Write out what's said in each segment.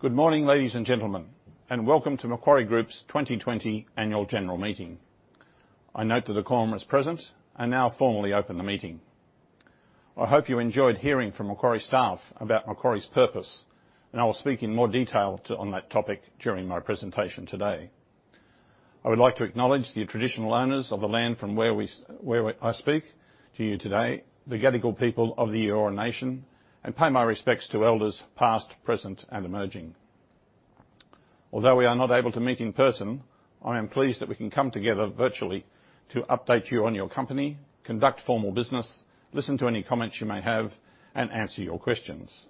Good morning, ladies and gentlemen, and welcome to Macquarie Group's 2020 Annual General Meeting. I note that the Commonwealth is present and now formally open the meeting. I hope you enjoyed hearing from Macquarie staff about Macquarie's purpose, and I will speak in more detail on that topic during my presentation today. I would like to acknowledge the traditional owners of the land from where I speak to you today, the Gadigal people of the Eora Nation, and pay my respects to elders past, present, and emerging. Although we are not able to meet in person, I am pleased that we can come together virtually to update you on your company, conduct formal business, listen to any comments you may have, and answer your questions.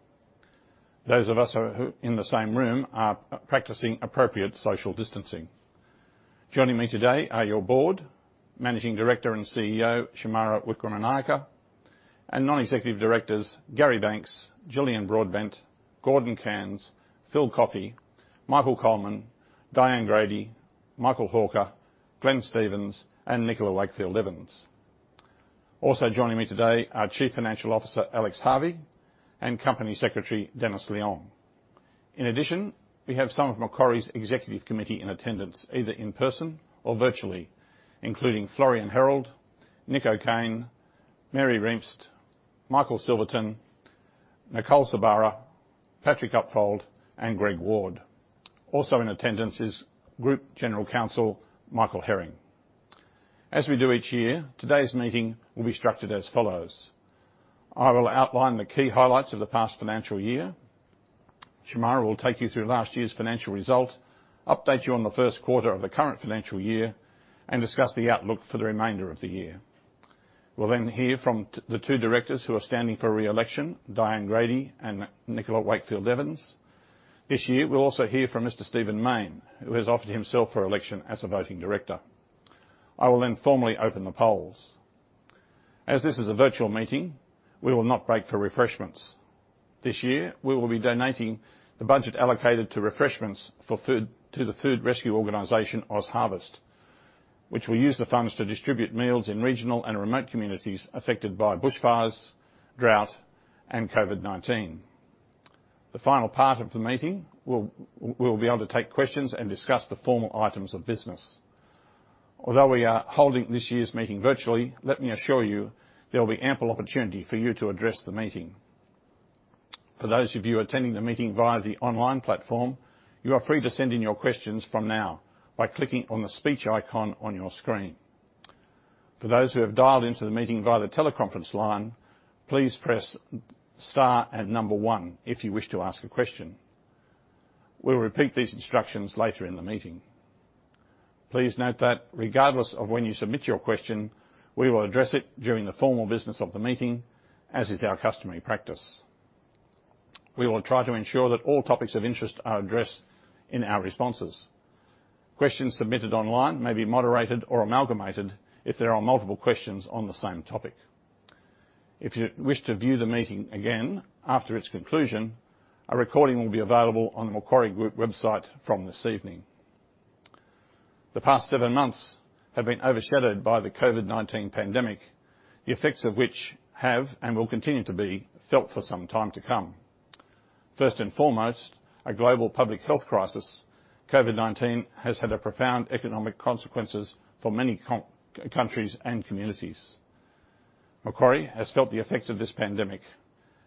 Those of us in the same room are practicing appropriate social distancing. Joining me today are your board, Managing Director and CEO Shemara Wikramanayake, and non-executive directors Gary Banks, Jillian Broadbent, Gordon Cairns, Phil Coffey, Michael Coleman, Diane Grady, Michael Hawker, Glenn Stevens, and Nicola Wakefield Evans. Also joining me today are Chief Financial Officer Alex Harvey and Company Secretary Dennis Leong. In addition, we have some of Macquarie's executive committee in attendance, either in person or virtually, including Florian Herold, Nicole Cain, Mary Rempst, Michael Silverton, Nicole Sabara, Patrick Uphold, and Greg Ward. Also in attendance is Group General Counsel Michael Herring. As we do each year, today's meeting will be structured as follows. I will outline the key highlights of the past financial year. Shemara will take you through last year's financial result, update you on the first quarter of the current financial year, and discuss the outlook for the remainder of the year. We'll then hear from the two directors who are standing for re-election, Diane Grady and Nicola Wakefield Evans. This year, we'll also hear from Mr. Stephen Main, who has offered himself for election as a voting director. I will then formally open the polls. As this is a virtual meeting, we will not break for refreshments. This year, we will be donating the budget allocated to refreshments to the food rescue organization OzHarvest, which will use the funds to distribute meals in regional and remote communities affected by bushfires, drought, and COVID-19. The final part of the meeting, we will be able to take questions and discuss the formal items of business. Although we are holding this year's meeting virtually, let me assure you there will be ample opportunity for you to address the meeting. For those of you attending the meeting via the online platform, you are free to send in your questions from now by clicking on the speech icon on your screen. For those who have dialed into the meeting via the teleconference line, please press star and number one if you wish to ask a question. We will repeat these instructions later in the meeting. Please note that regardless of when you submit your question, we will address it during the formal business of the meeting, as is our customary practice. We will try to ensure that all topics of interest are addressed in our responses. Questions submitted online may be moderated or amalgamated if there are multiple questions on the same topic. If you wish to view the meeting again after its conclusion, a recording will be available on the Macquarie Group website from this evening. The past seven months have been overshadowed by the COVID-19 pandemic, the effects of which have and will continue to be felt for some time to come. First and foremost, a global public health crisis, COVID-19, has had profound economic consequences for many countries and communities. Macquarie has felt the effects of this pandemic.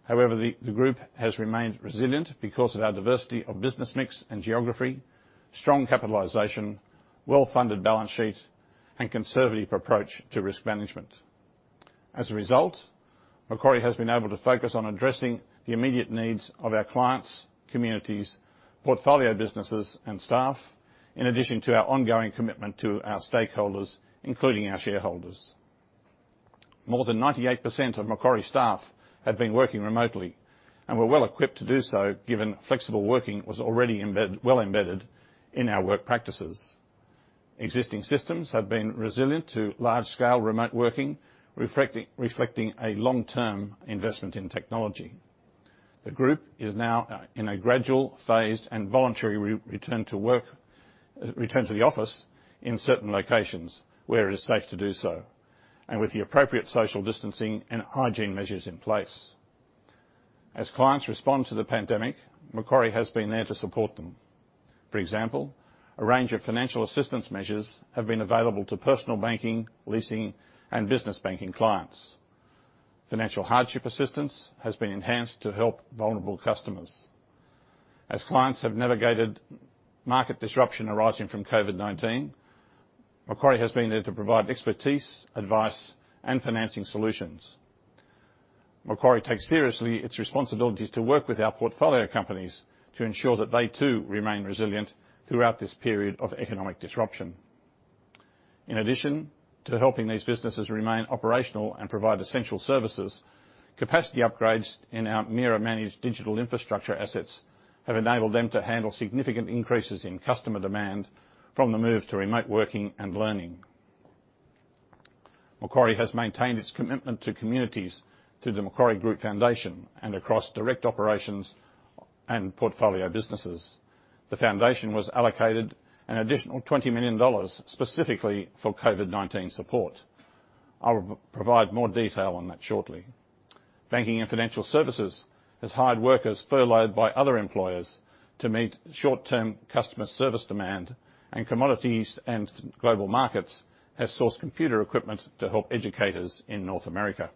However, the group has remained resilient because of our diversity of business mix and geography, strong capitalization, well-funded balance sheet, and conservative approach to risk management. As a result, Macquarie has been able to focus on addressing the immediate needs of our clients, communities, portfolio businesses, and staff, in addition to our ongoing commitment to our stakeholders, including our shareholders. More than 98% of Macquarie staff have been working remotely and were well equipped to do so, given flexible working was already well embedded in our work practices. Existing systems have been resilient to large-scale remote working, reflecting a long-term investment in technology. The group is now in a gradual, phased, and voluntary return to the office in certain locations where it is safe to do so, and with the appropriate social distancing and hygiene measures in place. As clients respond to the pandemic, Macquarie has been there to support them. For example, a range of financial assistance measures have been available to personal banking, leasing, and business banking clients. Financial hardship assistance has been enhanced to help vulnerable customers. As clients have navigated market disruption arising from COVID-19, Macquarie has been there to provide expertise, advice, and financing solutions. Macquarie takes seriously its responsibilities to work with our portfolio companies to ensure that they too remain resilient throughout this period of economic disruption. In addition to helping these businesses remain operational and provide essential services, capacity upgrades in our MIRA-managed digital infrastructure assets have enabled them to handle significant increases in customer demand from the move to remote working and learning. Macquarie has maintained its commitment to communities through the Macquarie Group Foundation and across direct operations and portfolio businesses. The Foundation was allocated an additional 20 million dollars specifically for COVID-19 support. I will provide more detail on that shortly. Banking and Financial Services has hired workers furloughed by other employers to meet short-term customer service demand, and Commodities and Global Markets have sourced computer equipment to help educators in North America.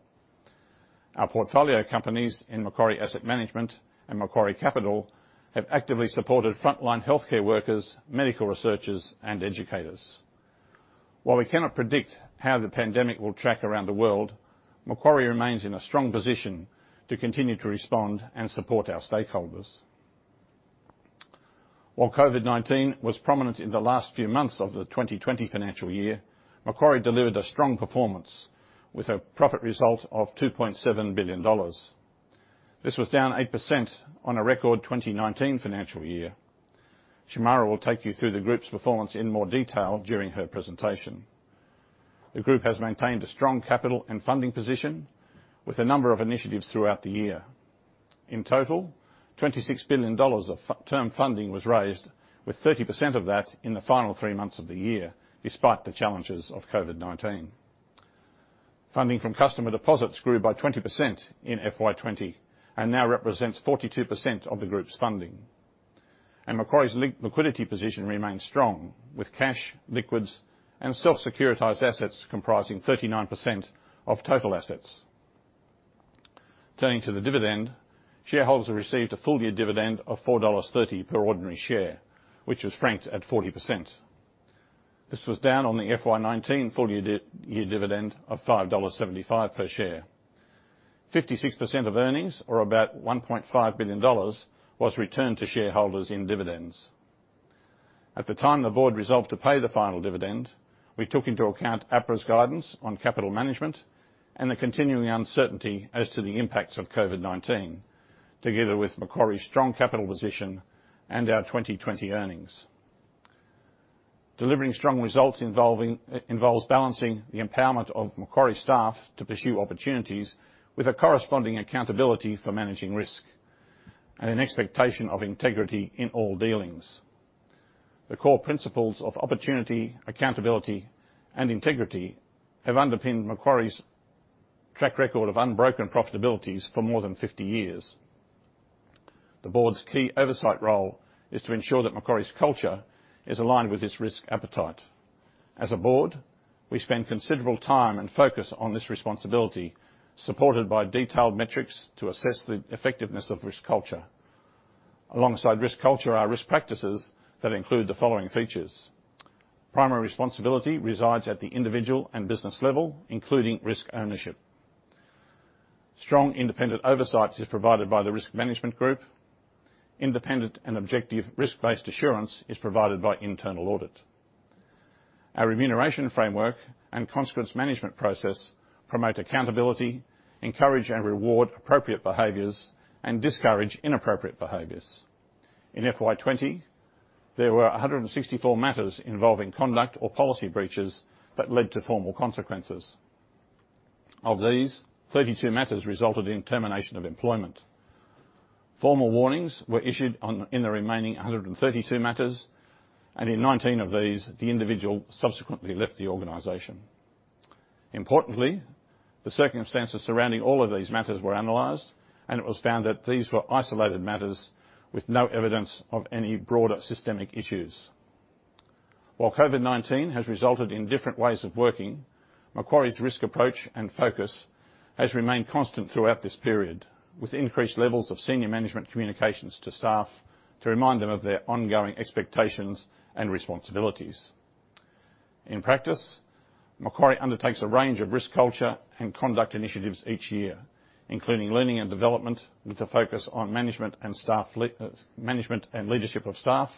Our portfolio companies in Macquarie Asset Management and Macquarie Capital have actively supported frontline healthcare workers, medical researchers, and educators. While we cannot predict how the pandemic will track around the world, Macquarie remains in a strong position to continue to respond and support our stakeholders. While COVID-19 was prominent in the last few months of the 2020 financial year, Macquarie delivered a strong performance with a profit result of $2.7 billion. This was down 8% on a record 2019 financial year. Shemara will take you through the group's performance in more detail during her presentation. The group has maintained a strong capital and funding position with a number of initiatives throughout the year. In total, $26 billion of term funding was raised, with 30% of that in the final three months of the year, despite the challenges of COVID-19. Funding from customer deposits grew by 20% in FY2020 and now represents 42% of the group's funding. Macquarie's liquidity position remains strong, with cash, liquids, and self-securitised assets comprising 39% of total assets. Turning to the dividend, shareholders received a full-year dividend of $4.30 per ordinary share, which was franked at 40%. This was down on the FY2019 full-year dividend of $5.75 per share. 56% of earnings, or about $1.5 billion, was returned to shareholders in dividends. At the time the board resolved to pay the final dividend, we took into account APRA's guidance on capital management and the continuing uncertainty as to the impacts of COVID-19, together with Macquarie's strong capital position and our 2020 earnings. Delivering strong results involves balancing the empowerment of Macquarie staff to pursue opportunities with a corresponding accountability for managing risk and an expectation of integrity in all dealings. The core principles of opportunity, accountability, and integrity have underpinned Macquarie's track record of unbroken profitabilities for more than 50 years. The board's key oversight role is to ensure that Macquarie's culture is aligned with its risk appetite. As a board, we spend considerable time and focus on this responsibility, supported by detailed metrics to assess the effectiveness of risk culture. Alongside risk culture are risk practices that include the following features. Primary responsibility resides at the individual and business level, including risk ownership. Strong independent oversight is provided by the Risk Management Group. Independent and objective risk-based assurance is provided by internal audit. Our remuneration framework and consequence management process promote accountability, encourage and reward appropriate behaviours, and discourage inappropriate behaviours. In FY2020, there were 164 matters involving conduct or policy breaches that led to formal consequences. Of these, 32 matters resulted in termination of employment. Formal warnings were issued in the remaining 132 matters, and in 19 of these, the individual subsequently left the organisation. Importantly, the circumstances surrounding all of these matters were analysed, and it was found that these were isolated matters with no evidence of any broader systemic issues. While COVID-19 has resulted in different ways of working, Macquarie's risk approach and focus has remained constant throughout this period, with increased levels of senior management communications to staff to remind them of their ongoing expectations and responsibilities. In practice, Macquarie undertakes a range of risk culture and conduct initiatives each year, including learning and development with a focus on management and leadership of staff,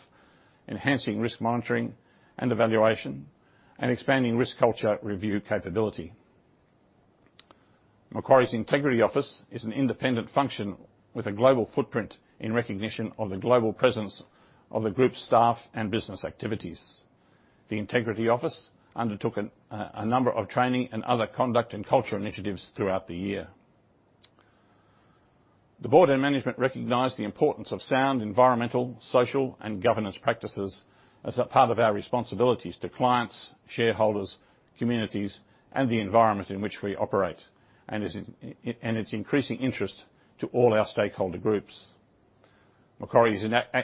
enhancing risk monitoring and evaluation, and expanding risk culture review capability. Macquarie's Integrity Office is an independent function with a global footprint in recognition of the global presence of the group's staff and business activities. The Integrity Office undertook a number of training and other conduct and culture initiatives throughout the year. The board and management recognize the importance of sound environmental, social, and governance practices as a part of our responsibilities to clients, shareholders, communities, and the environment in which we operate, and its increasing interest to all our stakeholder groups. Macquarie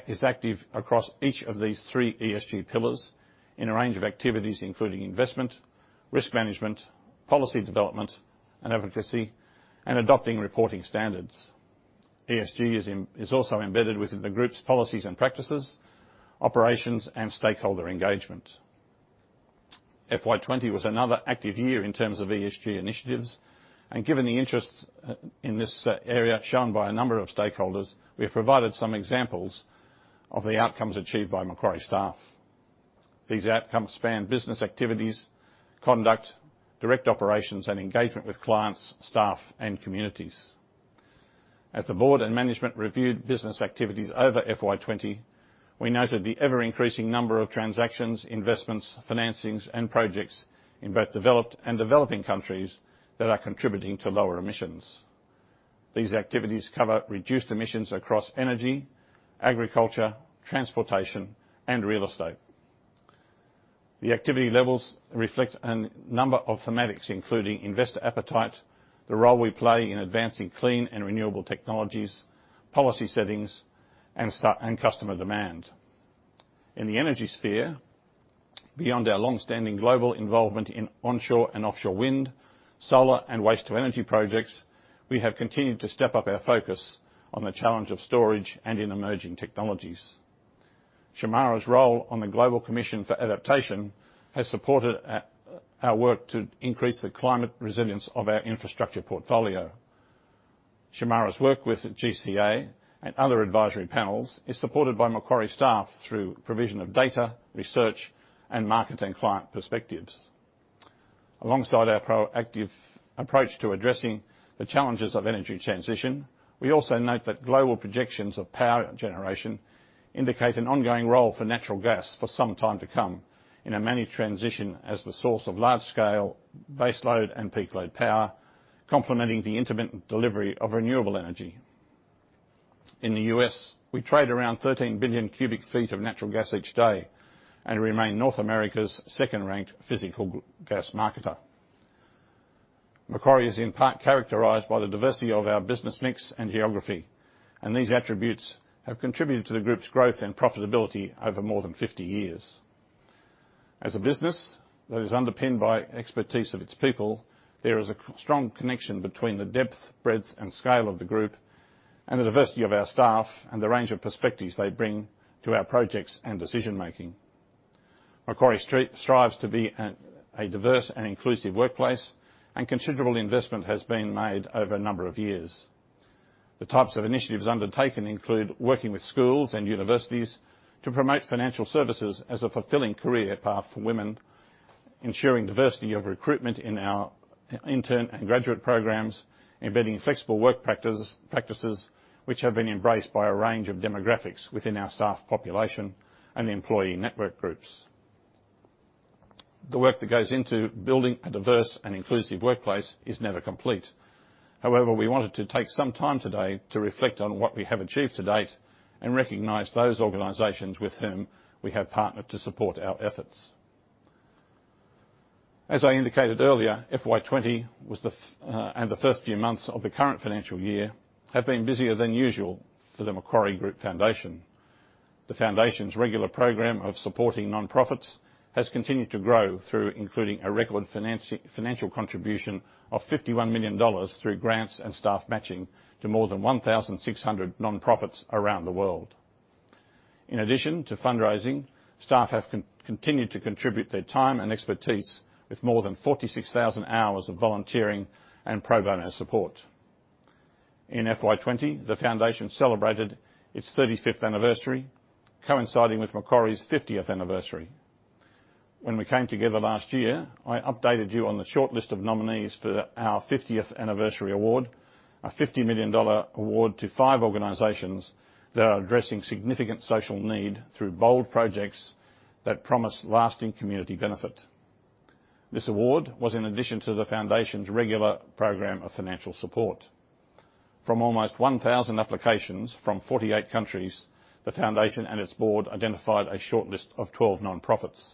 is active across each of these three ESG pillars in a range of activities, including investment, risk management, policy development and advocacy, and adopting reporting standards. ESG is also embedded within the group's policies and practices, operations, and stakeholder engagement. FY2020 was another active year in terms of ESG initiatives, and given the interest in this area shown by a number of stakeholders, we have provided some examples of the outcomes achieved by Macquarie staff. These outcomes span business activities, conduct, direct operations, and engagement with clients, staff, and communities. As the board and management reviewed business activities over FY2020, we noted the ever-increasing number of transactions, investments, financings, and projects in both developed and developing countries that are contributing to lower emissions. These activities cover reduced emissions across energy, agriculture, transportation, and real estate. The activity levels reflect a number of thematics, including investor appetite, the role we play in advancing clean and renewable technologies, policy settings, and customer demand. In the energy sphere, beyond our long-standing global involvement in onshore and offshore wind, solar, and waste-to-energy projects, we have continued to step up our focus on the challenge of storage and emerging technologies. Shemara's role on the Global Commission for Adaptation has supported our work to increase the climate resilience of our infrastructure portfolio. Shemara's work with GCA and other advisory panels is supported by Macquarie staff through provision of data, research, and market and client perspectives. Alongside our proactive approach to addressing the challenges of energy transition, we also note that global projections of power generation indicate an ongoing role for natural gas for some time to come in a managed transition as the source of large-scale base load and peak load power, complementing the intermittent delivery of renewable energy. In the U.S., we trade around 13 billion cubic feet of natural gas each day and remain North America's second-ranked physical gas marketer. Macquarie is in part characterised by the diversity of our business mix and geography, and these attributes have contributed to the group's growth and profitability over more than 50 years. As a business that is underpinned by expertise of its people, there is a strong connection between the depth, breadth, and scale of the group and the diversity of our staff and the range of perspectives they bring to our projects and decision-making. Macquarie strives to be a diverse and inclusive workplace, and considerable investment has been made over a number of years. The types of initiatives undertaken include working with schools and universities to promote financial services as a fulfilling career path for women, ensuring diversity of recruitment in our intern and graduate programs, embedding flexible work practices which have been embraced by a range of demographics within our staff population and employee network groups. The work that goes into building a diverse and inclusive workplace is never complete. However, we wanted to take some time today to reflect on what we have achieved to date and recognize those organizations with whom we have partnered to support our efforts. As I indicated earlier, FY2020 and the first few months of the current financial year have been busier than usual for the Macquarie Group Foundation. The foundation's regular program of supporting nonprofits has continued to grow through including a record financial contribution of $51 million through grants and staff matching to more than 1,600 nonprofits around the world. In addition to fundraising, staff have continued to contribute their time and expertise with more than 46,000 hours of volunteering and pro bono support. In FY2020, the foundation celebrated its 35th anniversary, coinciding with Macquarie's 50th anniversary. When we came together last year, I updated you on the shortlist of nominees for our 50th anniversary award, a $50 million award to five organizations that are addressing significant social need through bold projects that promise lasting community benefit. This award was in addition to the foundation's regular program of financial support. From almost 1,000 applications from 48 countries, the foundation and its board identified a shortlist of 12 nonprofits.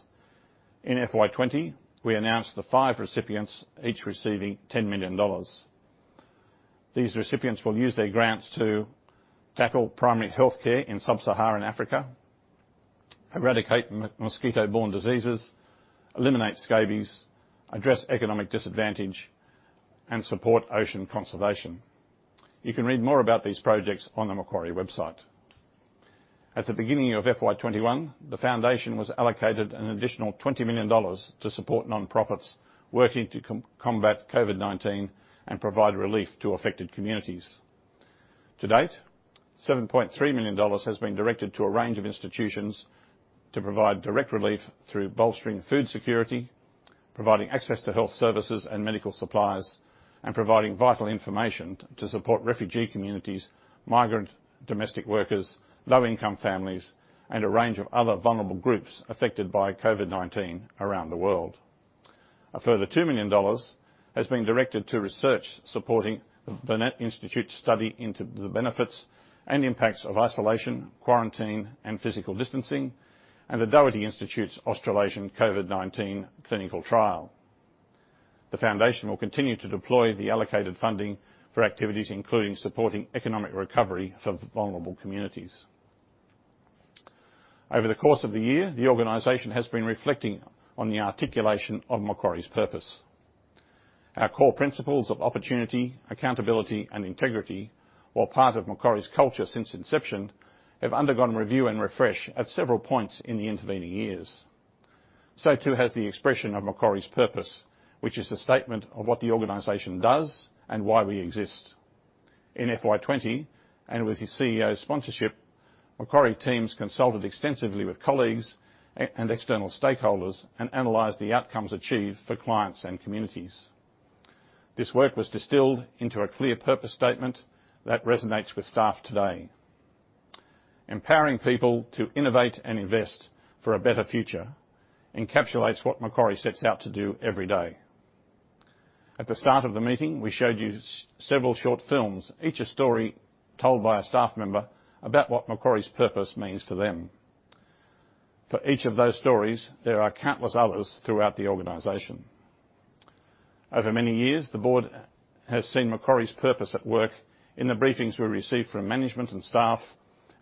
In FY20, we announced the five recipients, each receiving $10 million. These recipients will use their grants to tackle primary healthcare in sub-Saharan Africa, eradicate mosquito-borne diseases, eliminate scabies, address economic disadvantage, and support ocean conservation. You can read more about these projects on the Macquarie website. At the beginning of FY21, the foundation was allocated an additional $20 million to support nonprofits working to combat COVID-19 and provide relief to affected communities. To date, $7.3 million has been directed to a range of institutions to provide direct relief through bolstering food security, providing access to health services and medical supplies, and providing vital information to support refugee communities, migrant domestic workers, low-income families, and a range of other vulnerable groups affected by COVID-19 around the world. A further 2 million dollars has been directed to research supporting the Burnett Institute's study into the benefits and impacts of isolation, quarantine, and physical distancing, and the Doherty Institute's Australasian COVID-19 clinical trial. The foundation will continue to deploy the allocated funding for activities, including supporting economic recovery for vulnerable communities. Over the course of the year, the organization has been reflecting on the articulation of Macquarie's purpose. Our core principles of opportunity, accountability, and integrity, while part of Macquarie's culture since inception, have undergone review and refresh at several points in the intervening years. The expression of Macquarie's purpose, which is the statement of what the organization does and why we exist, has also been reviewed. In FY2020, and with the CEO's sponsorship, Macquarie teams consulted extensively with colleagues and external stakeholders and analyzed the outcomes achieved for clients and communities. This work was distilled into a clear purpose statement that resonates with staff today. Empowering people to innovate and invest for a better future encapsulates what Macquarie sets out to do every day. At the start of the meeting, we showed you several short films, each a story told by a staff member about what Macquarie's purpose means to them. For each of those stories, there are countless others throughout the organisation. Over many years, the board has seen Macquarie's purpose at work in the briefings we receive from management and staff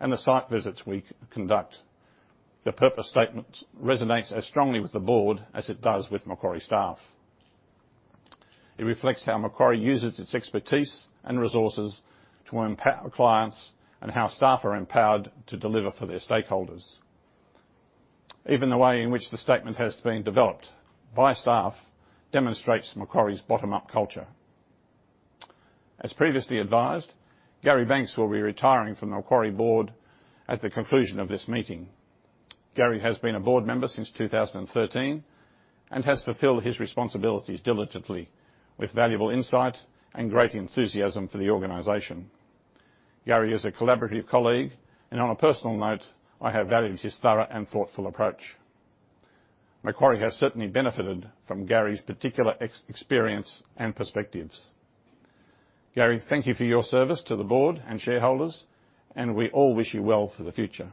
and the site visits we conduct. The purpose statement resonates as strongly with the board as it does with Macquarie staff. It reflects how Macquarie uses its expertise and resources to empower clients and how staff are empowered to deliver for their stakeholders. Even the way in which the statement has been developed by staff demonstrates Macquarie's bottom-up culture. As previously advised, Gary Banks will be retiring from the Macquarie Board at the conclusion of this meeting. Gary has been a board member since 2013 and has fulfilled his responsibilities diligently, with valuable insight and great enthusiasm for the organization. Gary is a collaborative colleague, and on a personal note, I have valued his thorough and thoughtful approach. Macquarie has certainly benefited from Gary's particular experience and perspectives. Gary, thank you for your service to the board and shareholders, and we all wish you well for the future.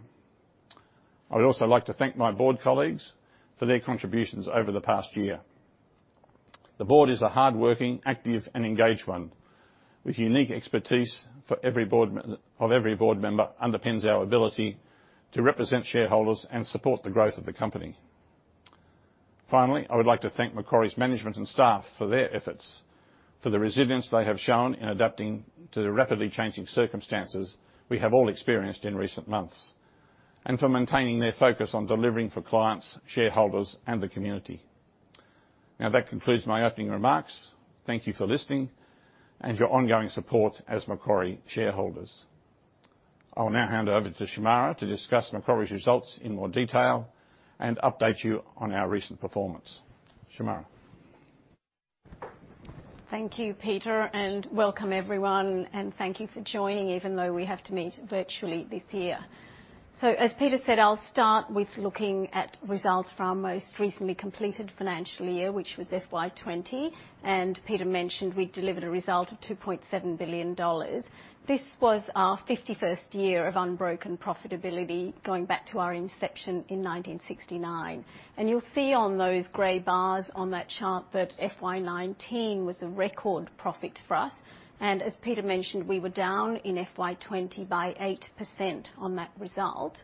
I would also like to thank my board colleagues for their contributions over the past year. The board is a hardworking, active, and engaged one, with unique expertise for every board member underpins our ability to represent shareholders and support the growth of the company. Finally, I would like to thank Macquarie's management and staff for their efforts, for the resilience they have shown in adapting to the rapidly changing circumstances we have all experienced in recent months, and for maintaining their focus on delivering for clients, shareholders, and the community. Now, that concludes my opening remarks. Thank you for listening and your ongoing support as Macquarie shareholders. I will now hand over to Shemara to discuss Macquarie's results in more detail and update you on our recent performance. Shemara. Thank you, Peter, and welcome everyone, and thank you for joining even though we have to meet virtually this year. As Peter said, I'll start with looking at results from our most recently completed financial year, which was FY2020, and Peter mentioned we delivered a result of $2.7 billion. This was our 51st year of unbroken profitability going back to our inception in 1969. You'll see on those grey bars on that chart that FY2019 was a record profit for us, and as Peter mentioned, we were down in FY2020 by 8% on that result.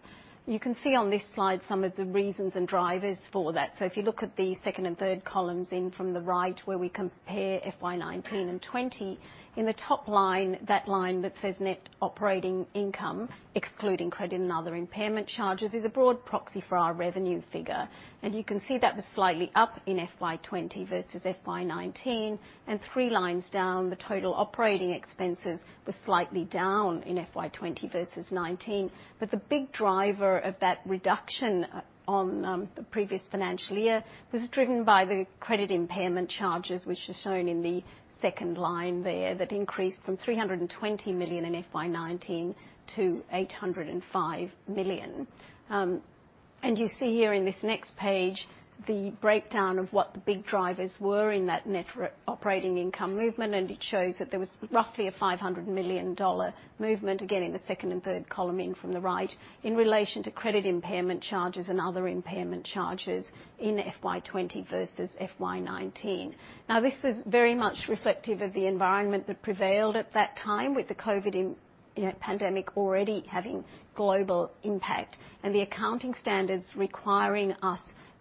You can see on this slide some of the reasons and drivers for that. If you look at the second and third columns in from the right where we compare FY2019 and 2020, in the top line, that line that says net operating income, excluding credit and other impairment charges, is a broad proxy for our revenue figure. You can see that was slightly up in FY2020 versus FY2019, and three lines down, the total operating expenses were slightly down in FY2020 versus 2019. The big driver of that reduction on the previous financial year was driven by the credit impairment charges, which are shown in the second line there, that increased from $320 million in FY2019 to $805 million. You see here in this next page the breakdown of what the big drivers were in that net operating income movement, and it shows that there was roughly a $500 million movement, again in the second and third column in from the right, in relation to credit impairment charges and other impairment charges in FY2020 versus FY2019. This was very much reflective of the environment that prevailed at that time, with the COVID pandemic already having global impact and the accounting standards requiring us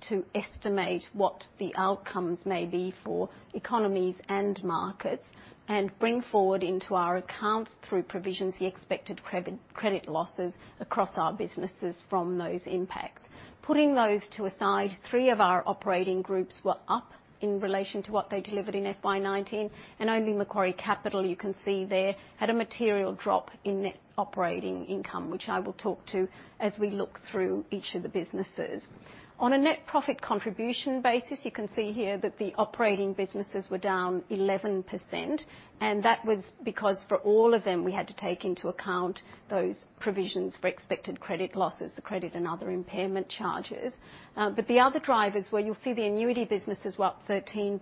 to estimate what the outcomes may be for economies and markets and bring forward into our accounts through provisions the expected credit losses across our businesses from those impacts. Putting those to aside, three of our operating groups were up in relation to what they delivered in FY2019, and only Macquarie Capital, you can see there, had a material drop in net operating income, which I will talk to as we look through each of the businesses. On a net profit contribution basis, you can see here that the operating businesses were down 11%, and that was because for all of them we had to take into account those provisions for expected credit losses, the credit and other impairment charges. The other drivers were, you'll see the annuity businesses were up 13%,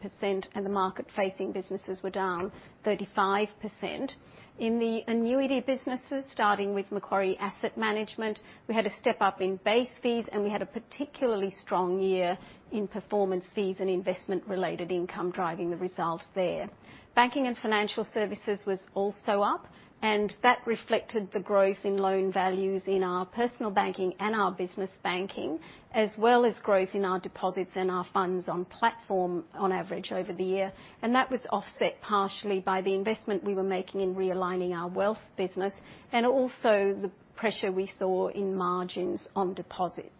and the market-facing businesses were down 35%. In the annuity businesses, starting with Macquarie Asset Management, we had a step up in base fees, and we had a particularly strong year in performance fees and investment-related income driving the result there. Banking and Financial Services was also up, and that reflected the growth in loan values in our personal banking and our business banking, as well as growth in our deposits and our funds on platform on average over the year. That was offset partially by the investment we were making in realigning our wealth business and also the pressure we saw in margins on deposits.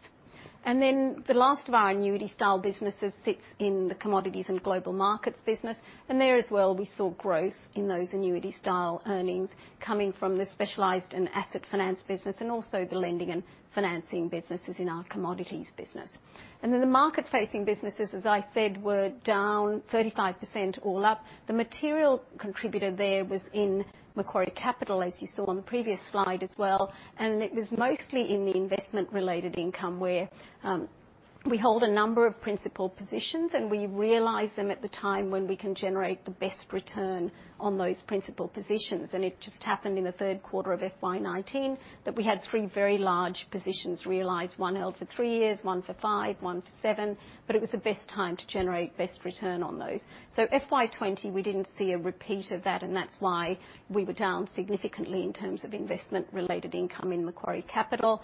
The last of our annuity-style businesses sits in the Commodities and Global Markets business, and there as well we saw growth in those annuity-style earnings coming from the specialised and asset finance business and also the lending and financing businesses in our commodities business. The market-facing businesses, as I said, were down 35% all up. The material contributor there was in Macquarie Capital, as you saw on the previous slide as well, and it was mostly in the investment-related income where we hold a number of principal positions, and we realise them at the time when we can generate the best return on those principal positions. It just happened in the third quarter of FY2019 that we had three very large positions realised, one held for three years, one for five, one for seven, but it was the best time to generate best return on those. FY2020, we did not see a repeat of that, and that is why we were down significantly in terms of investment-related income in Macquarie Capital.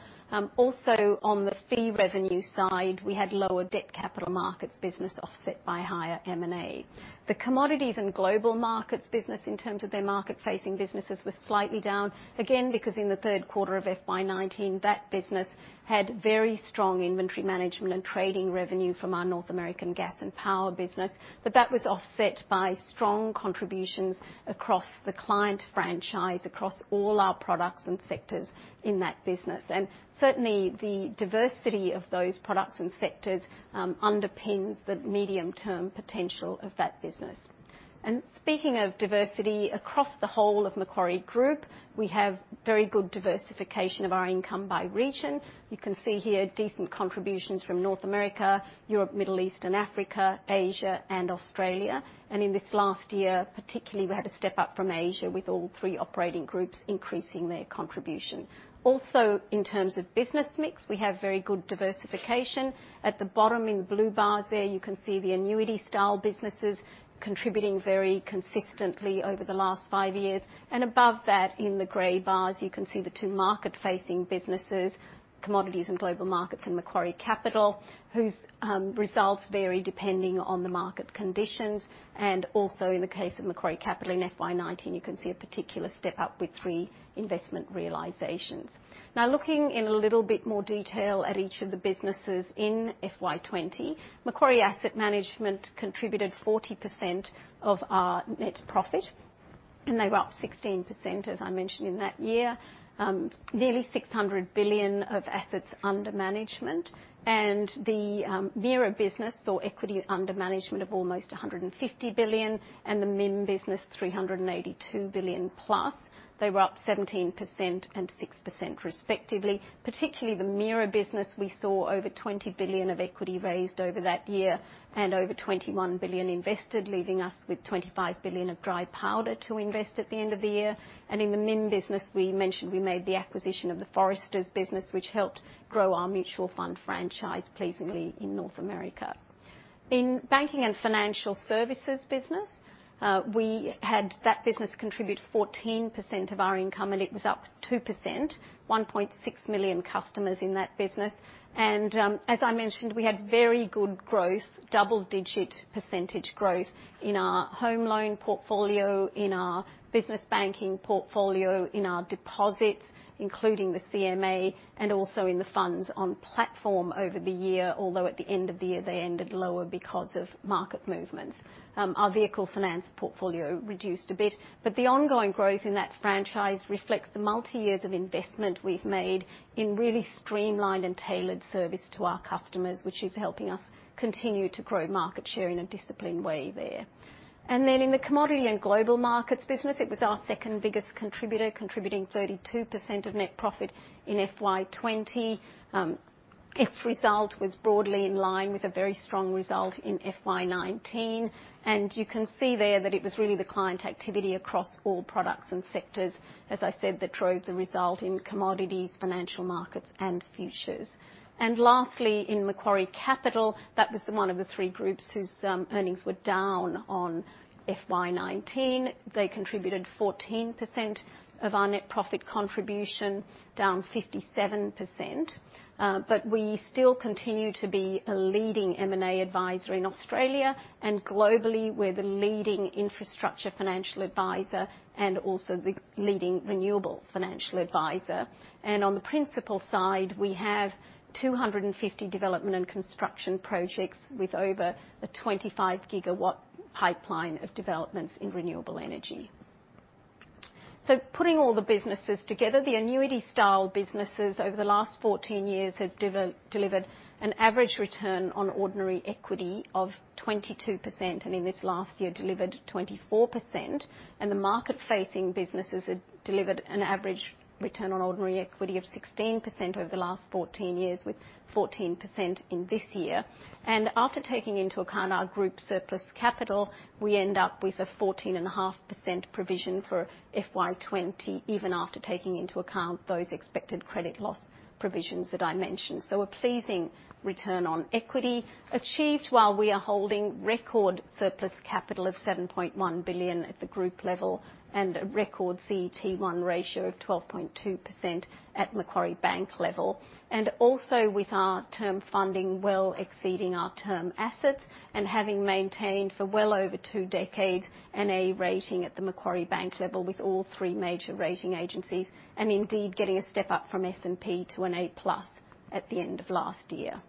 Also, on the fee revenue side, we had lower debt capital markets business offset by higher M&A. The Commodities and Global Markets business, in terms of their market-facing businesses, was slightly down, again because in the third quarter of FY2019 that business had very strong inventory management and trading revenue from our North American gas and power business, but that was offset by strong contributions across the client franchise, across all our products and sectors in that business. Certainly, the diversity of those products and sectors underpins the medium-term potential of that business. Speaking of diversity, across the whole of Macquarie Group, we have very good diversification of our income by region. You can see here decent contributions from North America, Europe, Middle East and Africa, Asia, and Australia. In this last year, particularly, we had a step up from Asia with all three operating groups increasing their contribution. Also, in terms of business mix, we have very good diversification. At the bottom in the blue bars there, you can see the annuity-style businesses contributing very consistently over the last five years, and above that, in the grey bars, you can see the two market-facing businesses, Commodities and Global Markets and Macquarie Capital, whose results vary depending on the market conditions. Also, in the case of Macquarie Capital in FY2019, you can see a particular step up with three investment realisations. Now, looking in a little bit more detail at each of the businesses in FY2020, Macquarie Asset Management contributed 40% of our net profit, and they were up 16%, as I mentioned, in that year, nearly $600 billion of assets under management, and the MIRA business saw equity under management of almost $150 billion and the MIM business $382 billion plus. They were up 17% and 6% respectively. Particularly, the MIRA business, we saw over $20 billion of equity raised over that year and over $21 billion invested, leaving us with $25 billion of dry powder to invest at the end of the year. In the MIM business, we mentioned we made the acquisition of the Foresters business, which helped grow our mutual fund franchise pleasingly in North America. In Banking and Financial Services business, we had that business contribute 14% of our income, and it was up 2%, 1.6 million customers in that business. As I mentioned, we had very good growth, double-digit percentage growth in our home loan portfolio, in our business banking portfolio, in our deposits, including the CMA, and also in the funds on platform over the year, although at the end of the year they ended lower because of market movements. Our vehicle finance portfolio reduced a bit, but the ongoing growth in that franchise reflects the multi-years of investment we've made in really streamlined and tailored service to our customers, which is helping us continue to grow market share in a disciplined way there. In the Commodities and Global Markets business, it was our second biggest contributor, contributing 32% of net profit in FY2020. Its result was broadly in line with a very strong result in FY2019, and you can see there that it was really the client activity across all products and sectors, as I said, that drove the result in commodities, financial markets, and futures. Lastly, in Macquarie Capital, that was the one of the three groups whose earnings were down on FY2019. They contributed 14% of our net profit contribution, down 57%, but we still continue to be a leading M&A advisor in Australia, and globally we are the leading infrastructure financial advisor and also the leading renewable financial advisor. On the principal side, we have 250 development and construction projects with over a 25-gigawatt pipeline of developments in renewable energy. Putting all the businesses together, the annuity-style businesses over the last 14 years have delivered an average return on ordinary equity of 22%, and in this last year delivered 24%. The market-facing businesses have delivered an average return on ordinary equity of 16% over the last 14 years, with 14% in this year. After taking into account our group surplus capital, we end up with a 14.5% provision for FY2020, even after taking into account those expected credit loss provisions that I mentioned. A pleasing return on equity achieved while we are holding record surplus capital of 7.1 billion at the group level and a record CET1 ratio of 12.2% at Macquarie Bank level. Also, with our term funding well exceeding our term assets and having maintained for well over two decades an A rating at the Macquarie Bank level with all three major rating agencies, and indeed getting a step up from S&P to an A plus at the end of last year.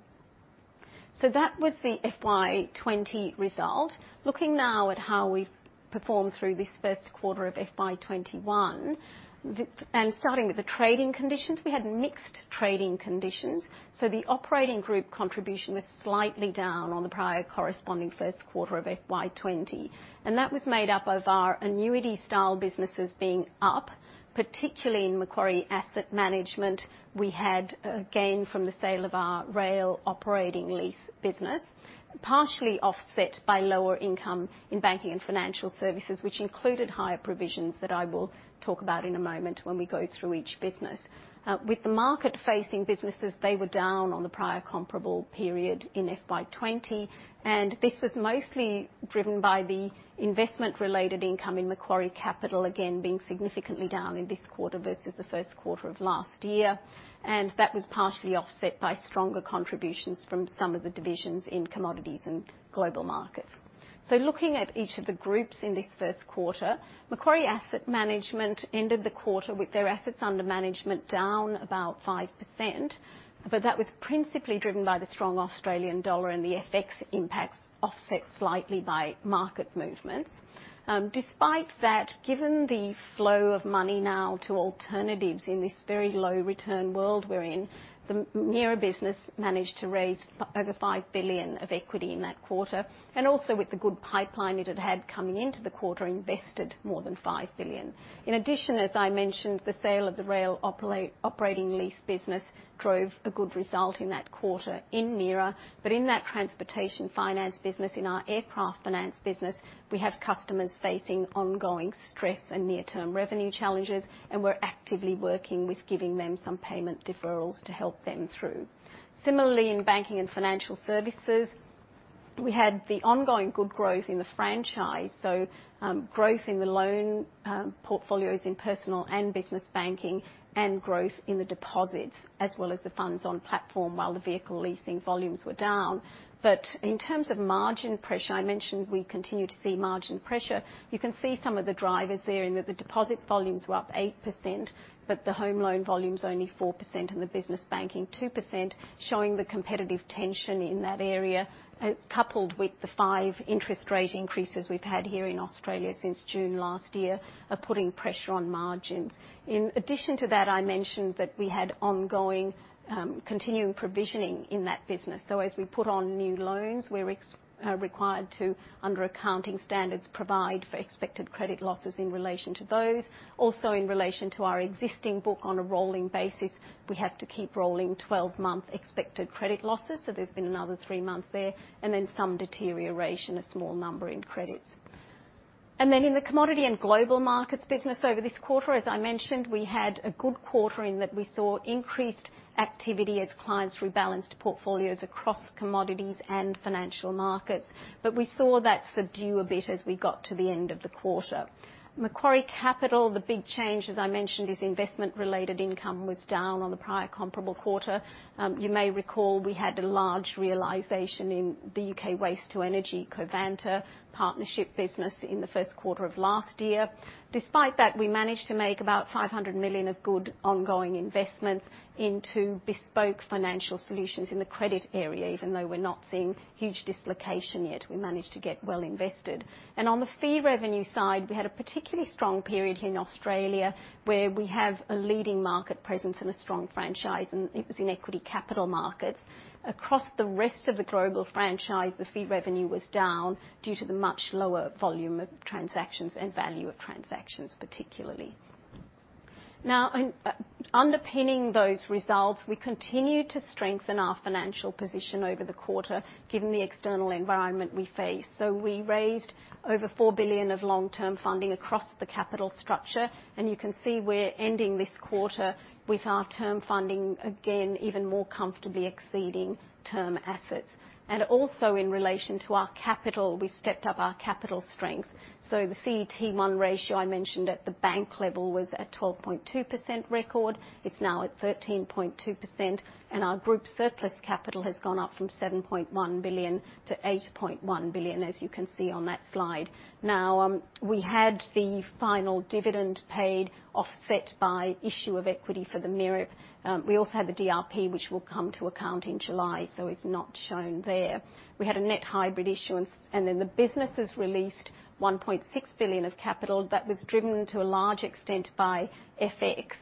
That was the FY2020 result. Looking now at how we've performed through this first quarter of FY2021, and starting with the trading conditions, we had mixed trading conditions. The operating group contribution was slightly down on the prior corresponding first quarter of FY2020, and that was made up of our annuity-style businesses being up, particularly in Macquarie Asset Management. We had a gain from the sale of our rail operating lease business, partially offset by lower income in Banking and Financial Services, which included higher provisions that I will talk about in a moment when we go through each business. With the market-facing businesses, they were down on the prior comparable period in FY2020, and this was mostly driven by the investment-related income in Macquarie Capital, again being significantly down in this quarter versus the first quarter of last year, and that was partially offset by stronger contributions from some of the divisions in Commodities and Global Markets. Looking at each of the groups in this first quarter, Macquarie Asset Management ended the quarter with their assets under management down about 5%, but that was principally driven by the strong Australian dollar and the FX impacts offset slightly by market movements. Despite that, given the flow of money now to alternatives in this very low return world we're in, the MIRA business managed to raise over $5 billion of equity in that quarter, and also with the good pipeline it had had coming into the quarter, invested more than $5 billion. In addition, as I mentioned, the sale of the rail operating lease business drove a good result in that quarter in MIRA, but in that transportation finance business, in our aircraft finance business, we have customers facing ongoing stress and near-term revenue challenges, and we're actively working with giving them some payment deferrals to help them through. Similarly, in Banking and Financial Services, we had the ongoing good growth in the franchise, so growth in the loan portfolios in personal and business banking and growth in the deposits as well as the funds on platform while the vehicle leasing volumes were down. In terms of margin pressure, I mentioned we continue to see margin pressure. You can see some of the drivers there in that the deposit volumes were up 8%, but the home loan volumes only 4%, and the business banking 2%, showing the competitive tension in that area, coupled with the five interest rate increases we've had here in Australia since June last year, are putting pressure on margins. In addition to that, I mentioned that we had ongoing continuing provisioning in that business. As we put on new loans, we're required to, under accounting standards, provide for expected credit losses in relation to those. Also, in relation to our existing book on a rolling basis, we have to keep rolling 12-month expected credit losses, so there's been another three months there, and then some deterioration, a small number in credits. In the Commodities and Global Markets business over this quarter, as I mentioned, we had a good quarter in that we saw increased activity as clients rebalanced portfolios across commodities and financial markets, but we saw that subdue a bit as we got to the end of the quarter. Macquarie Capital, the big change, as I mentioned, is investment-related income was down on the prior comparable quarter. You may recall we had a large realisation in the U.K. waste-to-energy Covanta partnership business in the first quarter of last year. Despite that, we managed to make about $500 million of good ongoing investments into bespoke financial solutions in the credit area, even though we're not seeing huge dislocation yet. We managed to get well invested. On the fee revenue side, we had a particularly strong period here in Australia where we have a leading market presence and a strong franchise, and it was in equity capital markets. Across the rest of the global franchise, the fee revenue was down due to the much lower volume of transactions and value of transactions particularly. Now, underpinning those results, we continue to strengthen our financial position over the quarter given the external environment we face. We raised over $4 billion of long-term funding across the capital structure, and you can see we're ending this quarter with our term funding again even more comfortably exceeding term assets. Also, in relation to our capital, we stepped up our capital strength. The CET1 ratio I mentioned at the bank level was at 12.2% record, it is now at 13.2%, and our group surplus capital has gone up from $7.1 billion to $8.1 billion, as you can see on that slide. We had the final dividend paid offset by issue of equity for the MIRA. We also had the DRP, which will come to account in July, so it is not shown there. We had a net hybrid issuance, and then the businesses released $1.6 billion of capital that was driven to a large extent by FX,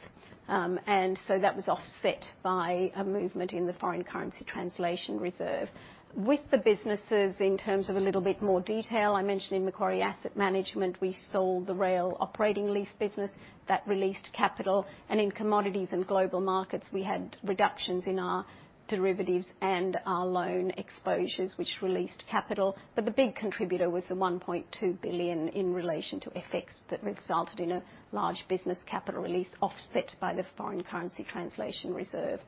and that was offset by a movement in the foreign currency translation reserve. With the businesses, in terms of a little bit more detail, I mentioned in Macquarie Asset Management, we sold the rail operating lease business that released capital, and in Commodities and Global Markets, we had reductions in our derivatives and our loan exposures, which released capital. The big contributor was the $1.2 billion in relation to FX that resulted in a large business capital release offset by the foreign currency translation reserve.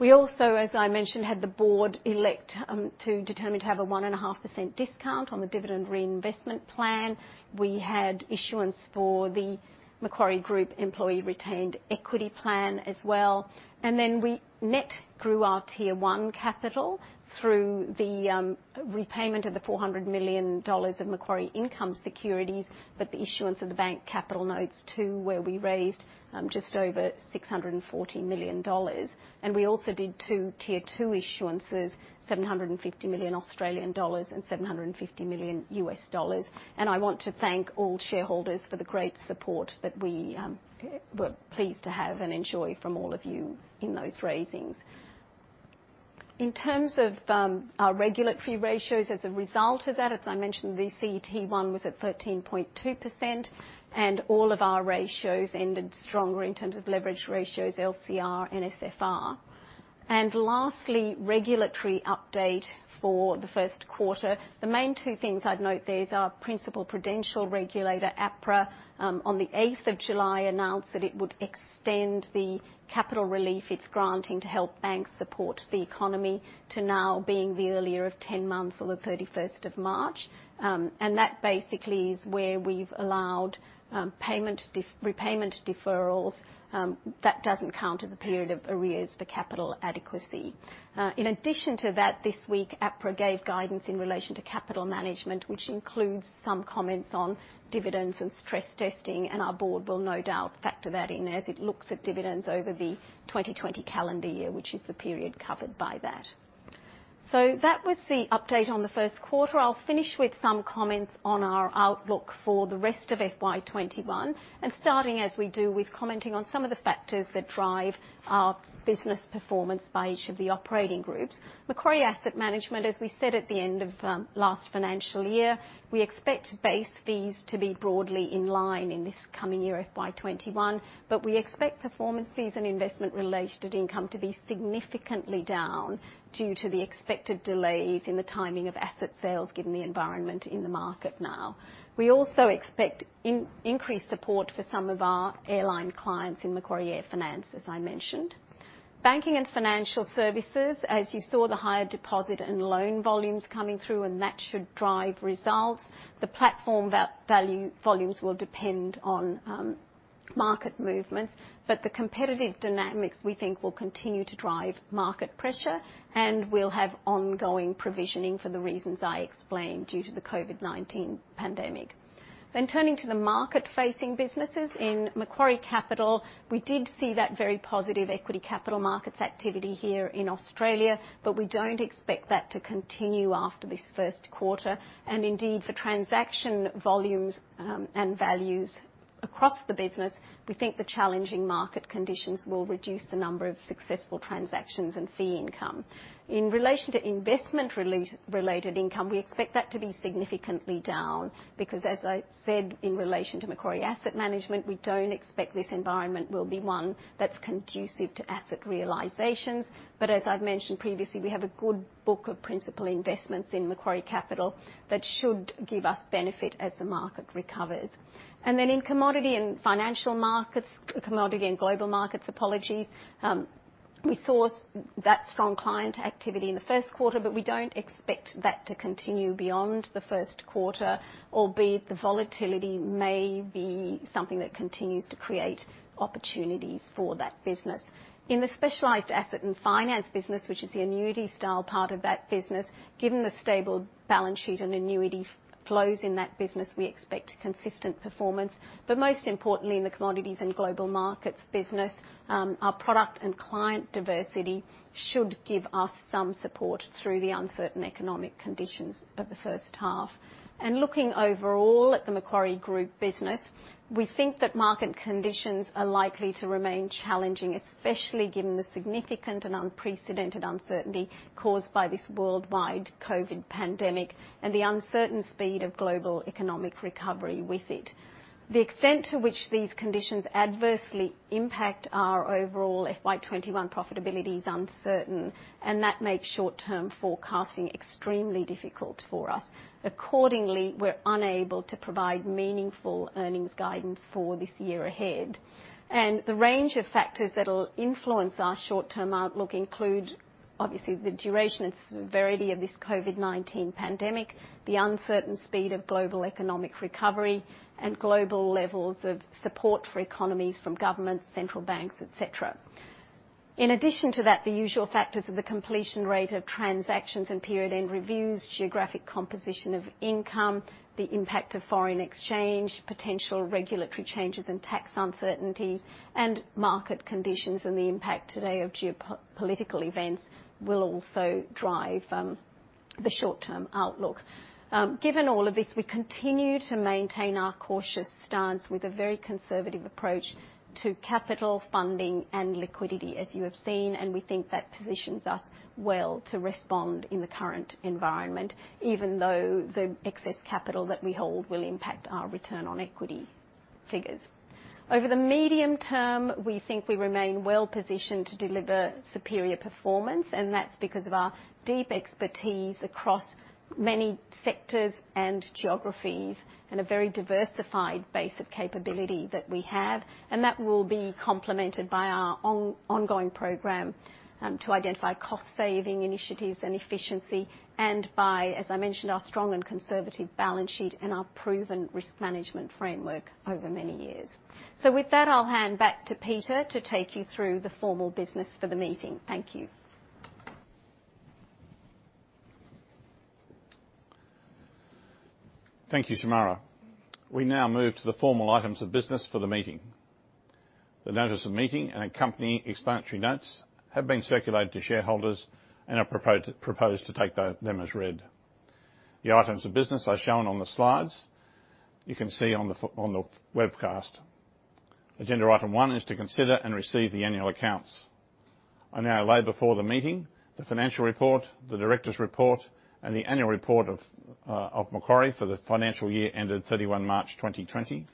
We also, as I mentioned, had the board elect to determine to have a 1.5% discount on the Dividend Reinvestment Plan. We had issuance for the Macquarie Group Employee Retained Equity Plan as well. We net grew our tier one capital through the repayment of the $400 million of Macquarie Income Securities, but the issuance of the Bank Capital Notes 2 where we raised just over $640 million. We also did two tier two issuances, 750 million Australian dollars and $750 million US dollars. I want to thank all shareholders for the great support that we were pleased to have and enjoy from all of you in those raisings. In terms of our regulatory ratios as a result of that, as I mentioned, the CET1 was at 13.2%, and all of our ratios ended stronger in terms of leverage ratios, LCR and NSFR. Lastly, regulatory update for the first quarter. The main two things I'd note there is our principal prudential regulator, APRA, on the 8th of July announced that it would extend the capital relief it's granting to help banks support the economy to now being the earlier of 10 months or the 31st of March. That basically is where we've allowed repayment deferrals that doesn't count as a period of arrears for capital adequacy. In addition to that, this week APRA gave guidance in relation to capital management, which includes some comments on dividends and stress testing, and our board will no doubt factor that in as it looks at dividends over the 2020 calendar year, which is the period covered by that. That was the update on the first quarter. I'll finish with some comments on our outlook for the rest of FY21, and starting as we do with commenting on some of the factors that drive our business performance by each of the operating groups. Macquarie Asset Management, as we said at the end of last financial year, we expect base fees to be broadly in line in this coming year of FY2021, but we expect performance fees and investment-related income to be significantly down due to the expected delays in the timing of asset sales given the environment in the market now. We also expect increased support for some of our airline clients in Macquarie Air Finance, as I mentioned. Banking and Financial Services, as you saw the higher deposit and loan volumes coming through, and that should drive results. The platform value volumes will depend on market movements, but the competitive dynamics we think will continue to drive market pressure, and we'll have ongoing provisioning for the reasons I explained due to the COVID-19 pandemic. Turning to the market-facing businesses, in Macquarie Capital, we did see that very positive equity capital markets activity here in Australia, but we do not expect that to continue after this first quarter. Indeed, for transaction volumes and values across the business, we think the challenging market conditions will reduce the number of successful transactions and fee income. In relation to investment-related income, we expect that to be significantly down because, as I said, in relation to Macquarie Asset Management, we do not expect this environment will be one that is conducive to asset realisations. As I have mentioned previously, we have a good book of principal investments in Macquarie Capital that should give us benefit as the market recovers. In commodity and financial markets, commodity and global markets, apologies, we saw that strong client activity in the first quarter, but we do not expect that to continue beyond the first quarter, albeit the volatility may be something that continues to create opportunities for that business. In the specialised asset and finance business, which is the annuity-style part of that business, given the stable balance sheet and annuity flows in that business, we expect consistent performance. Most importantly, in the commodities and global markets business, our product and client diversity should give us some support through the uncertain economic conditions of the first half. Looking overall at the Macquarie Group business, we think that market conditions are likely to remain challenging, especially given the significant and unprecedented uncertainty caused by this worldwide COVID pandemic and the uncertain speed of global economic recovery with it. The extent to which these conditions adversely impact our overall FY21 profitability is uncertain, and that makes short-term forecasting extremely difficult for us. Accordingly, we're unable to provide meaningful earnings guidance for this year ahead. The range of factors that will influence our short-term outlook include, obviously, the duration and severity of this COVID-19 pandemic, the uncertain speed of global economic recovery, and global levels of support for economies from governments, central banks, etc. In addition to that, the usual factors of the completion rate of transactions and period end reviews, geographic composition of income, the impact of foreign exchange, potential regulatory changes and tax uncertainties, and market conditions and the impact today of geopolitical events will also drive the short-term outlook. Given all of this, we continue to maintain our cautious stance with a very conservative approach to capital funding and liquidity, as you have seen, and we think that positions us well to respond in the current environment, even though the excess capital that we hold will impact our return on equity figures. Over the medium term, we think we remain well positioned to deliver superior performance, and that's because of our deep expertise across many sectors and geographies and a very diversified base of capability that we have, and that will be complemented by our ongoing program to identify cost-saving initiatives and efficiency, and by, as I mentioned, our strong and conservative balance sheet and our proven risk management framework over many years. With that, I'll hand back to Peter to take you through the formal business for the meeting. Thank you. Thank you, Shemara. We now move to the formal items of business for the meeting. The notice of meeting and accompanying explanatory notes have been circulated to shareholders and are proposed to take them as read. The items of business are shown on the slides you can see on the webcast. Agenda item one is to consider and receive the annual accounts. I now lay before the meeting the financial report, the director's report, and the annual report of Macquarie for the financial year ended 31 March 2020.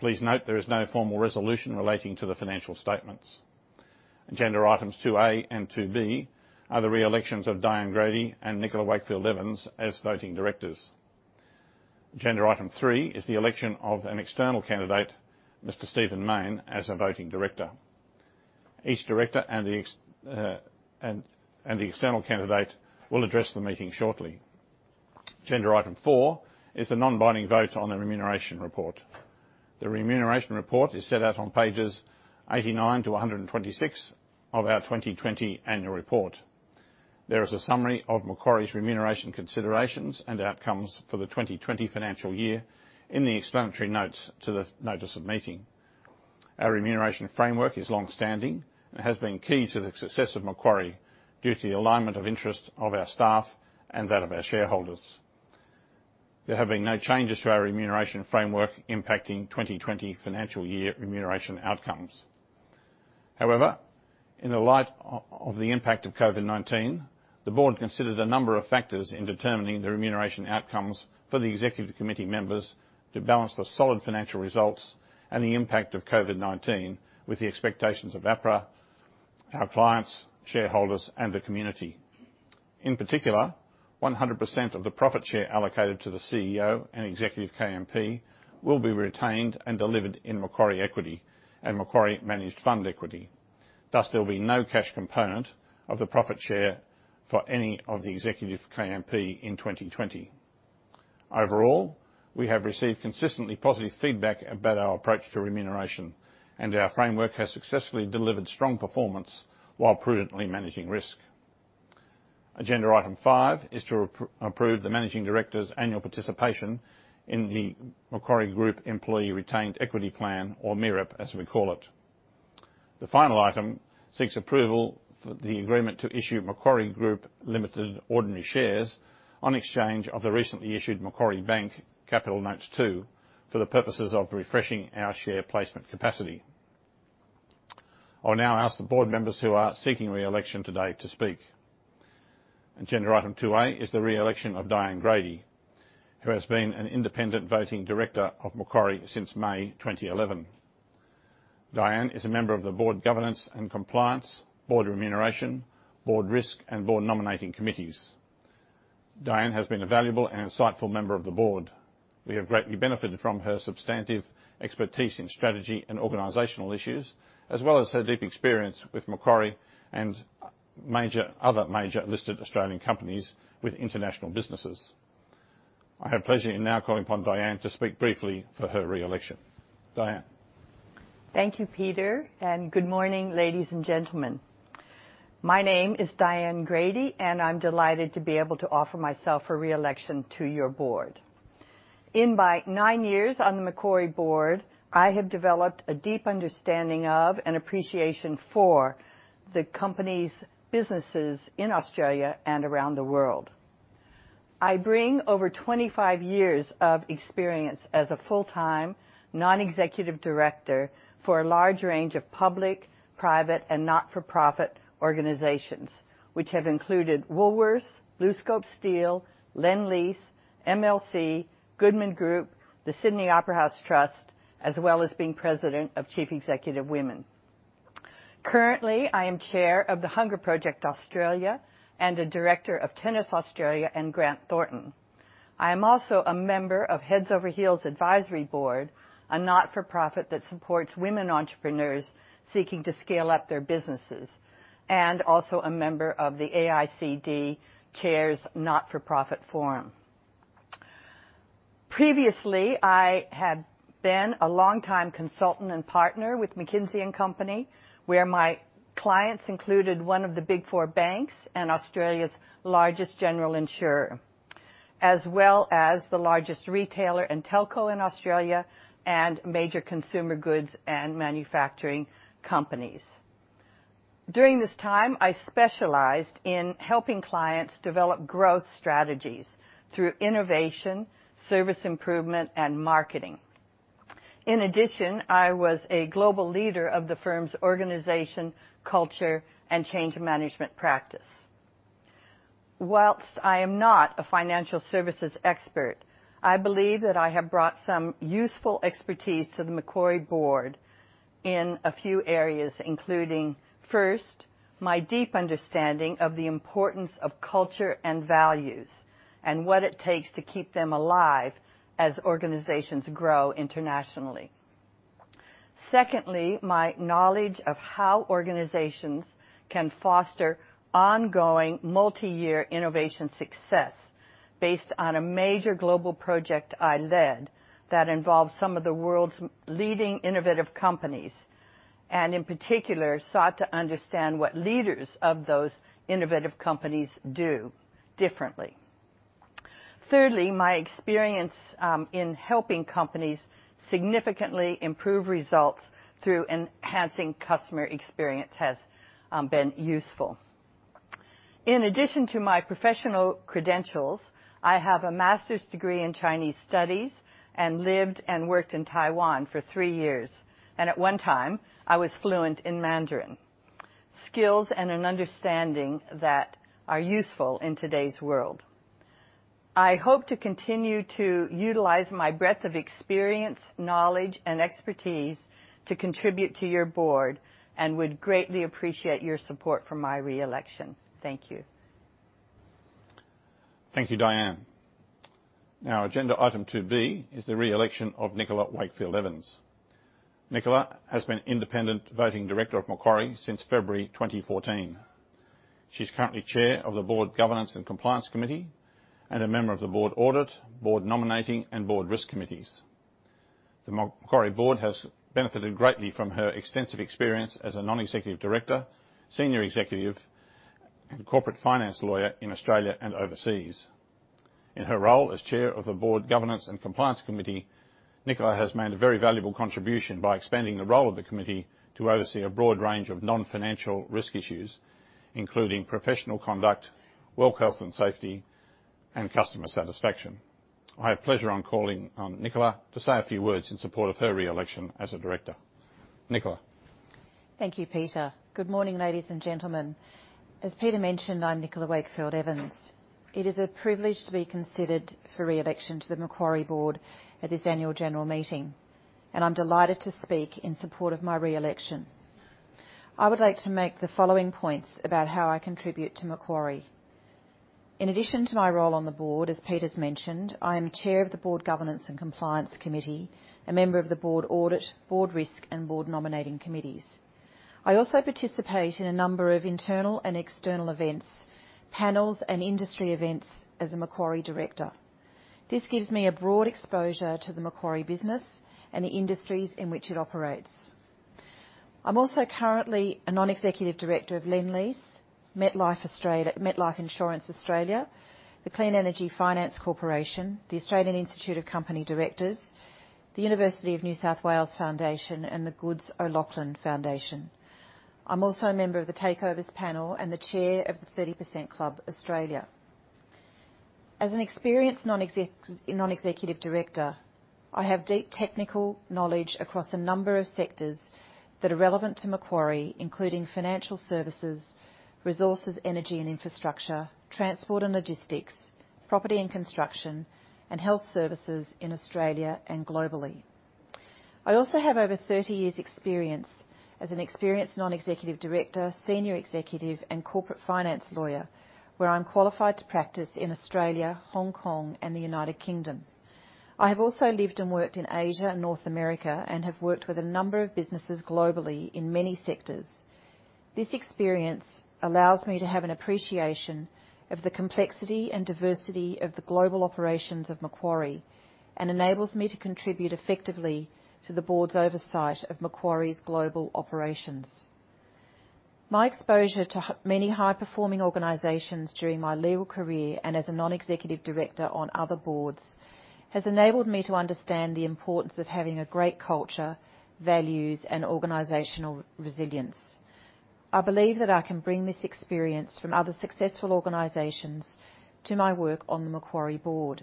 Please note there is no formal resolution relating to the financial statements. Agenda items two A and two B are the reelections of Diane Grady and Nicola Wakefield Evans as voting directors. Agenda item three is the election of an external candidate, Mr. Stephen Main, as a voting director. Each director and the external candidate will address the meeting shortly. Agenda item four is the non-binding vote on the remuneration report. The remuneration report is set out on pages 89 to 126 of our 2020 annual report. There is a summary of Macquarie's remuneration considerations and outcomes for the 2020 financial year in the explanatory notes to the notice of meeting. Our remuneration framework is longstanding and has been key to the success of Macquarie due to the alignment of interest of our staff and that of our shareholders. There have been no changes to our remuneration framework impacting 2020 financial year remuneration outcomes. However, in the light of the impact of COVID-19, the board considered a number of factors in determining the remuneration outcomes for the executive committee members to balance the solid financial results and the impact of COVID-19 with the expectations of APRA, our clients, shareholders, and the community. In particular, 100% of the profit share allocated to the CEO and executive KMP will be retained and delivered in Macquarie equity and Macquarie managed fund equity. Thus, there will be no cash component of the profit share for any of the executive KMP in 2020. Overall, we have received consistently positive feedback about our approach to remuneration, and our framework has successfully delivered strong performance while prudently managing risk. Agenda item five is to approve the Managing Director's annual participation in the Macquarie Group Employee Retained Equity Plan, or MIREP, as we call it. The final item seeks approval for the agreement to issue Macquarie Group limited ordinary shares on exchange of the recently issued Macquarie Bank Capital Notes 2 for the purposes of refreshing our share placement capacity. I'll now ask the board members who are seeking reelection today to speak. Agenda item two A is the reelection of Diane Grady, who has been an independent voting director of Macquarie since May 2011. Diane is a member of the board governance and compliance, board remuneration, board risk, and board nominating committees. Diane has been a valuable and insightful member of the board. We have greatly benefited from her substantive expertise in strategy and organizational issues, as well as her deep experience with Macquarie and other major listed Australian companies with international businesses. I have pleasure in now calling upon Diane to speak briefly for her reelection. Diane. Thank you, Peter, and good morning, ladies and gentlemen. My name is Diane Grady, and I'm delighted to be able to offer myself for reelection to your board. In my nine years on the Macquarie board, I have developed a deep understanding of and appreciation for the company's businesses in Australia and around the world. I bring over 25 years of experience as a full-time non-executive director for a large range of public, private, and not-for-profit organizations, which have included Woolworths, BlueScope Steel, Lend Lease, MLC, Goodman Group, the Sydney Opera House Trust, as well as being president of Chief Executive Women. Currently, I am chair of the Hunger Project Australia and a director of Tennis Australia and Grant Thornton. I am also a member of Heads Over Heels Advisory Board, a not-for-profit that supports women entrepreneurs seeking to scale up their businesses, and also a member of the AICD Chair's Not-for-Profit Forum. Previously, I had been a long-time consultant and partner with McKinsey & Company, where my clients included one of the Big Four banks and Australia's largest general insurer, as well as the largest retailer and telco in Australia and major consumer goods and manufacturing companies. During this time, I specialised in helping clients develop growth strategies through innovation, service improvement, and marketing. In addition, I was a global leader of the firm's organisation, culture, and change management practice. Whilst I am not a financial services expert, I believe that I have brought some useful expertise to the Macquarie board in a few areas, including, first, my deep understanding of the importance of culture and values and what it takes to keep them alive as organizations grow internationally. Secondly, my knowledge of how organizations can foster ongoing multi-year innovation success based on a major global project I led that involved some of the world's leading innovative companies and, in particular, sought to understand what leaders of those innovative companies do differently. Thirdly, my experience in helping companies significantly improve results through enhancing customer experience has been useful. In addition to my professional credentials, I have a master's degree in Chinese studies and lived and worked in Taiwan for three years, and at one time, I was fluent in Mandarin. Skills and an understanding that are useful in today's world. I hope to continue to utilise my breadth of experience, knowledge, and expertise to contribute to your board and would greatly appreciate your support for my reelection. Thank you. Thank you, Diane. Now, agenda item two B is the reelection of Nicola Wakefield Evans. Nicola has been independent voting director of Macquarie since February 2014. She's currently chair of the Board Governance and Compliance Committee and a member of the Board Audit, Board Nominating, and Board Risk Committees. The Macquarie board has benefited greatly from her extensive experience as a non-executive director, senior executive, and corporate finance lawyer in Australia and overseas. In her role as chair of the Board Governance and Compliance Committee, Nicola has made a very valuable contribution by expanding the role of the committee to oversee a broad range of non-financial risk issues, including professional conduct, work health and safety, and customer satisfaction. I have pleasure on calling on Nicola to say a few words in support of her reelection as a director. Nicola. Thank you, Peter. Good morning, ladies and gentlemen. As Peter mentioned, I'm Nicola Wakefield Evans. It is a privilege to be considered for reelection to the Macquarie board at this annual general meeting, and I'm delighted to speak in support of my reelection. I would like to make the following points about how I contribute to Macquarie. In addition to my role on the board, as Peter's mentioned, I am chair of the Board Governance and Compliance Committee, a member of the Board Audit, Board Risk, and Board Nominating Committees. I also participate in a number of internal and external events, panels, and industry events as a Macquarie director. This gives me a broad exposure to the Macquarie business and the industries in which it operates. I'm also currently a non-executive director of Lend Lease, MetLife Insurance Australia, the Clean Energy Finance Corporation, the Australian Institute of Company Directors, the University of New South Wales Foundation, and the Goods O'Loughlin Foundation. I'm also a member of the Takeovers Panel and the chair of the 30% Club Australia. As an experienced non-executive director, I have deep technical knowledge across a number of sectors that are relevant to Macquarie, including financial services, resources, energy and infrastructure, transport and logistics, property and construction, and health services in Australia and globally. I also have over 30 years' experience as an experienced non-executive director, senior executive, and corporate finance lawyer, where I'm qualified to practice in Australia, Hong Kong, and the United Kingdom. I have also lived and worked in Asia and North America and have worked with a number of businesses globally in many sectors. This experience allows me to have an appreciation of the complexity and diversity of the global operations of Macquarie and enables me to contribute effectively to the board's oversight of Macquarie's global operations. My exposure to many high-performing organizations during my legal career and as a non-executive director on other boards has enabled me to understand the importance of having a great culture, values, and organizational resilience. I believe that I can bring this experience from other successful organizations to my work on the Macquarie board.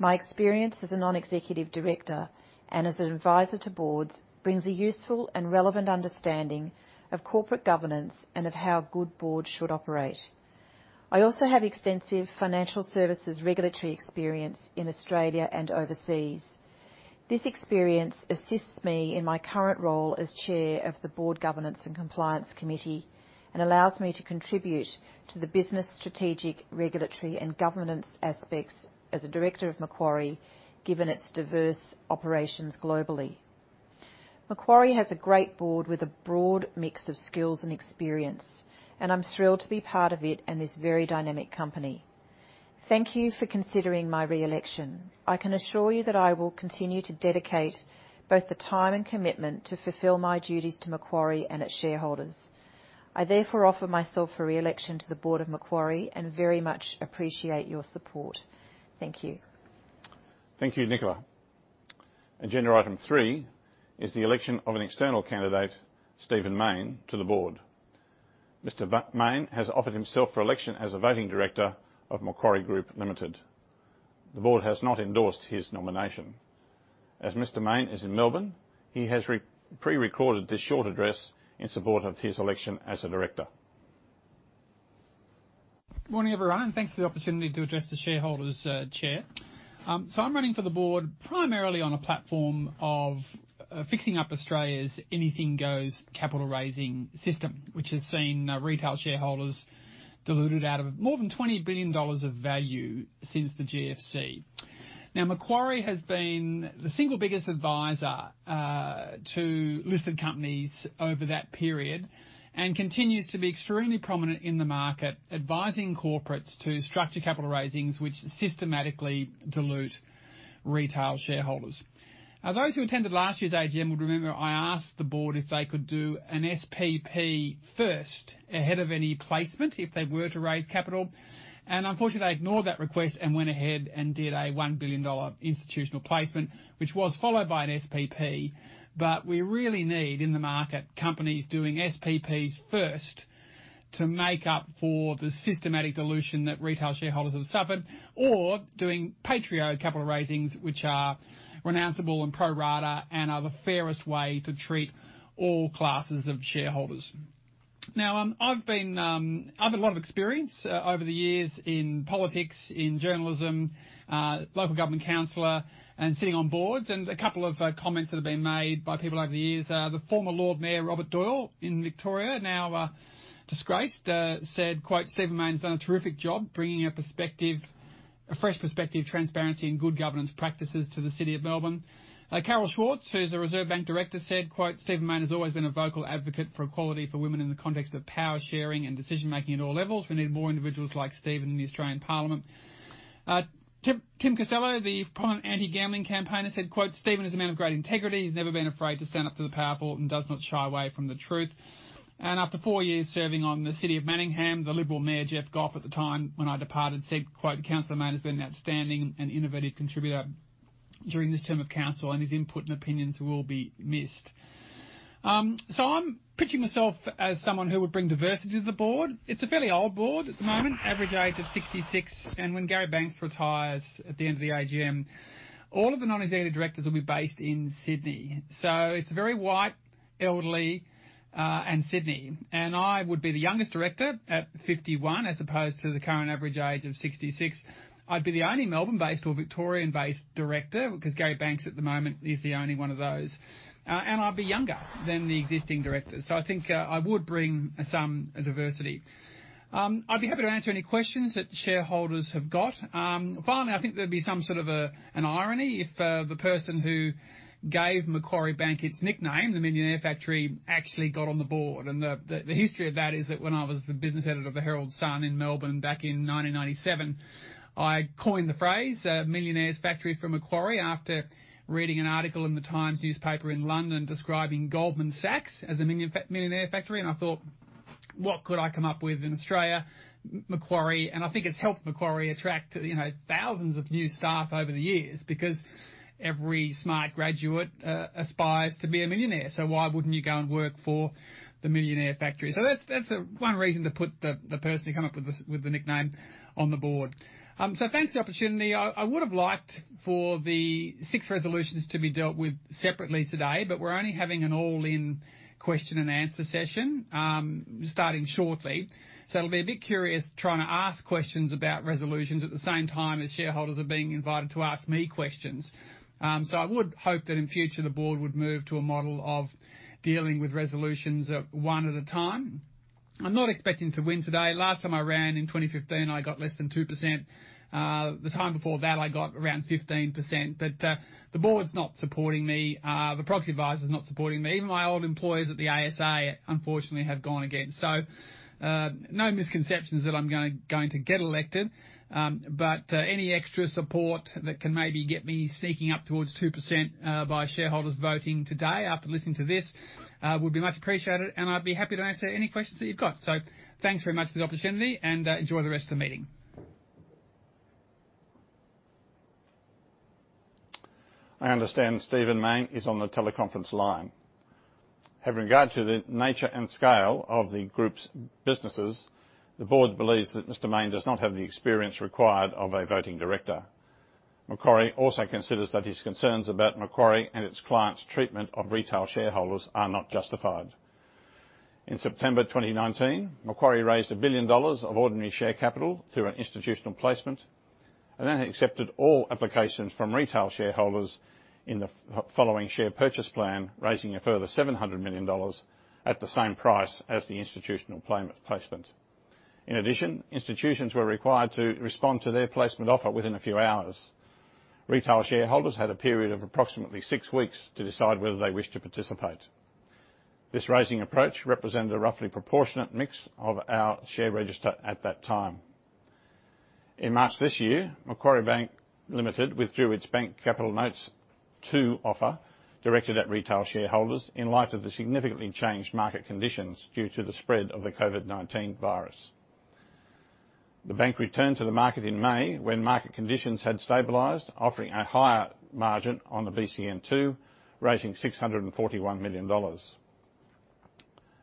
My experience as a non-executive director and as an advisor to boards brings a useful and relevant understanding of corporate governance and of how good boards should operate. I also have extensive financial services regulatory experience in Australia and overseas. This experience assists me in my current role as Chair of the Board Governance and Compliance Committee and allows me to contribute to the business, strategic, regulatory, and governance aspects as a director of Macquarie, given its diverse operations globally. Macquarie has a great board with a broad mix of skills and experience, and I'm thrilled to be part of it and this very dynamic company. Thank you for considering my reelection. I can assure you that I will continue to dedicate both the time and commitment to fulfil my duties to Macquarie and its shareholders. I therefore offer myself for reelection to the board of Macquarie and very much appreciate your support. Thank you. Thank you, Nicola. Agenda item three is the election of an external candidate, Stephen Mayne, to the board. Mr. Mayne has offered himself for election as a voting director of Macquarie Group Limited. The board has not endorsed his nomination. As Mr. Main is in Melbourne, he has pre-recorded this short address in support of his election as a director. Good morning, everyone, and thanks for the opportunity to address the shareholders' chair. I am running for the board primarily on a platform of fixing up Australia's anything goes capital raising system, which has seen retail shareholders diluted out of more than $20 billion of value since the GFC. Now, Macquarie has been the single biggest advisor to listed companies over that period and continues to be extremely prominent in the market, advising corporates to structure capital raisings which systematically dilute retail shareholders. Those who attended last year's AGM would remember I asked the board if they could do an SPP first ahead of any placement if they were to raise capital, and unfortunately, they ignored that request and went ahead and did a $1 billion institutional placement, which was followed by an SPP. We really need in the market companies doing SPPs first to make up for the systematic dilution that retail shareholders have suffered, or doing Patriot capital raisings, which are renounceable and pro rata and are the fairest way to treat all classes of shareholders. Now, I've had a lot of experience over the years in politics, in journalism, local government council, and sitting on boards, and a couple of comments that have been made by people over the years. The former Lord Mayor Robert Doyle in Victoria, now disgraced, said, "Stephen Mayne's done a terrific job bringing a fresh perspective, transparency, and good governance practices to the city of Melbourne." Carol Schwartz, who's a Reserve Bank director, said, "Stephen Mayne has always been a vocal advocate for equality for women in the context of power sharing and decision-making at all levels. We need more individuals like Stephen in the Australian Parliament." Tim Costello, the prominent anti-gambling campaigner, said, "Stephen is a man of great integrity. He's never been afraid to stand up to the powerful and does not shy away from the truth." After four years serving on the city of Manningham, the Liberal Mayor Jeff Gough at the time when I departed said, "The councillor Main has been an outstanding and innovative contributor during this term of council, and his input and opinions will be missed." I'm pitching myself as someone who would bring diversity to the board. It's a fairly old board at the moment, average age of 66, and when Gary Banks retires at the end of the AGM, all of the non-executive directors will be based in Sydney. It's a very white, elderly Sydney, and I would be the youngest director at 51 as opposed to the current average age of 66. I'd be the only Melbourne-based or Victorian-based director because Gary Banks at the moment is the only one of those, and I'd be younger than the existing directors. I think I would bring some diversity. I'd be happy to answer any questions that shareholders have got. Finally, I think there'd be some sort of an irony if the person who gave Macquarie Bank its nickname, the Millionaire Factory, actually got on the board. The history of that is that when I was the business editor of The Herald Sun in Melbourne back in 1997, I coined the phrase Millionaire Factory for Macquarie after reading an article in The Times newspaper in London describing Goldman Sachs as a Millionaire Factory, and I thought, "What could I come up with in Australia?" Macquarie, and I think it's helped Macquarie attract thousands of new staff over the years because every smart graduate aspires to be a millionaire, so why wouldn't you go and work for the Millionaire Factory? That is one reason to put the person who came up with the nickname on the board. Thanks for the opportunity. I would have liked for the six resolutions to be dealt with separately today, but we're only having an all-in question and answer session starting shortly, so I'll be a bit curious trying to ask questions about resolutions at the same time as shareholders are being invited to ask me questions. I would hope that in future the board would move to a model of dealing with resolutions one at a time. I'm not expecting to win today. Last time I ran in 2015, I got less than 2%. The time before that, I got around 15%, but the board's not supporting me. The proxy advisor's not supporting me. Even my old employees at the ASA, unfortunately, have gone again. No misconceptions that I'm going to get elected, but any extra support that can maybe get me sneaking up towards 2% by shareholders voting today after listening to this would be much appreciated, and I'd be happy to answer any questions that you've got. Thanks very much for the opportunity and enjoy the rest of the meeting. I understand Stephen Mayne is on the teleconference line. Having regard to the nature and scale of the group's businesses, the board believes that Mr. Mayne does not have the experience required of a voting director. Macquarie also considers that his concerns about Macquarie and its clients' treatment of retail shareholders are not justified. In September 2019, Macquarie raised $1 billion of ordinary share capital through an institutional placement, and then accepted all applications from retail shareholders in the following share purchase plan, raising a further $700 million at the same price as the institutional placement. In addition, institutions were required to respond to their placement offer within a few hours. Retail shareholders had a period of approximately six weeks to decide whether they wished to participate. This raising approach represented a roughly proportionate mix of our share register at that time. In March this year, Macquarie Bank Limited withdrew its Bank Capital Notes 2 offer directed at retail shareholders in light of the significantly changed market conditions due to the spread of the COVID-19 virus. The bank returned to the market in May when market conditions had stabilized, offering a higher margin on the BCN2, raising 641 million dollars.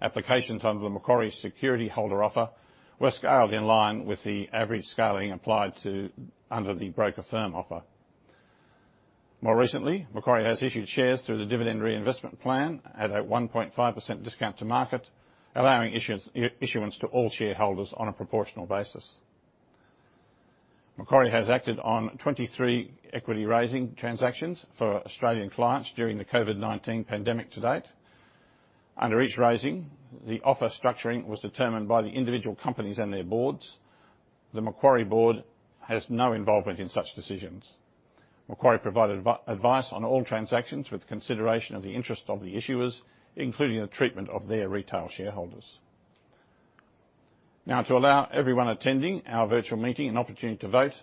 Applications under the Macquarie security holder offer were scaled in line with the average scaling applied under the broker firm offer. More recently, Macquarie has issued shares through the Dividend Reinvestment Plan at a 1.5% discount to market, allowing issuance to all shareholders on a proportional basis. Macquarie has acted on 23 equity raising transactions for Australian clients during the COVID-19 pandemic to date. Under each raising, the offer structuring was determined by the individual companies and their boards. The Macquarie board has no involvement in such decisions. Macquarie provided advice on all transactions with consideration of the interest of the issuers, including the treatment of their retail shareholders. Now, to allow everyone attending our virtual meeting an opportunity to vote,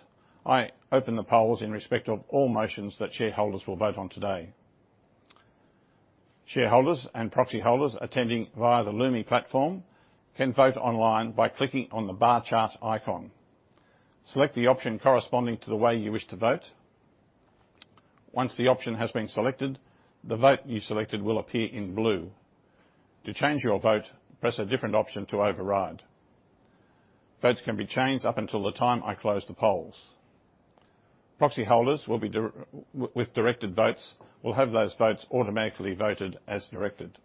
I open the polls in respect of all motions that shareholders will vote on today. Shareholders and proxy holders attending via the Loomi platform can vote online by clicking on the bar chart icon. Select the option corresponding to the way you wish to vote. Once the option has been selected, the vote you selected will appear in blue. To change your vote, press a different option to override. Votes can be changed up until the time I close the polls. Proxy holders with directed votes will have those votes automatically voted as directed.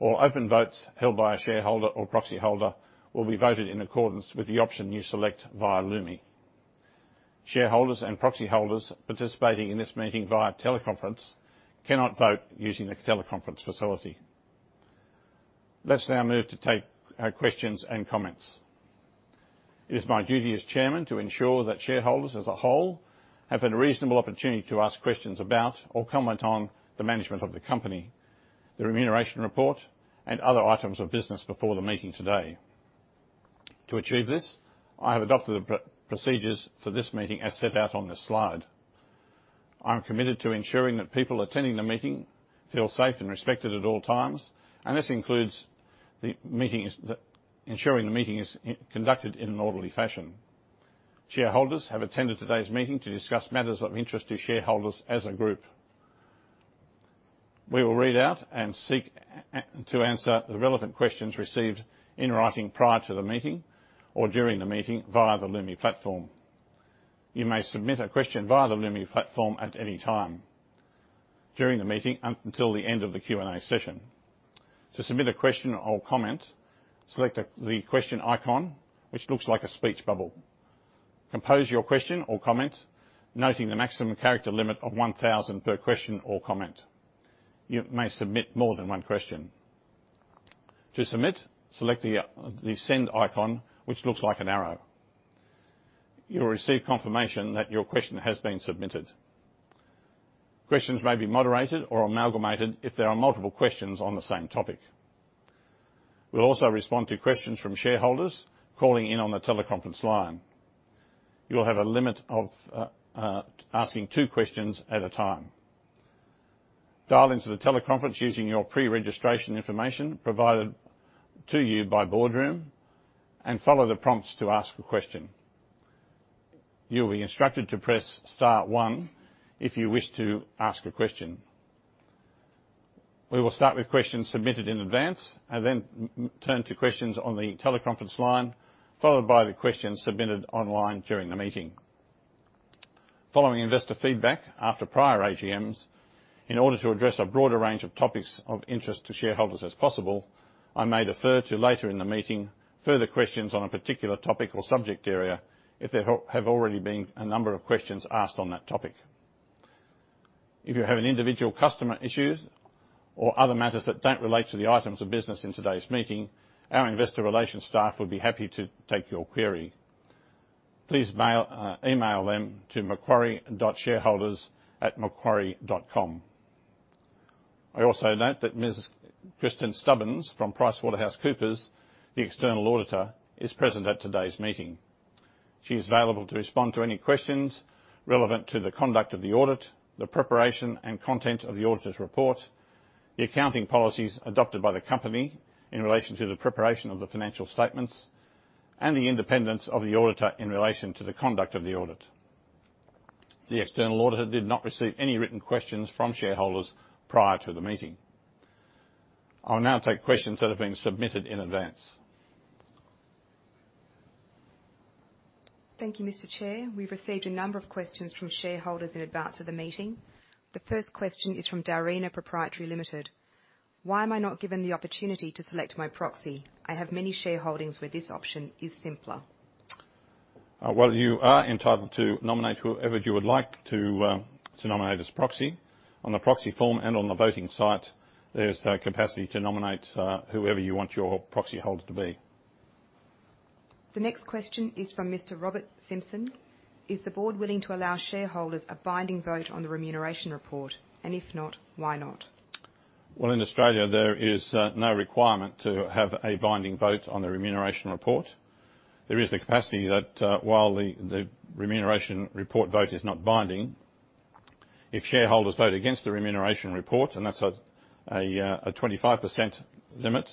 All open votes held by a shareholder or proxy holder will be voted in accordance with the option you select via Loomi. Shareholders and proxy holders participating in this meeting via teleconference cannot vote using the teleconference facility. Let's now move to take questions and comments. It is my duty as Chairman to ensure that shareholders as a whole have a reasonable opportunity to ask questions about or comment on the management of the company, the remuneration report, and other items of business before the meeting today. To achieve this, I have adopted the procedures for this meeting as set out on this slide. I'm committed to ensuring that people attending the meeting feel safe and respected at all times, and this includes ensuring the meeting is conducted in an orderly fashion. Shareholders have attended today's meeting to discuss matters of interest to shareholders as a group. We will read out and seek to answer the relevant questions received in writing prior to the meeting or during the meeting via the Loomi platform. You may submit a question via the Loomi platform at any time during the meeting until the end of the Q&A session. To submit a question or comment, select the question icon, which looks like a speech bubble. Compose your question or comment, noting the maximum character limit of 1,000 per question or comment. You may submit more than one question. To submit, select the send icon, which looks like an arrow. You'll receive confirmation that your question has been submitted. Questions may be moderated or amalgamated if there are multiple questions on the same topic. We'll also respond to questions from shareholders calling in on the teleconference line. You'll have a limit of asking two questions at a time. Dial into the teleconference using your pre-registration information provided to you by Boardroom and follow the prompts to ask a question. You'll be instructed to press star one if you wish to ask a question. We will start with questions submitted in advance and then turn to questions on the teleconference line, followed by the questions submitted online during the meeting. Following investor feedback after prior AGMs, in order to address a broader range of topics of interest to shareholders as possible, I may defer to later in the meeting further questions on a particular topic or subject area if there have already been a number of questions asked on that topic. If you have an individual customer issue or other matters that don't relate to the items of business in today's meeting, our investor relations staff would be happy to take your query. Please email them to macquarie.shareholders@macquarie.com. I also note that Ms. Kristen Stubbins from PricewaterhouseCoopers, the external auditor, is present at today's meeting. She is available to respond to any questions relevant to the conduct of the audit, the preparation and content of the auditor's report, the accounting policies adopted by the company in relation to the preparation of the financial statements, and the independence of the auditor in relation to the conduct of the audit. The external auditor did not receive any written questions from shareholders prior to the meeting. I'll now take questions that have been submitted in advance. Thank you, Mr. Chair. We have received a number of questions from shareholders in advance of the meeting. The first question is from Darena Proprietary Limited. Why am I not given the opportunity to select my proxy? I have many shareholdings where this option is simpler. You are entitled to nominate whoever you would like to nominate as proxy. On the proxy form and on the voting site, there is a capacity to nominate whoever you want your proxy holder to be. The next question is from Mr. Robert Simpson. Is the board willing to allow shareholders a binding vote on the remuneration report? If not, why not? In Australia, there is no requirement to have a binding vote on the remuneration report. There is the capacity that while the remuneration report vote is not binding, if shareholders vote against the remuneration report, and that's a 25% limit,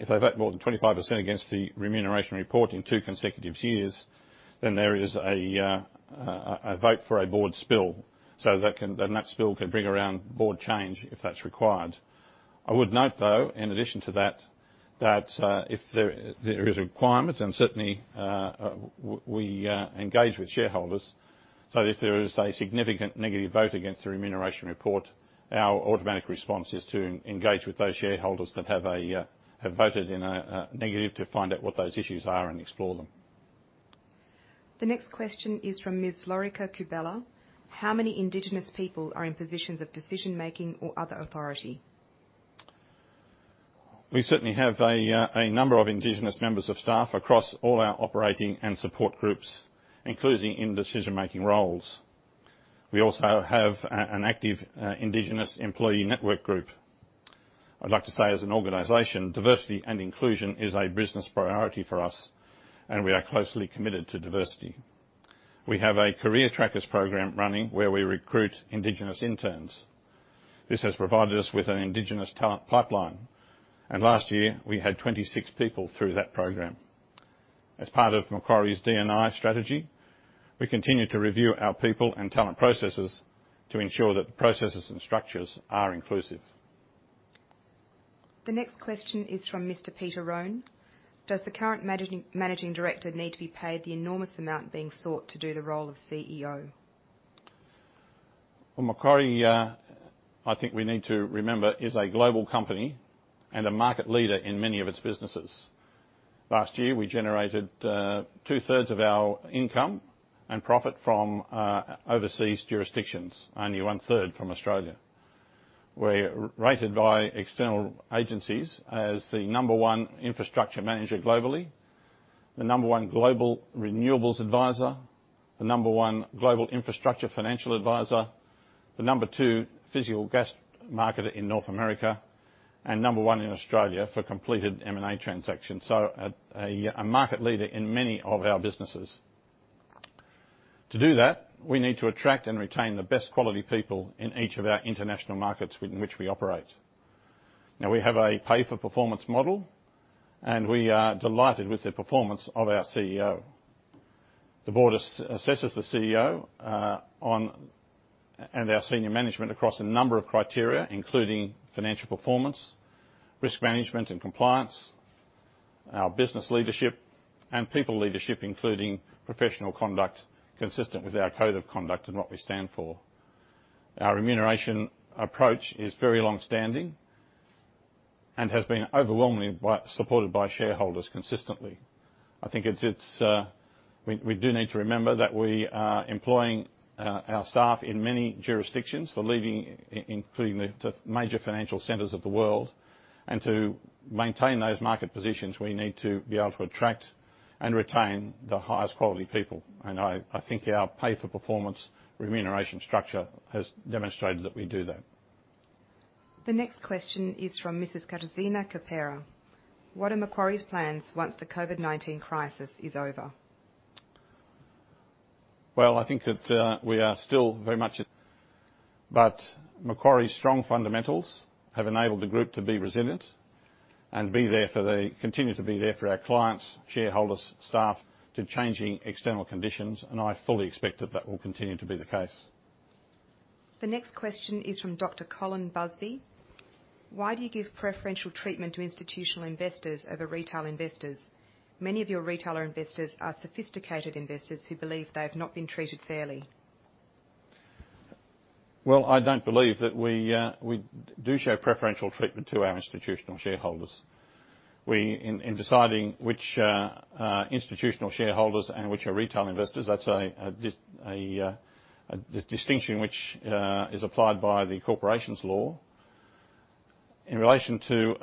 if they vote more than 25% against the remuneration report in two consecutive years, then there is a vote for a board spill, and that spill can bring around board change if that's required. I would note, though, in addition to that, that if there is a requirement, and certainly we engage with shareholders, so if there is a significant negative vote against the remuneration report, our automatic response is to engage with those shareholders that have voted in a negative to find out what those issues are and explore them. The next question is from Ms. Lorica Kubella. How many Indigenous people are in positions of decision-making or other authority? We certainly have a number of Indigenous members of staff across all our operating and support groups, including in decision-making roles. We also have an active Indigenous employee network group. I'd like to say, as an organization, diversity and inclusion is a business priority for us, and we are closely committed to diversity. We have a Career Trackers program running where we recruit Indigenous interns. This has provided us with an Indigenous talent pipeline, and last year, we had 26 people through that program. As part of Macquarie's D&I strategy, we continue to review our people and talent processes to ensure that the processes and structures are inclusive. The next question is from Mr. Peter Rohn. Does the current managing director need to be paid the enormous amount being sought to do the role of CEO? Macquarie, I think we need to remember, is a global company and a market leader in many of its businesses. Last year, we generated two-thirds of our income and profit from overseas jurisdictions, only one-third from Australia. We're rated by external agencies as the number one infrastructure manager globally, the number one global renewables advisor, the number one global infrastructure financial advisor, the number two physical gas marketer in North America, and number one in Australia for completed M&A transactions, so a market leader in many of our businesses. To do that, we need to attract and retain the best quality people in each of our international markets in which we operate. Now, we have a pay-for-performance model, and we are delighted with the performance of our CEO. The board assesses the CEO and our senior management across a number of criteria, including financial performance, risk management and compliance, our business leadership, and people leadership, including professional conduct consistent with our code of conduct and what we stand for. Our remuneration approach is very longstanding and has been overwhelmingly supported by shareholders consistently. I think we do need to remember that we are employing our staff in many jurisdictions, including the major financial centres of the world, and to maintain those market positions, we need to be able to attract and retain the highest quality people, and I think our pay-for-performance remuneration structure has demonstrated that we do that. The next question is from Mrs. Katarzyna Capera. What are Macquarie's plans once the COVID-19 crisis is over? I think that we are still very much. Macquarie's strong fundamentals have enabled the group to be resilient and continue to be there for our clients, shareholders, staff, to changing external conditions, and I fully expect that that will continue to be the case. The next question is from Dr. Colin Busby. Why do you give preferential treatment to institutional investors over retail investors? Many of your retail investors are sophisticated investors who believe they have not been treated fairly. I don't believe that we do show preferential treatment to our institutional shareholders. In deciding which institutional shareholders and which are retail investors, that's a distinction which is applied by the corporations law. In relation to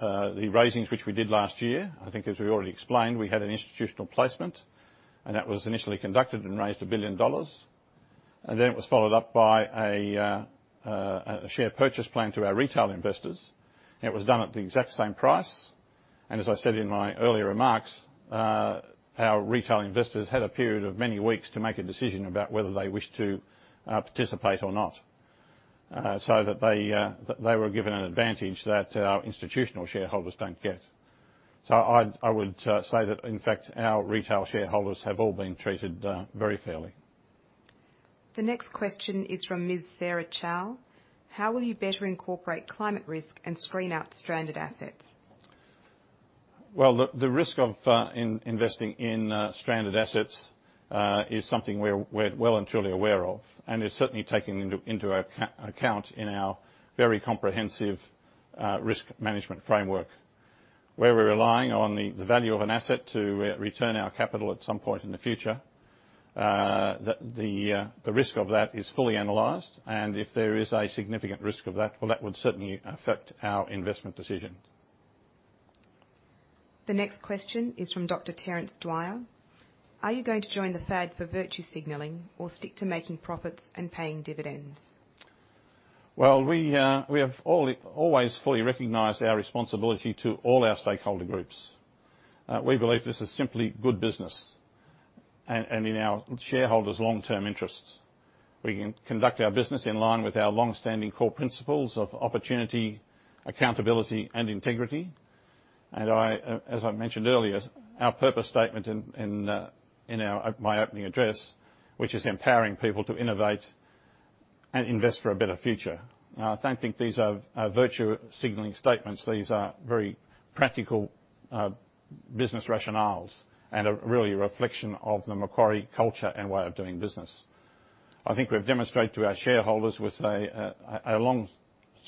the raisings which we did last year, I think, as we already explained, we had an institutional placement, and that was initially conducted and raised $1 billion, and then it was followed up by a share purchase plan to our retail investors. It was done at the exact same price, and as I said in my earlier remarks, our retail investors had a period of many weeks to make a decision about whether they wished to participate or not, so that they were given an advantage that our institutional shareholders don't get. I would say that, in fact, our retail shareholders have all been treated very fairly. The next question is from Ms. Sarah Chow. How will you better incorporate climate risk and screen out stranded assets? The risk of investing in stranded assets is something we're well and truly aware of and is certainly taken into account in our very comprehensive risk management framework. Where we're relying on the value of an asset to return our capital at some point in the future, the risk of that is fully analyzed, and if there is a significant risk of that, that would certainly affect our investment decision. The next question is from Dr. Terence Dwyer. Are you going to join the FAD for virtue signalling or stick to making profits and paying dividends? We have always fully recognized our responsibility to all our stakeholder groups. We believe this is simply good business and in our shareholders' long-term interests. We conduct our business in line with our longstanding core principles of opportunity, accountability, and integrity, and, as I mentioned earlier, our purpose statement in my opening address, which is empowering people to innovate and invest for a better future. I do not think these are virtue signaling statements. These are very practical business rationales and a real reflection of the Macquarie culture and way of doing business. I think we have demonstrated to our shareholders with a long,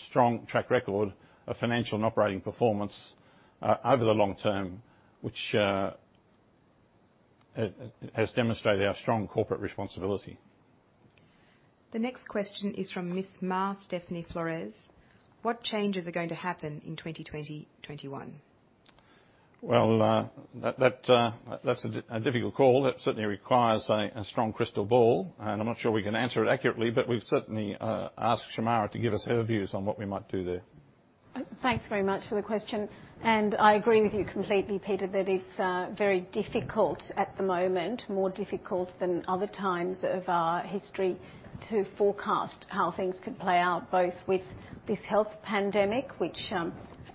strong track record of financial and operating performance over the long term, which has demonstrated our strong corporate responsibility. The next question is from Ms. Ma Stephanie Flores. What changes are going to happen in 2020-2021? That's a difficult call. It certainly requires a strong crystal ball, and I'm not sure we can answer it accurately, but we've certainly asked Shemara to give us her views on what we might do there. Thanks very much for the question, and I agree with you completely, Peter, that it's very difficult at the moment, more difficult than other times of our history, to forecast how things could play out, both with this health pandemic, which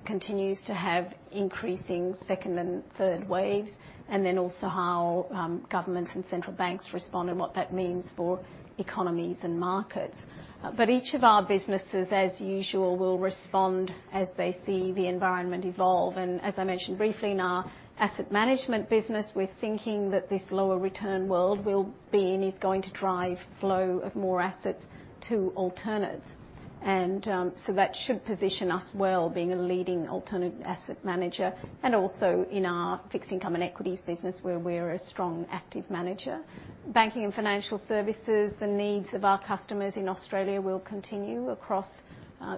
continues to have increasing second and third waves, and also how governments and central banks respond and what that means for economies and markets. Each of our businesses, as usual, will respond as they see the environment evolve, and as I mentioned briefly in our asset management business, we're thinking that this lower return world we'll be in is going to drive flow of more assets to alternates, and that should position us well being a leading alternate asset manager, and also in our fixed income and equities business where we're a strong active manager. Banking and Financial Services, the needs of our customers in Australia will continue across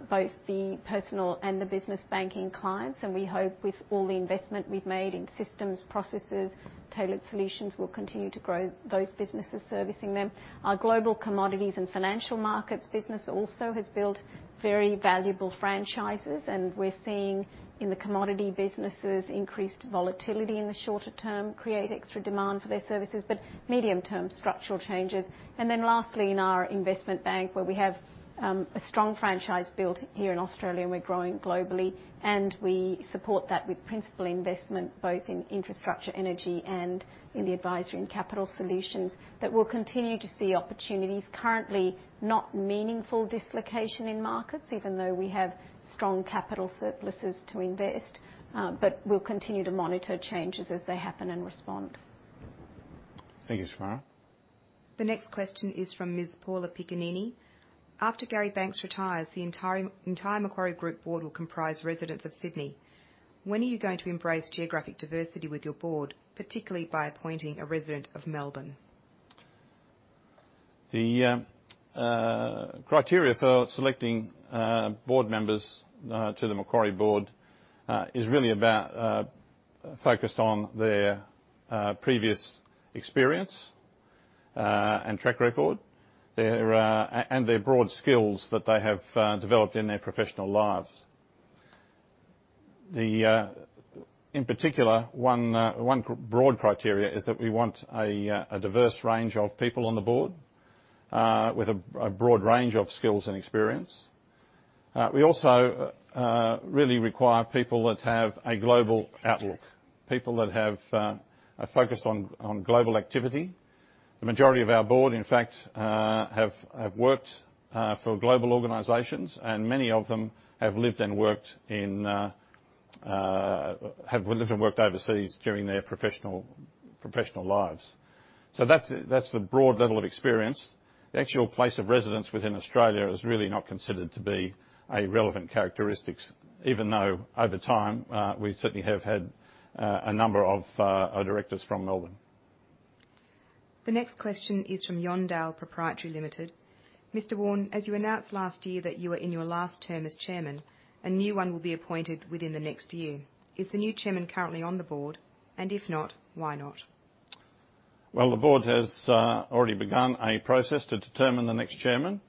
both the personal and the business banking clients, and we hope with all the investment we have made in systems, processes, tailored solutions, we will continue to grow those businesses servicing them. Our global Commodities and Global Markets business also has built very valuable franchises, and we are seeing in the commodity businesses increased volatility in the shorter term create extra demand for their services, but medium-term structural changes. Lastly, in our investment bank, where we have a strong franchise built here in Australia and we are growing globally, and we support that with principal investment both in infrastructure, energy, and in the advisory and capital solutions, we will continue to see opportunities. Currently, not meaningful dislocation in markets, even though we have strong capital surpluses to invest, but we'll continue to monitor changes as they happen and respond. Thank you, Shemara. The next question is from Ms. Paula Piccinini. After Gary Banks retires, the entire Macquarie Group board will comprise residents of Sydney. When are you going to embrace geographic diversity with your board, particularly by appointing a resident of Melbourne? The criteria for selecting board members to the Macquarie board is really about focus on their previous experience and track record and their broad skills that they have developed in their professional lives. In particular, one broad criteria is that we want a diverse range of people on the board with a broad range of skills and experience. We also really require people that have a global outlook, people that have focused on global activity. The majority of our board, in fact, have worked for global organizations, and many of them have lived and worked overseas during their professional lives. That's the broad level of experience. The actual place of residence within Australia is really not considered to be a relevant characteristic, even though over time we certainly have had a number of directors from Melbourne. The next question is from Yondal Proprietary Limited. Mr. Warne, as you announced last year that you were in your last term as chairman, a new one will be appointed within the next year. Is the new chairman currently on the board, and if not, why not? The board has already begun a process to determine the next chairman.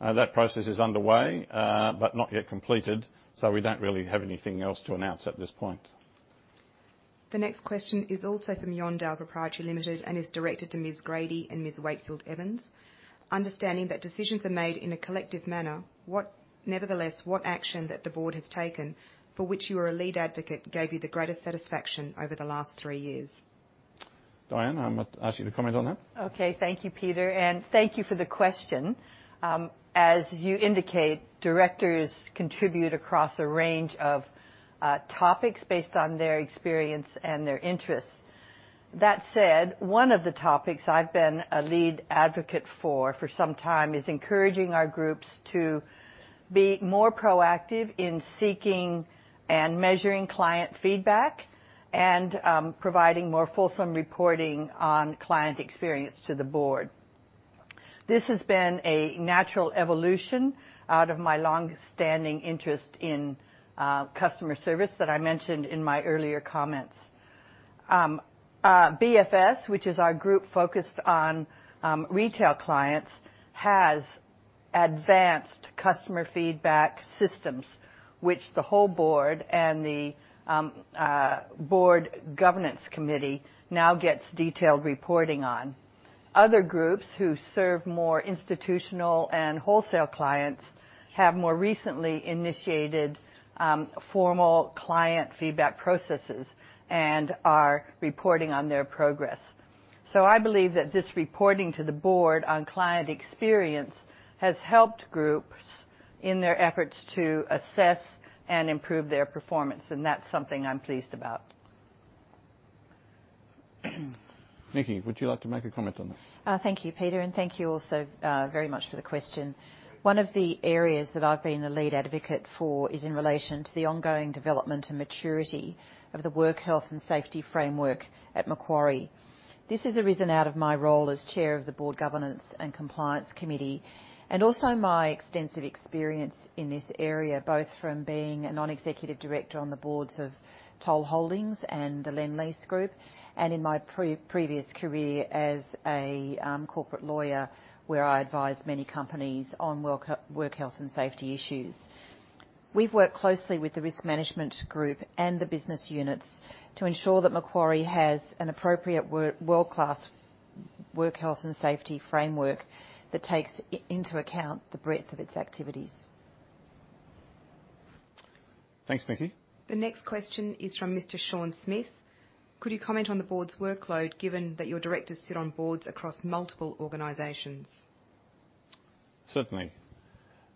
That process is underway but not yet completed, so we do not really have anything else to announce at this point. The next question is also from Yondal Proprietary Limited and is directed to Ms. Grady and Ms. Wakefield Evans. Understanding that decisions are made in a collective manner, nevertheless, what action that the board has taken for which you are a lead advocate gave you the greatest satisfaction over the last three years? Diane, I might ask you to comment on that. Okay, thank you, Peter, and thank you for the question. As you indicate, directors contribute across a range of topics based on their experience and their interests. That said, one of the topics I've been a lead advocate for for some time is encouraging our groups to be more proactive in seeking and measuring client feedback and providing more fulsome reporting on client experience to the board. This has been a natural evolution out of my longstanding interest in customer service that I mentioned in my earlier comments. BFS, which is our group focused on retail clients, has advanced customer feedback systems, which the whole board and the board governance committee now gets detailed reporting on. Other groups who serve more institutional and wholesale clients have more recently initiated formal client feedback processes and are reporting on their progress. I believe that this reporting to the board on client experience has helped groups in their efforts to assess and improve their performance, and that's something I'm pleased about. Nikki, would you like to make a comment on that? Thank you, Peter, and thank you also very much for the question. One of the areas that I've been the lead advocate for is in relation to the ongoing development and maturity of the work health and safety framework at Macquarie. This has arisen out of my role as Chair of the Board Governance and Compliance Committee and also my extensive experience in this area, both from being a non-executive director on the boards of Toll Holdings and the Lend Lease Group and in my previous career as a corporate lawyer where I advised many companies on work health and safety issues. We've worked closely with the Risk Management Group and the business units to ensure that Macquarie has an appropriate world-class work health and safety framework that takes into account the breadth of its activities. Thanks, Nikki. The next question is from Mr. Sean Smith. Could you comment on the board's workload given that your directors sit on boards across multiple organizations? Certainly.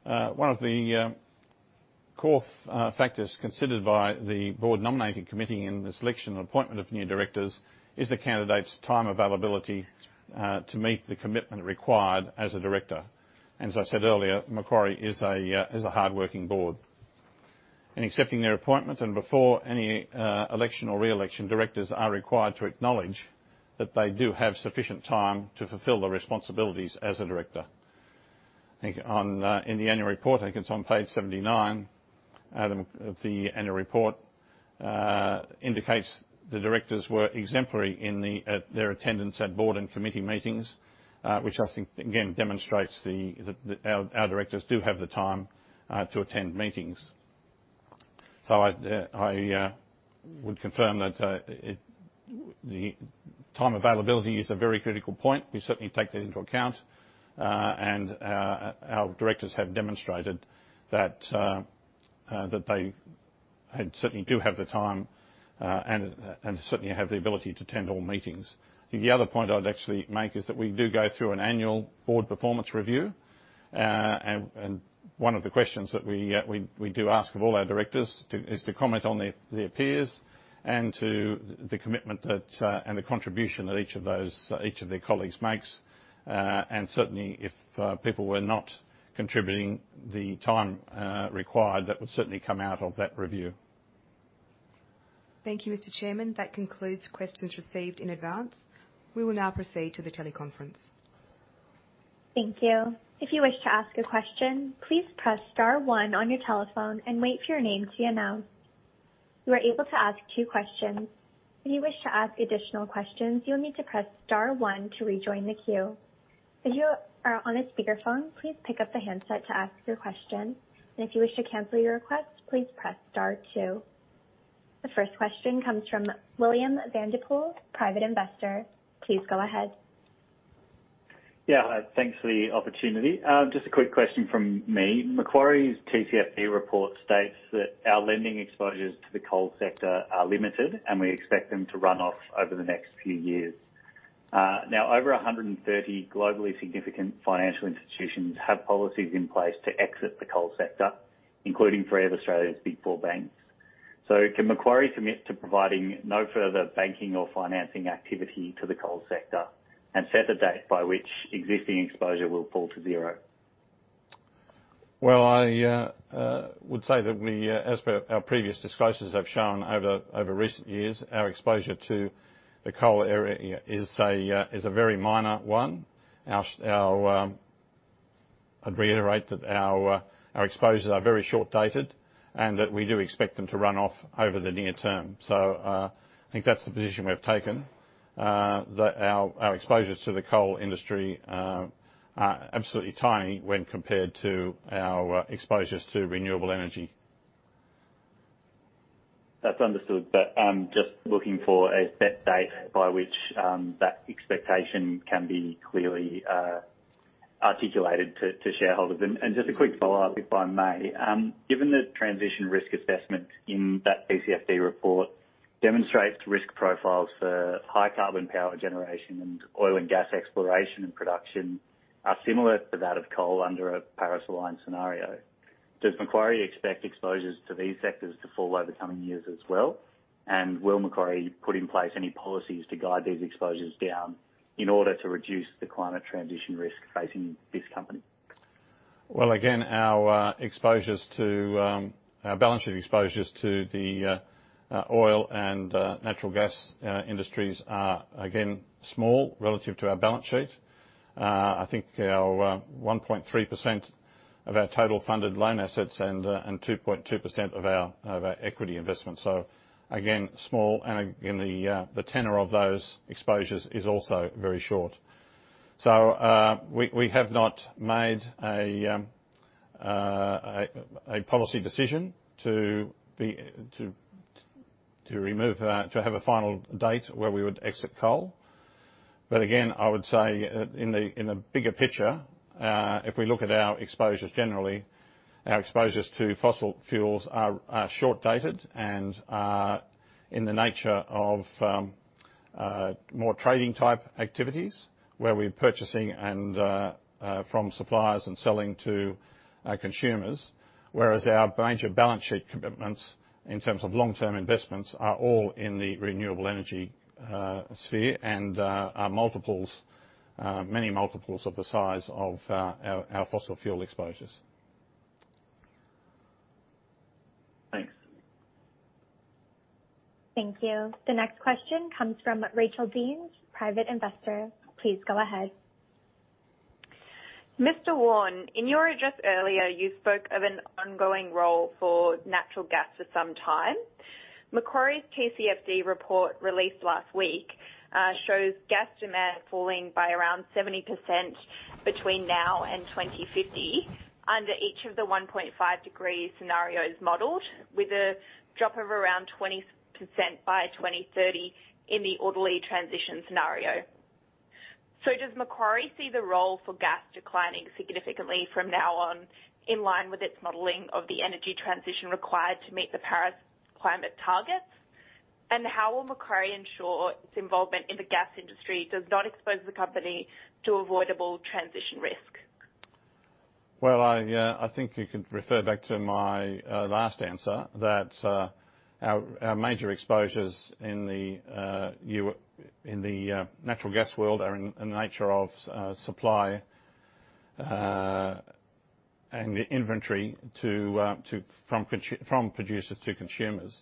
One of the core factors considered by the board nominating committee in the selection and appointment of new directors is the candidate's time availability to meet the commitment required as a director. As I said earlier, Macquarie is a hardworking board. In accepting their appointment and before any election or re-election, directors are required to acknowledge that they do have sufficient time to fulfill their responsibilities as a director. In the annual report, I think it's on page 79 of the annual report, it indicates the directors were exemplary in their attendance at board and committee meetings, which I think, again, demonstrates that our directors do have the time to attend meetings. I would confirm that the time availability is a very critical point. We certainly take that into account, and our directors have demonstrated that they certainly do have the time and certainly have the ability to attend all meetings. The other point I'd actually make is that we do go through an annual board performance review, and one of the questions that we do ask of all our directors is to comment on their peers and to the commitment and the contribution that each of their colleagues makes, and certainly if people were not contributing the time required, that would certainly come out of that review. Thank you, Mr. Chairman. That concludes questions received in advance. We will now proceed to the teleconference. Thank you. If you wish to ask a question, please press star one on your telephone and wait for your name to be announced. You are able to ask two questions. If you wish to ask additional questions, you'll need to press star one to rejoin the queue. If you are on a speakerphone, please pick up the handset to ask your question, and if you wish to cancel your request, please press star two. The first question comes from William Vandepoel, private investor. Please go ahead. Yeah, thanks for the opportunity. Just a quick question from me. Macquarie's TCFD report states that our lending exposures to the coal sector are limited, and we expect them to run off over the next few years. Now, over 130 globally significant financial institutions have policies in place to exit the coal sector, including three of Australia's big four banks. Can Macquarie commit to providing no further banking or financing activity to the coal sector and set a date by which existing exposure will fall to zero? I would say that we, as our previous discussions have shown over recent years, our exposure to the coal area is a very minor one. I'd reiterate that our exposures are very short-dated and that we do expect them to run off over the near term. I think that's the position we've taken, that our exposures to the coal industry are absolutely tiny when compared to our exposures to renewable energy. That's understood, but I'm just looking for a set date by which that expectation can be clearly articulated to shareholders. Just a quick follow-up, if I may. Given the transition risk assessment in that TCFD report demonstrates risk profiles for high carbon power generation and oil and gas exploration and production are similar to that of coal under a Paris Alliance scenario, does Macquarie expect exposures to these sectors to fall over coming years as well? Will Macquarie put in place any policies to guide these exposures down in order to reduce the climate transition risk facing this company? Our balance sheet exposures to the oil and natural gas industries are, again, small relative to our balance sheet. I think our 1.3% of our total funded loan assets and 2.2% of our equity investment. Again, small, and the tenor of those exposures is also very short. We have not made a policy decision to have a final date where we would exit coal. I would say in the bigger picture, if we look at our exposures generally, our exposures to fossil fuels are short-dated and are in the nature of more trading-type activities where we're purchasing from suppliers and selling to consumers, whereas our major balance sheet commitments in terms of long-term investments are all in the renewable energy sphere and are multiples, many multiples of the size of our fossil fuel exposures. Thanks. Thank you. The next question comes from Rachael Deans, private investor. Please go ahead. Mr. Warne, in your address earlier, you spoke of an ongoing role for natural gas for some time. Macquarie's TCFD report released last week shows gas demand falling by around 70% between now and 2050 under each of the 1.5 degree scenarios modelled, with a drop of around 20% by 2030 in the orderly transition scenario. Does Macquarie see the role for gas declining significantly from now on in line with its modelling of the energy transition required to meet the Paris climate targets? How will Macquarie ensure its involvement in the gas industry does not expose the company to avoidable transition risk? I think you could refer back to my last answer that our major exposures in the natural gas world are in the nature of supply and inventory from producers to consumers.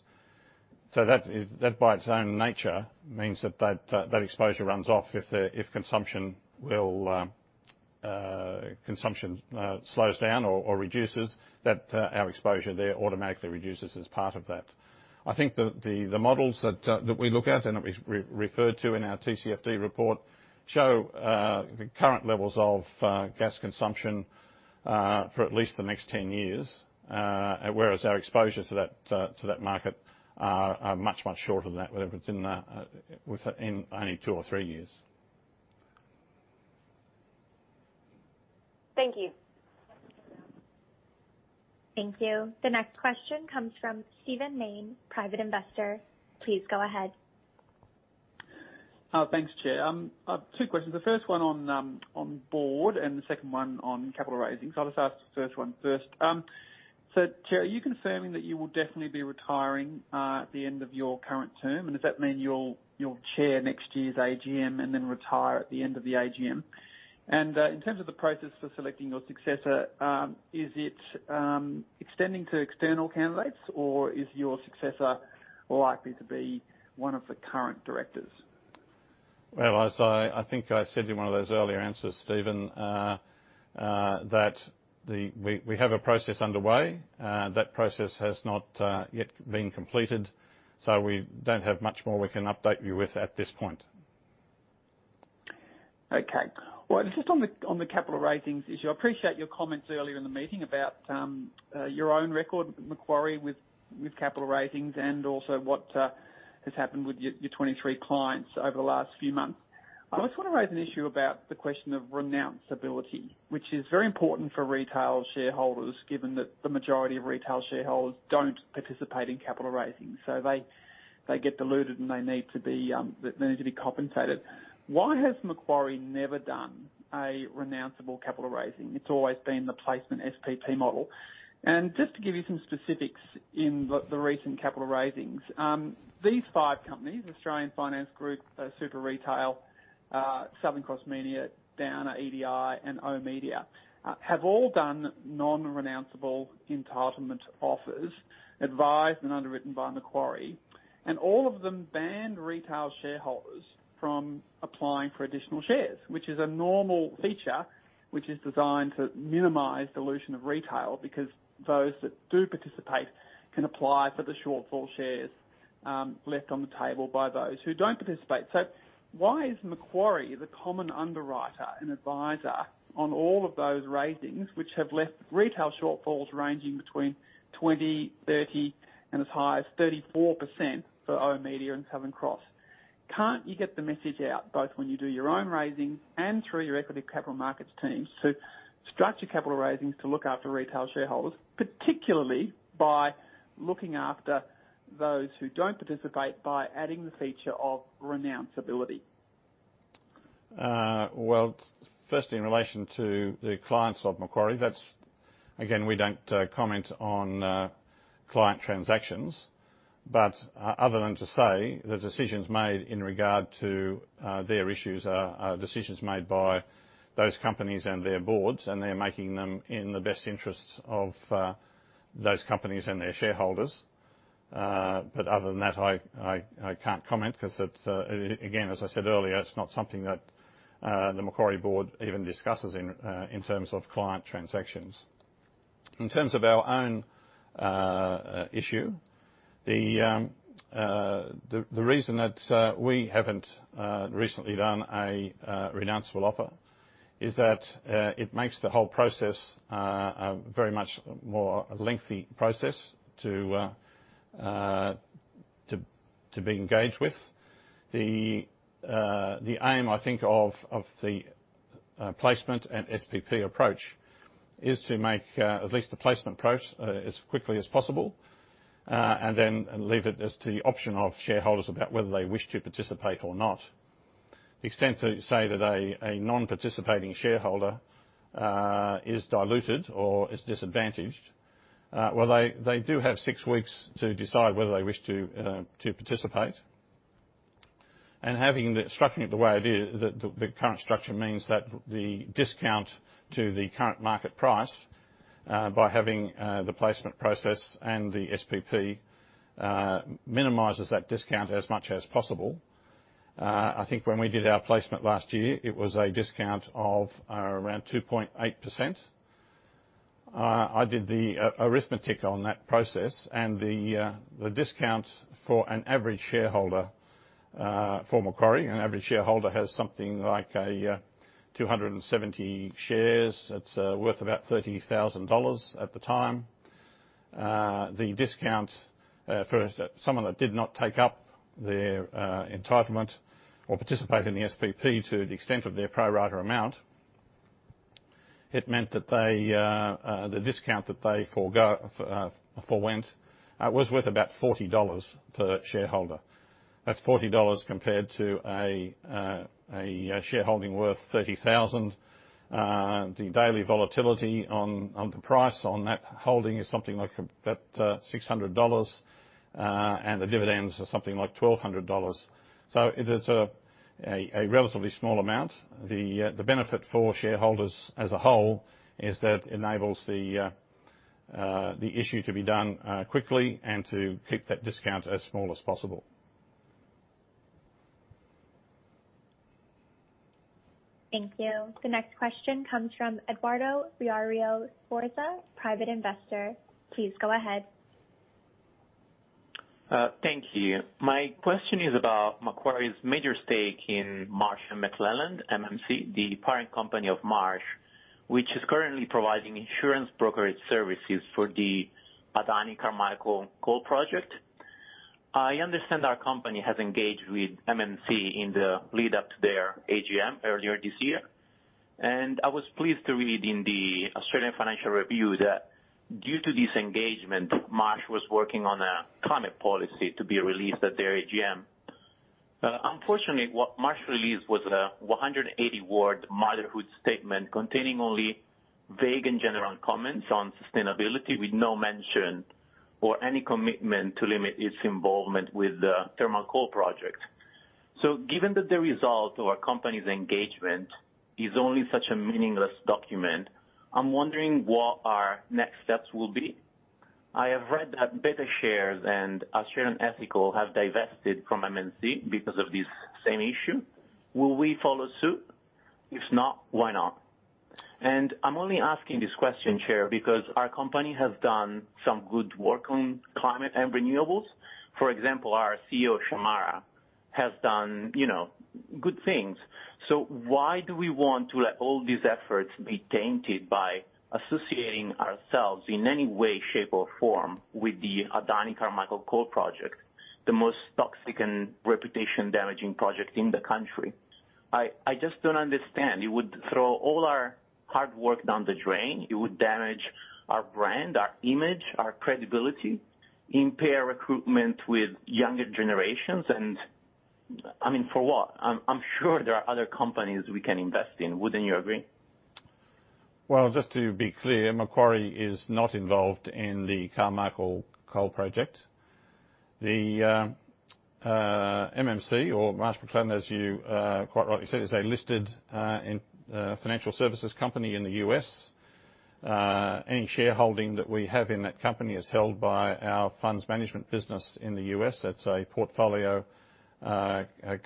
So that by its own nature means that that exposure runs off if consumption slows down or reduces, that our exposure there automatically reduces as part of that. I think that the models that we look at and that we refer to in our TCFD report show the current levels of gas consumption for at least the next 10 years, whereas our exposures to that market are much, much shorter than that within only two or three years. Thank you. Thank you. The next question comes from Stephen Main, private investor. Please go ahead. Thanks, Chair. Two questions. The first one on board and the second one on capital raising. I'll just ask the first one first. Chair, are you confirming that you will definitely be retiring at the end of your current term? Does that mean you'll chair next year's AGM and then retire at the end of the AGM? In terms of the process for selecting your successor, is it extending to external candidates or is your successor likely to be one of the current directors? I think I said in one of those earlier answers, Stephen, that we have a process underway. That process has not yet been completed, so we do not have much more we can update you with at this point. Okay. Just on the capital raising issue, I appreciate your comments earlier in the meeting about your own record with Macquarie with capital raisings and also what has happened with your 23 clients over the last few months. I just want to raise an issue about the question of renounceability, which is very important for retail shareholders given that the majority of retail shareholders do not participate in capital raisings. They get diluted and they need to be compensated. Why has Macquarie never done a renounceable capital raising? It has always been the placement SPP model. To give you some specifics, in the recent capital raisings, these five companies, Australian Finance Group, Super Retail, Southern Cross Media, Downer EDI, and OMedia, have all done non-renounceable entitlement offers advised and underwritten by Macquarie. All of them banned retail shareholders from applying for additional shares, which is a normal feature designed to minimize dilution of retail because those that do participate can apply for the shortfall shares left on the table by those who do not participate. Why is Macquarie the common underwriter and advisor on all of those raisings which have left retail shortfalls ranging between 20%, 30%, and as high as 34% for OMedia and Southern Cross? Cannot you get the message out both when you do your own raisings and through your equity capital markets teams to structure capital raisings to look after retail shareholders, particularly by looking after those who do not participate by adding the feature of renounceability? First, in relation to the clients of Macquarie, that's again, we don't comment on client transactions, other than to say the decisions made in regard to their issues are decisions made by those companies and their boards, and they're making them in the best interests of those companies and their shareholders. Other than that, I can't comment because again, as I said earlier, it's not something that the Macquarie board even discusses in terms of client transactions. In terms of our own issue, the reason that we haven't recently done a renounceable offer is that it makes the whole process a very much more lengthy process to be engaged with. The aim, I think, of the placement and SPP approach is to make at least the placement approach as quickly as possible and then leave it as to the option of shareholders about whether they wish to participate or not. The extent to say that a non-participating shareholder is diluted or is disadvantaged, they do have six weeks to decide whether they wish to participate. Structuring it the way it is, the current structure means that the discount to the current market price by having the placement process and the SPP minimizes that discount as much as possible. I think when we did our placement last year, it was a discount of around 2.8%. I did the arithmetic on that process, and the discount for an average shareholder for Macquarie, an average shareholder has something like 270 shares. It's worth about 30,000 dollars at the time. The discount for someone that did not take up their entitlement or participate in the SPP to the extent of their pro-rata amount, it meant that the discount that they forwent was worth about $40 per shareholder. That's $40 compared to a shareholding worth 30,000. The daily volatility on the price on that holding is something like about $600, and the dividends are something like $1,200. It is a relatively small amount. The benefit for shareholders as a whole is that it enables the issue to be done quickly and to keep that discount as small as possible. Thank you. The nex`t question comes from Eduardo Villarrio Sforza, private investor. Please go ahead. Thank you. My question is about Macquarie's major stake in Marsh & McLennan MMC, the parent company of Marsh, which is currently providing insurance brokerage services for the Botanica Michael Coal Project. I understand our company has engaged with MMC in the lead-up to their AGM earlier this year. I was pleased to read in the Australian Financial Review that due to this engagement, Marsh was working on a climate policy to be released at their AGM. Unfortunately, what Marsh released was a 180-word motherhood statement containing only vague and general comments on sustainability with no mention or any commitment to limit its involvement with the Thermo Coal Project. Given that the result of our company's engagement is only such a meaningless document, I'm wondering what our next steps will be. I have read that Betta Shares and Australian Ethical have divested from MMC because of this same issue. Will we follow suit? If not, why not? I'm only asking this question, Chair, because our company has done some good work on climate and renewables. For example, our CEO, Shemara, has done good things. Why do we want to let all these efforts be tainted by associating ourselves in any way, shape, or form with the Carmichael Coal Project, the most toxic and reputation-damaging project in the country? I just don't understand. It would throw all our hard work down the drain. It would damage our brand, our image, our credibility, impair recruitment with younger generations. I mean, for what? I'm sure there are other companies we can invest in. Wouldn't you agree? Just to be clear, Macquarie is not involved in the Carmichael Coal Project. The MMC, or Marsh & McLennan, as you quite rightly said, is a listed financial services company in the US. Any shareholding that we have in that company is held by our funds management business in the US. That is a portfolio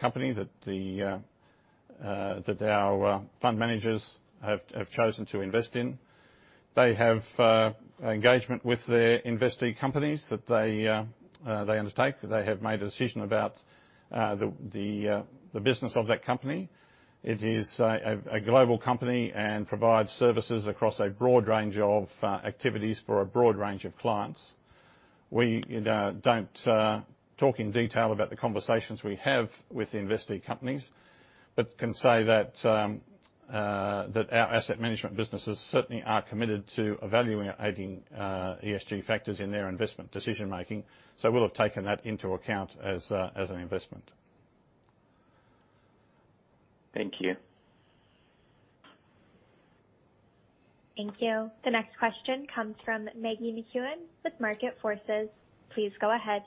company that our fund managers have chosen to invest in. They have engagement with their investee companies that they undertake. They have made a decision about the business of that company. It is a global company and provides services across a broad range of activities for a broad range of clients. We do not talk in detail about the conversations we have with investee companies, but can say that our asset management businesses certainly are committed to evaluating ESG factors in their investment decision-making. We will have taken that into account as an investment. Thank you. Thank you. The next question comes from Maggie McEwen with Market Forces. Please go ahead.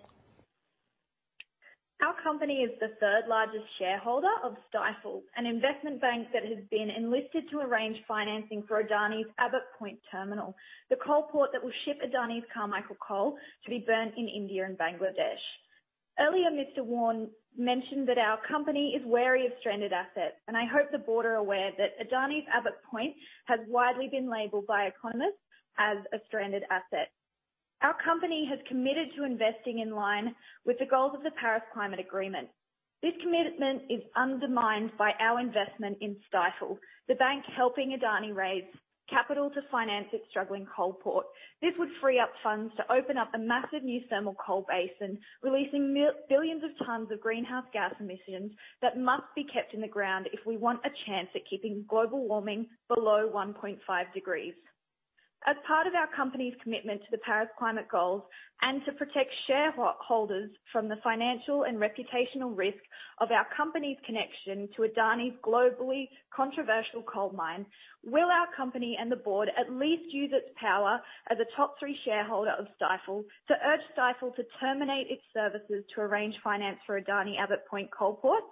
Our company is the third-largest shareholder of Stifel, an investment bank that has been enlisted to arrange financing for Adani's Abbot Point terminal, the coal port that will ship Adani's Carmichael Coal to be burnt in India and Bangladesh. Earlier, Mr. Warne mentioned that our company is wary of stranded assets, and I hope the board are aware that Adani's Abbot Point has widely been labelled by economists as a stranded asset. Our company has committed to investing in line with the goals of the Paris Climate Agreement. This commitment is undermined by our investment in Stifel, the bank helping Adani raise capital to finance its struggling coal port. This would free up funds to open up a massive new thermal coal basin, releasing billions of tons of greenhouse gas emissions that must be kept in the ground if we want a chance at keeping global warming below 1.5 degrees. As part of our company's commitment to the Paris Climate Goals and to protect shareholders from the financial and reputational risk of our company's connection to Adani's globally controversial coal mine, will our company and the board at least use its power as a top three shareholder of Stifel to urge Stifel to terminate its services to arrange finance for Adani Abbot Point Coal Port?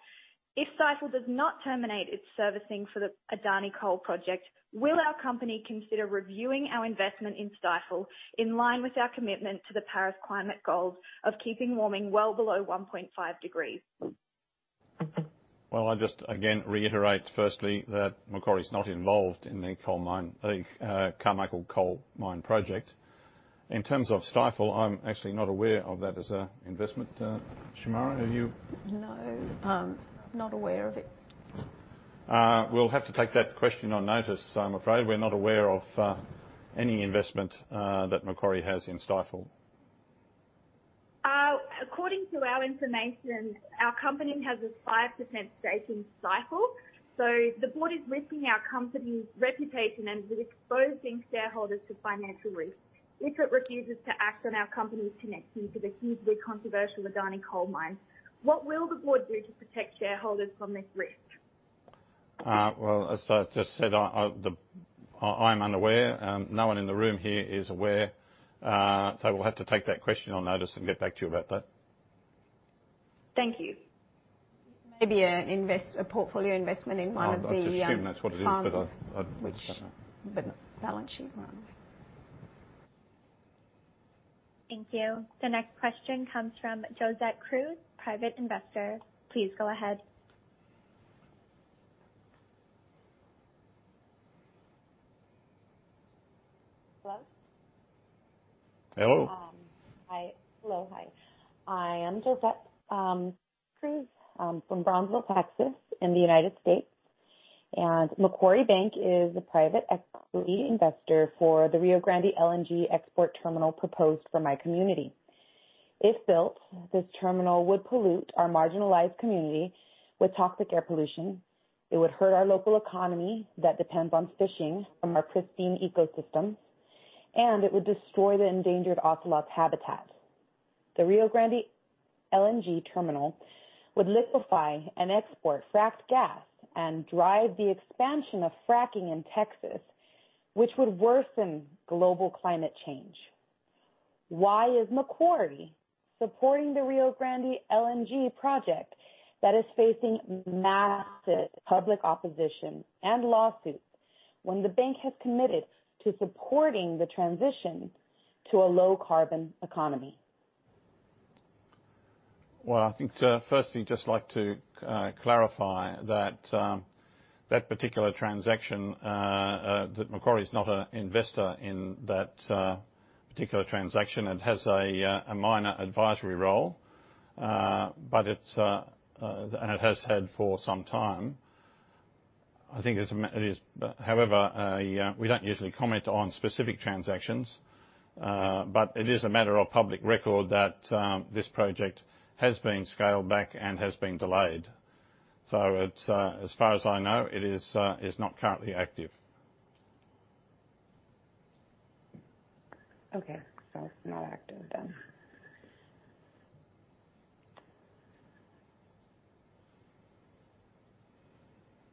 If Stifel does not terminate its servicing for the Adani Coal Project, will our company consider reviewing our investment in Stifel in line with our commitment to the Paris Climate Goals of keeping warming well below 1.5 degrees? I'll just again reiterate firstly that Macquarie is not involved in the Carmichael Coal Mine Project. In terms of Stifel, I'm actually not aware of that as an investment. Shamara, are you? No. Not aware of it. We'll have to take that question on notice. I'm afraid we're not aware of any investment that Macquarie has in Stifel. According to our information, our company has a 5% stake in Stifel. The board is risking our company's reputation and is exposing shareholders to financial risk. If it refuses to act on our company's connection to the hugely controversial Adani Coal Mine, what will the board do to protect shareholders from this risk? As I just said, I'm unaware. No one in the room here is aware. We'll have to take that question on notice and get back to you about that. Thank you. Maybe a portfolio investment in one of the. I'll assume that's what it is, but I'll. Balance sheet run. Thank you. The next question comes from Josette Cruz, private investor. Please go ahead. Hello? Hello. Hello. Hi. I am Josette Cruz from Brownsville, Texas, in the United States. Macquarie Bank is a private equity investor for the Rio Grande LNG export terminal proposed for my community. If built, this terminal would pollute our marginalized community with toxic air pollution. It would hurt our local economy that depends on fishing from our pristine ecosystem, and it would destroy the endangered ocelot habitat. The Rio Grande LNG terminal would liquefy and export fracked gas and drive the expansion of fracking in Texas, which would worsen global climate change. Why is Macquarie supporting the Rio Grande LNG project that is facing massive public opposition and lawsuits when the bank has committed to supporting the transition to a low-carbon economy? I think firstly just like to clarify that that particular transaction, that Macquarie is not an investor in that particular transaction and has a minor advisory role, and it has had for some time. I think it is, however, we don't usually comment on specific transactions, but it is a matter of public record that this project has been scaled back and has been delayed. As far as I know, it is not currently active. Okay. It is not active then.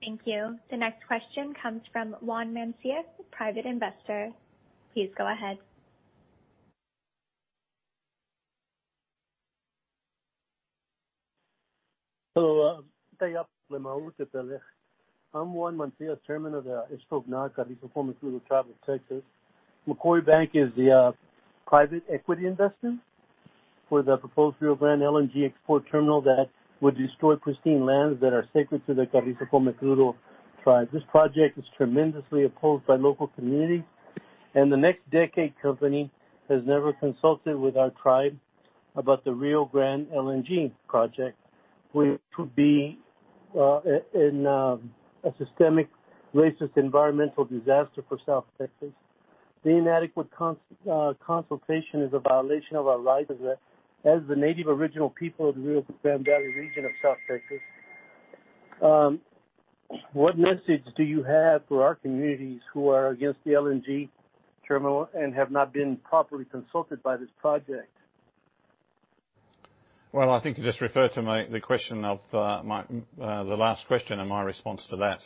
Thank you. The next question comes from Juan Mancias, private investor. Please go ahead. Hello. Day up, Lemoe. I'm Juan Mancer, chairman of the Istokgna Carrizo Comecrudo Tribe of Texas. Macquarie Bank is the private equity investor for the proposed Rio Grande LNG export terminal that would destroy pristine lands that are sacred to the Carrizo Comecrudo Tribe. This project is tremendously opposed by local communities, and the NextDec Company has never consulted with our tribe about the Rio Grande LNG project, which would be a systemic racist environmental disaster for South Texas. The inadequate consultation is a violation of our rights as the native original people of the Rio Grande Valley region of South Texas. What message do you have for our communities who are against the LNG terminal and have not been properly consulted by this project? I think you just referred to the question of the last question and my response to that.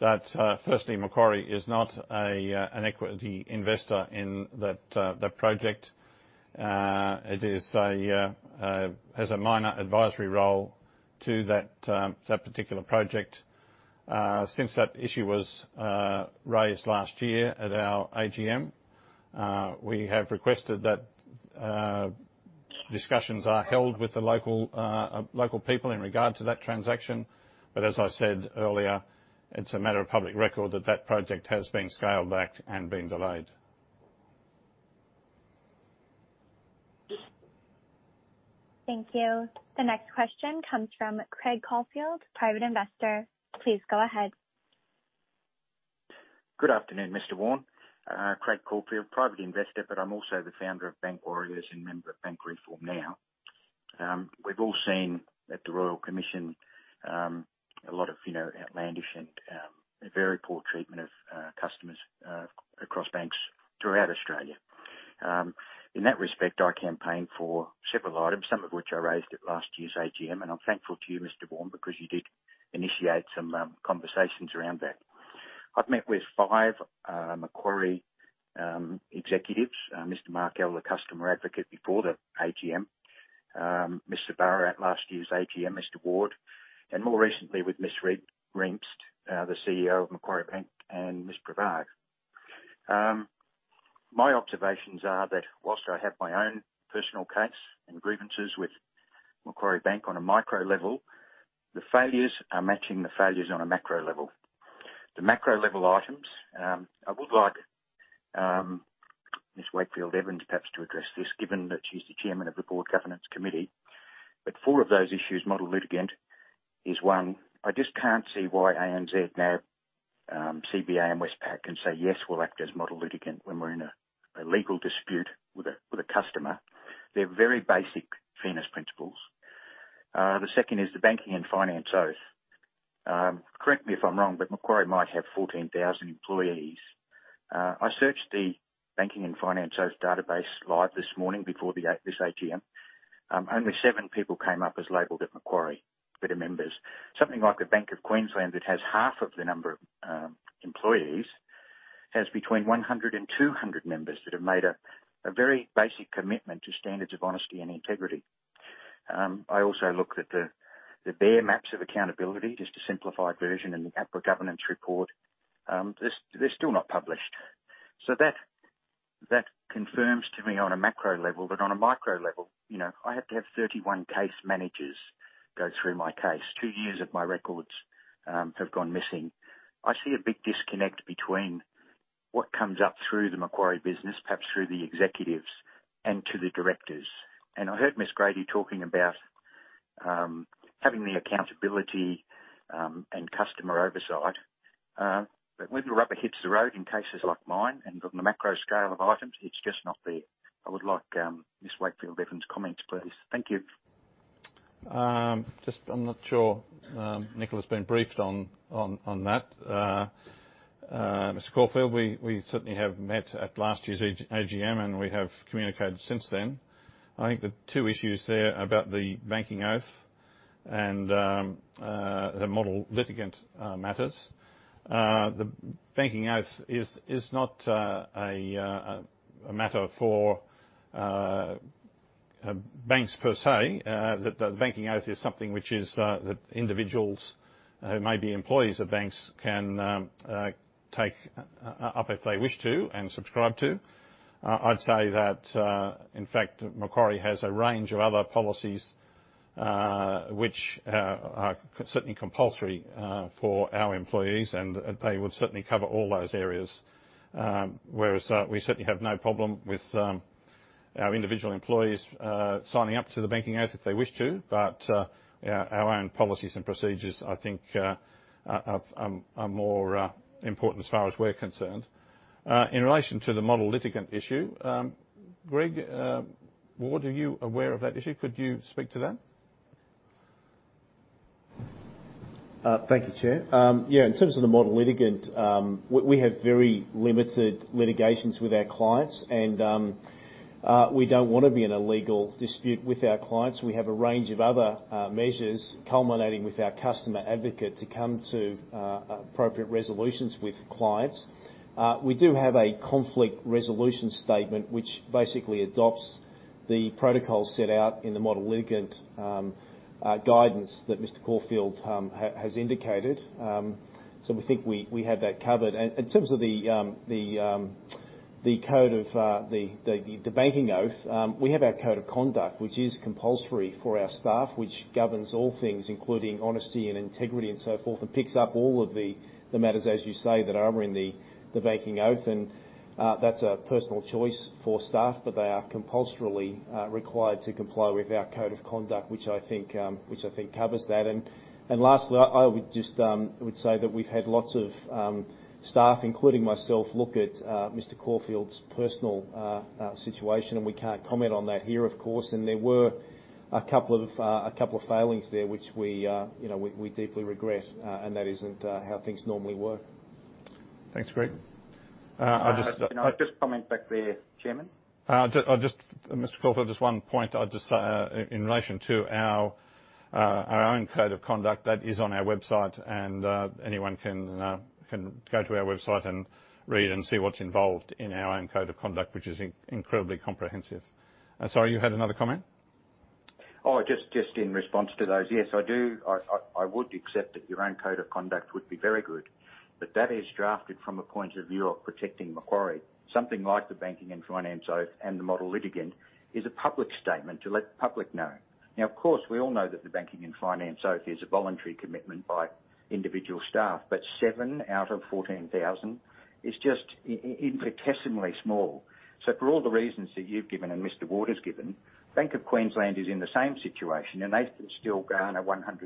That firstly, Macquarie is not an equity investor in that project. It has a minor advisory role to that particular project. Since that issue was raised last year at our AGM, we have requested that discussions are held with the local people in regard to that transaction. As I said earlier, it's a matter of public record that that project has been scaled back and been delayed. Thank you. The next question comes from Craig Caulfield, private investor. Please go ahead. Good afternoon, Mr. Warne. Craig Caulfield, private investor, but I'm also the founder of Bank Warriors and member of Bank Reform Now. We've all seen at the Royal Commission a lot of outlandish and very poor treatment of customers across banks throughout Australia. In that respect, I campaigned for several items, some of which I raised at last year's AGM, and I'm thankful to you, Mr. Warne, because you did initiate some conversations around that. I've met with five Macquarie executives: Mr. Mark Elw, the customer advocate before the AGM; Ms. Sabara at last year's AGM; Mr. Ward; and more recently with Ms. Rempst, the CEO of Macquarie Bank; and Ms. Brevard. My observations are that whilst I have my own personal case and grievances with Macquarie Bank on a micro level, the failures are matching the failures on a macro level. The macro level items, I would like Ms. Wakefield Evans perhaps to address this, given that she's the Chairman of the Board Governance Committee, but four of those issues model litigant is one, I just can't see why ANZ, now CBA and Westpac, can say, "Yes, we'll act as model litigant when we're in a legal dispute with a customer." They're very basic fairness principles. The second is the banking and finance oath. Correct me if I'm wrong, but Macquarie might have 14,000 employees. I searched the banking and finance oath database live this morning before this AGM. Only seven people came up as labelled at Macquarie that are members. Something like the Bank of Queensland that has half of the number of employees has between 100 and 200 members that have made a very basic commitment to standards of honesty and integrity. I also looked at the bare maps of accountability, just a simplified version in the APRA governance report. They're still not published. That confirms to me on a macro level that on a micro level, I have to have 31 case managers go through my case. Two years of my records have gone missing. I see a big disconnect between what comes up through the Macquarie business, perhaps through the executives, and to the directors. I heard Ms. Grady talking about having the accountability and customer oversight, but when the rubber hits the road in cases like mine and on the macro scale of items, it's just not there. I would like Ms. Wakefield Evans' comments, please. Thank you. I'm not sure Nicola's been briefed on that. Mr. Caulfield, we certainly have met at last year's AGM, and we have communicated since then. I think the two issues there are about the banking oath and the model litigant matters. The banking oath is not a matter for banks per se. The banking oath is something which individuals who may be employees of banks can take up if they wish to and subscribe to. I'd say that, in fact, Macquarie has a range of other policies which are certainly compulsory for our employees, and they would certainly cover all those areas, whereas we certainly have no problem with our individual employees signing up to the banking oath if they wish to, but our own policies and procedures, I think, are more important as far as we're concerned. In relation to the model litigant issue, Greg, what are you aware of that issue? Could you speak to that? Thank you, Chair. Yeah, in terms of the model litigant, we have very limited litigations with our clients, and we do not want to be in a legal dispute with our clients. We have a range of other measures culminating with our customer advocate to come to appropriate resolutions with clients. We do have a conflict resolution statement which basically adopts the protocol set out in the model litigant guidance that Mr. Caulfield has indicated. We think we have that covered. In terms of the code of the banking oath, we have our code of conduct which is compulsory for our staff, which governs all things, including honesty and integrity and so forth, and picks up all of the matters, as you say, that are in the banking oath. That's a personal choice for staff, but they are compulsorily required to comply with our code of conduct, which I think covers that. Lastly, I would just say that we've had lots of staff, including myself, look at Mr. Caulfield's personal situation, and we can't comment on that here, of course. There were a couple of failings there which we deeply regret, and that isn't how things normally work. Thanks, Greg. I'll just. I'll just comment back there, Chairman. Mr. Caulfield, just one point in relation to our own code of conduct. That is on our website, and anyone can go to our website and read and see what's involved in our own code of conduct, which is incredibly comprehensive. Sorry, you had another comment? Oh, just in response to those, yes, I do. I would accept that your own code of conduct would be very good, but that is drafted from a point of view of protecting Macquarie. Something like the banking and finance oath and the model litigant is a public statement to let the public know. Now, of course, we all know that the banking and finance oath is a voluntary commitment by individual staff, but 7 out of 14,000 is just infinitesimally small. For all the reasons that you've given and Mr. Ward has given, Bank of Queensland is in the same situation, and they still garner 100-200.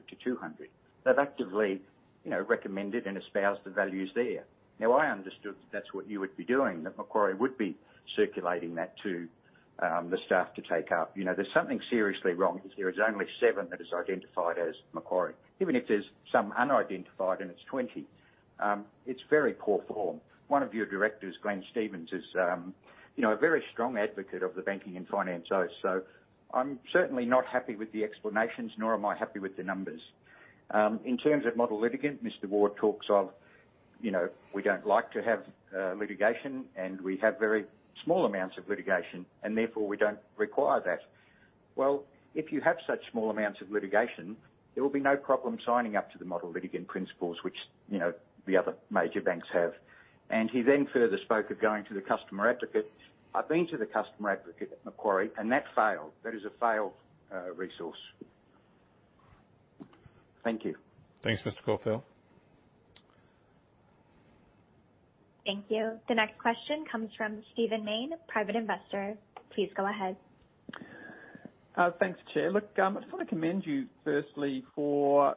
They've actively recommended and espoused the values there. I understood that that's what you would be doing, that Macquarie would be circulating that to the staff to take up. There's something seriously wrong if there is only seven that is identified as Macquarie. Even if there's some unidentified and it's 20, it's very poor form. One of your directors, Glenn Stevens, is a very strong advocate of the banking and finance oath, so I'm certainly not happy with the explanations, nor am I happy with the numbers. In terms of model litigant, Mr. Ward talks of, "We don't like to have litigation, and we have very small amounts of litigation, and therefore we don't require that." If you have such small amounts of litigation, there will be no problem signing up to the model litigant principles, which the other major banks have. He then further spoke of going to the customer advocate. I've been to the customer advocate at Macquarie, and that failed. That is a failed resource. Thank you. Thanks, Mr. Caulfield. Thank you. The next question comes from Stephen Main, private investor. Please go ahead. Thanks, Chair. Look, I just want to commend you firstly for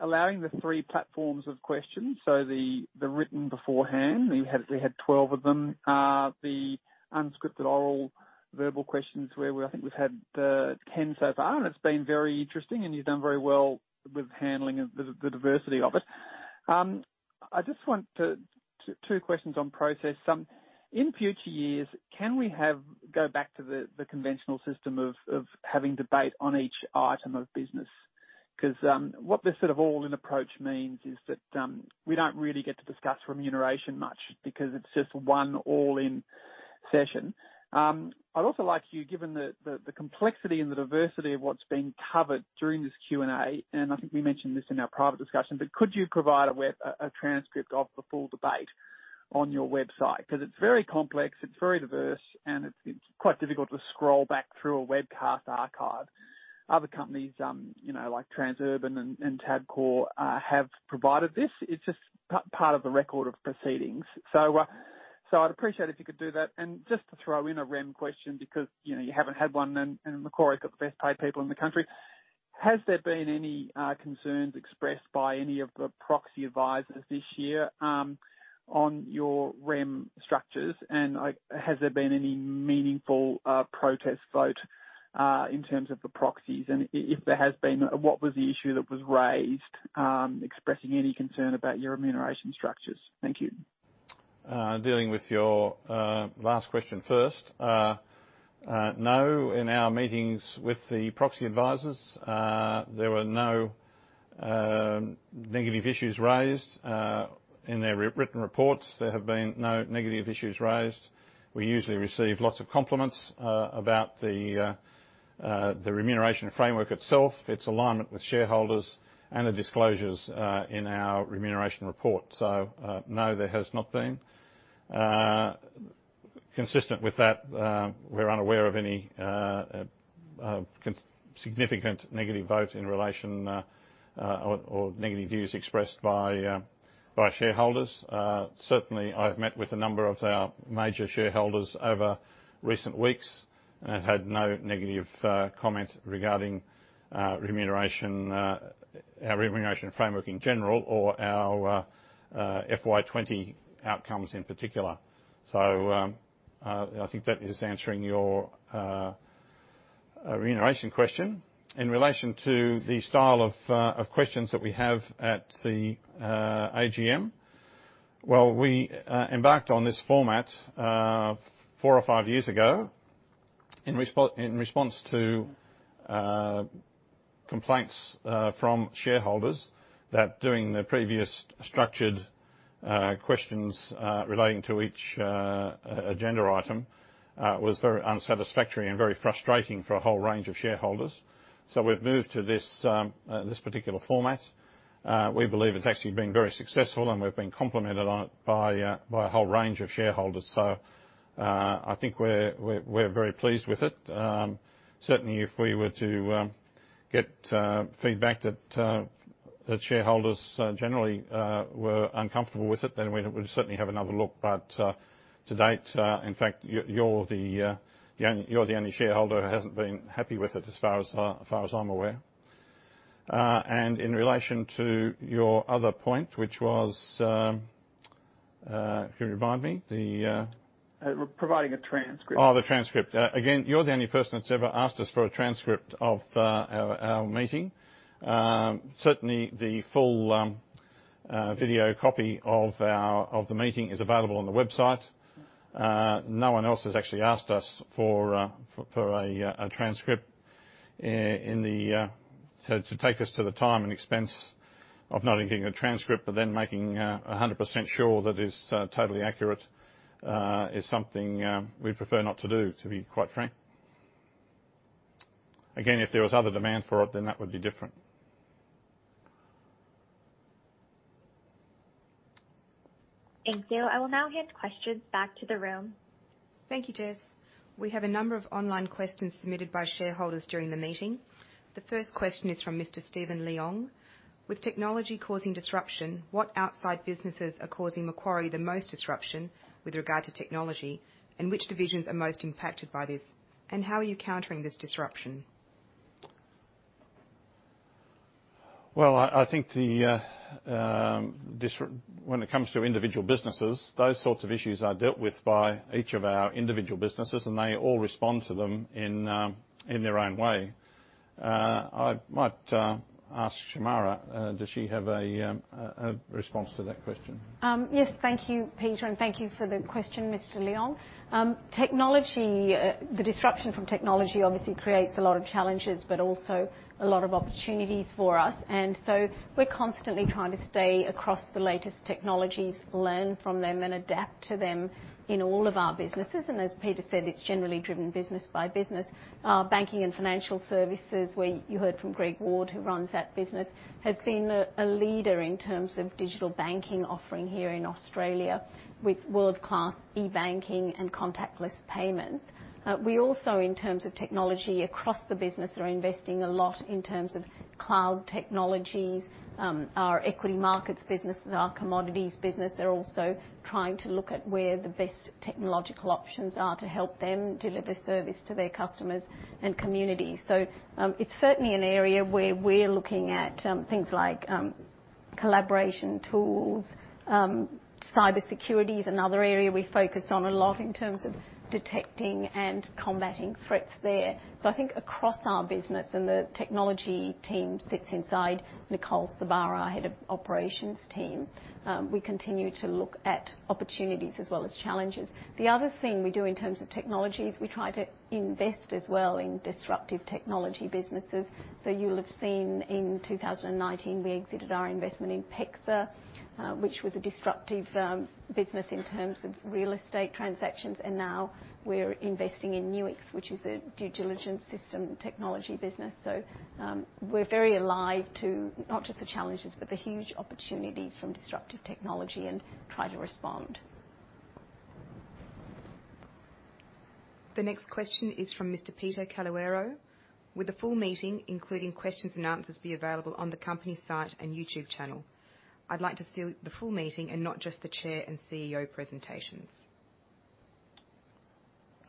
allowing the three platforms of questions. The written beforehand, we had 12 of them. The unscripted oral verbal questions where I think we've had 10 so far, and it's been very interesting, and you've done very well with handling the diversity of it. I just want two questions on process. In future years, can we go back to the conventional system of having debate on each item of business? Because what this sort of all-in approach means is that we don't really get to discuss remuneration much because it's just one all-in session. I'd also like you, given the complexity and the diversity of what's being covered during this Q&A, and I think we mentioned this in our private discussion, but could you provide a transcript of the full debate on your website? Because it's very complex, it's very diverse, and it's quite difficult to scroll back through a webcast archive. Other companies like Transurban and Tabcorp have provided this. It's just part of the record of proceedings. I would appreciate it if you could do that. Just to throw in a REM question because you haven't had one, and Macquarie's got the best paid people in the country. Has there been any concerns expressed by any of the proxy advisors this year on your REM structures? Has there been any meaningful protest vote in terms of the proxies? If there has been, what was the issue that was raised expressing any concern about your remuneration structures? Thank you. Dealing with your last question first. No, in our meetings with the proxy advisors, there were no negative issues raised. In their written reports, there have been no negative issues raised. We usually receive lots of compliments about the remuneration framework itself, its alignment with shareholders, and the disclosures in our remuneration report. No, there has not been. Consistent with that, we're unaware of any significant negative vote in relation or negative views expressed by shareholders. Certainly, I've met with a number of our major shareholders over recent weeks and have had no negative comment regarding our remuneration framework in general or our FY2020 outcomes in particular. I think that is answering your remuneration question. In relation to the style of questions that we have at the AGM, we embarked on this format four or five years ago in response to complaints from shareholders that doing the previous structured questions relating to each agenda item was very unsatisfactory and very frustrating for a whole range of shareholders. We have moved to this particular format. We believe it's actually been very successful, and we've been complimented on it by a whole range of shareholders. I think we're very pleased with it. Certainly, if we were to get feedback that shareholders generally were uncomfortable with it, we'd certainly have another look. To date, in fact, you're the only shareholder who hasn't been happy with it as far as I'm aware. In relation to your other point, which was, can you remind me? Providing a transcript. Oh, the transcript. Again, you're the only person that's ever asked us for a transcript of our meeting. Certainly, the full video copy of the meeting is available on the website. No one else has actually asked us for a transcript to take us to the time and expense of not only getting a transcript, but then making 100% sure that it's totally accurate is something we'd prefer not to do, to be quite frank. Again, if there was other demand for it, then that would be different. Thank you. I will now hand questions back to the room. Thank you, Jess. We have a number of online questions submitted by shareholders during the meeting. The first question is from Mr. Stephen Leong. With technology causing disruption, what outside businesses are causing Macquarie the most disruption with regard to technology, and which divisions are most impacted by this? How are you countering this disruption? I think when it comes to individual businesses, those sorts of issues are dealt with by each of our individual businesses, and they all respond to them in their own way. I might ask Shemara, does she have a response to that question? Yes, thank you, Peter, and thank you for the question, Mr. Leong. The disruption from technology obviously creates a lot of challenges, but also a lot of opportunities for us. We are constantly trying to stay across the latest technologies, learn from them, and adapt to them in all of our businesses. As Peter said, it is generally driven business by business. Banking and Financial Services, where you heard from Greg Ward, who runs that business, has been a leader in terms of digital banking offering here in Australia with world-class e-banking and contactless payments. We also, in terms of technology across the business, are investing a lot in terms of cloud technologies. Our equity markets business, our commodities business, they are also trying to look at where the best technological options are to help them deliver service to their customers and communities. It's certainly an area where we're looking at things like collaboration tools. Cybersecurity is another area we focus on a lot in terms of detecting and combating threats there. I think across our business, and the technology team sits inside Nicole Sabara, our Head of Operations team, we continue to look at opportunities as well as challenges. The other thing we do in terms of technology is we try to invest as well in disruptive technology businesses. You'll have seen in 2019, we exited our investment in PEXA, which was a disruptive business in terms of real estate transactions, and now we're investing in NUIX, which is a due diligence system technology business. We're very alive to not just the challenges, but the huge opportunities from disruptive technology and try to respond. The next question is from Mr. Peter Caluero. Would the full meeting, including questions and answers, be available on the company site and YouTube channel? I'd like to see the full meeting and not just the chair and CEO presentations.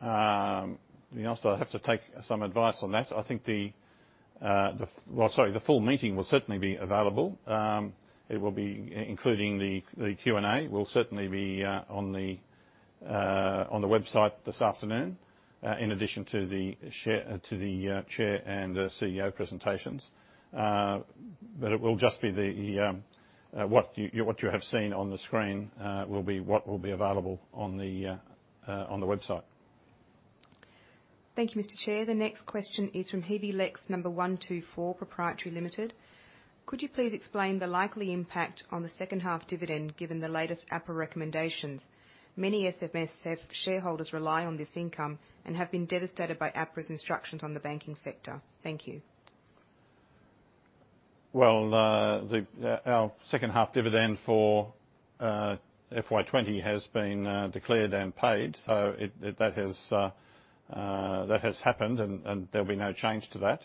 I'll have to take some advice on that. I think the—sorry, the full meeting will certainly be available. It will be including the Q&A. It will certainly be on the website this afternoon, in addition to the chair and CEO presentations. It will just be the—what you have seen on the screen will be what will be available on the website. Thank you, Mr. Chair. The next question is from HebbyLex, number 124, Proprietary Limited. Could you please explain the likely impact on the second-half dividend given the latest APRA recommendations? Many SMS shareholders rely on this income and have been devastated by APRA's instructions on the banking sector. Thank you. Our second-half dividend for FY2020 has been declared and paid, so that has happened, and there will be no change to that.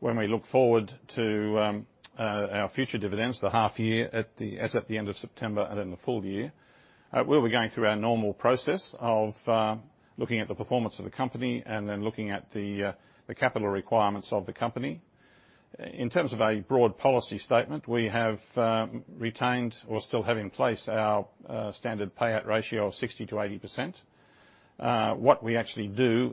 When we look forward to our future dividends, the half-year as at the end of September and in the full year, we will be going through our normal process of looking at the performance of the company and then looking at the capital requirements of the company. In terms of a broad policy statement, we have retained or still have in place our standard payout ratio of 60-80%. What we actually do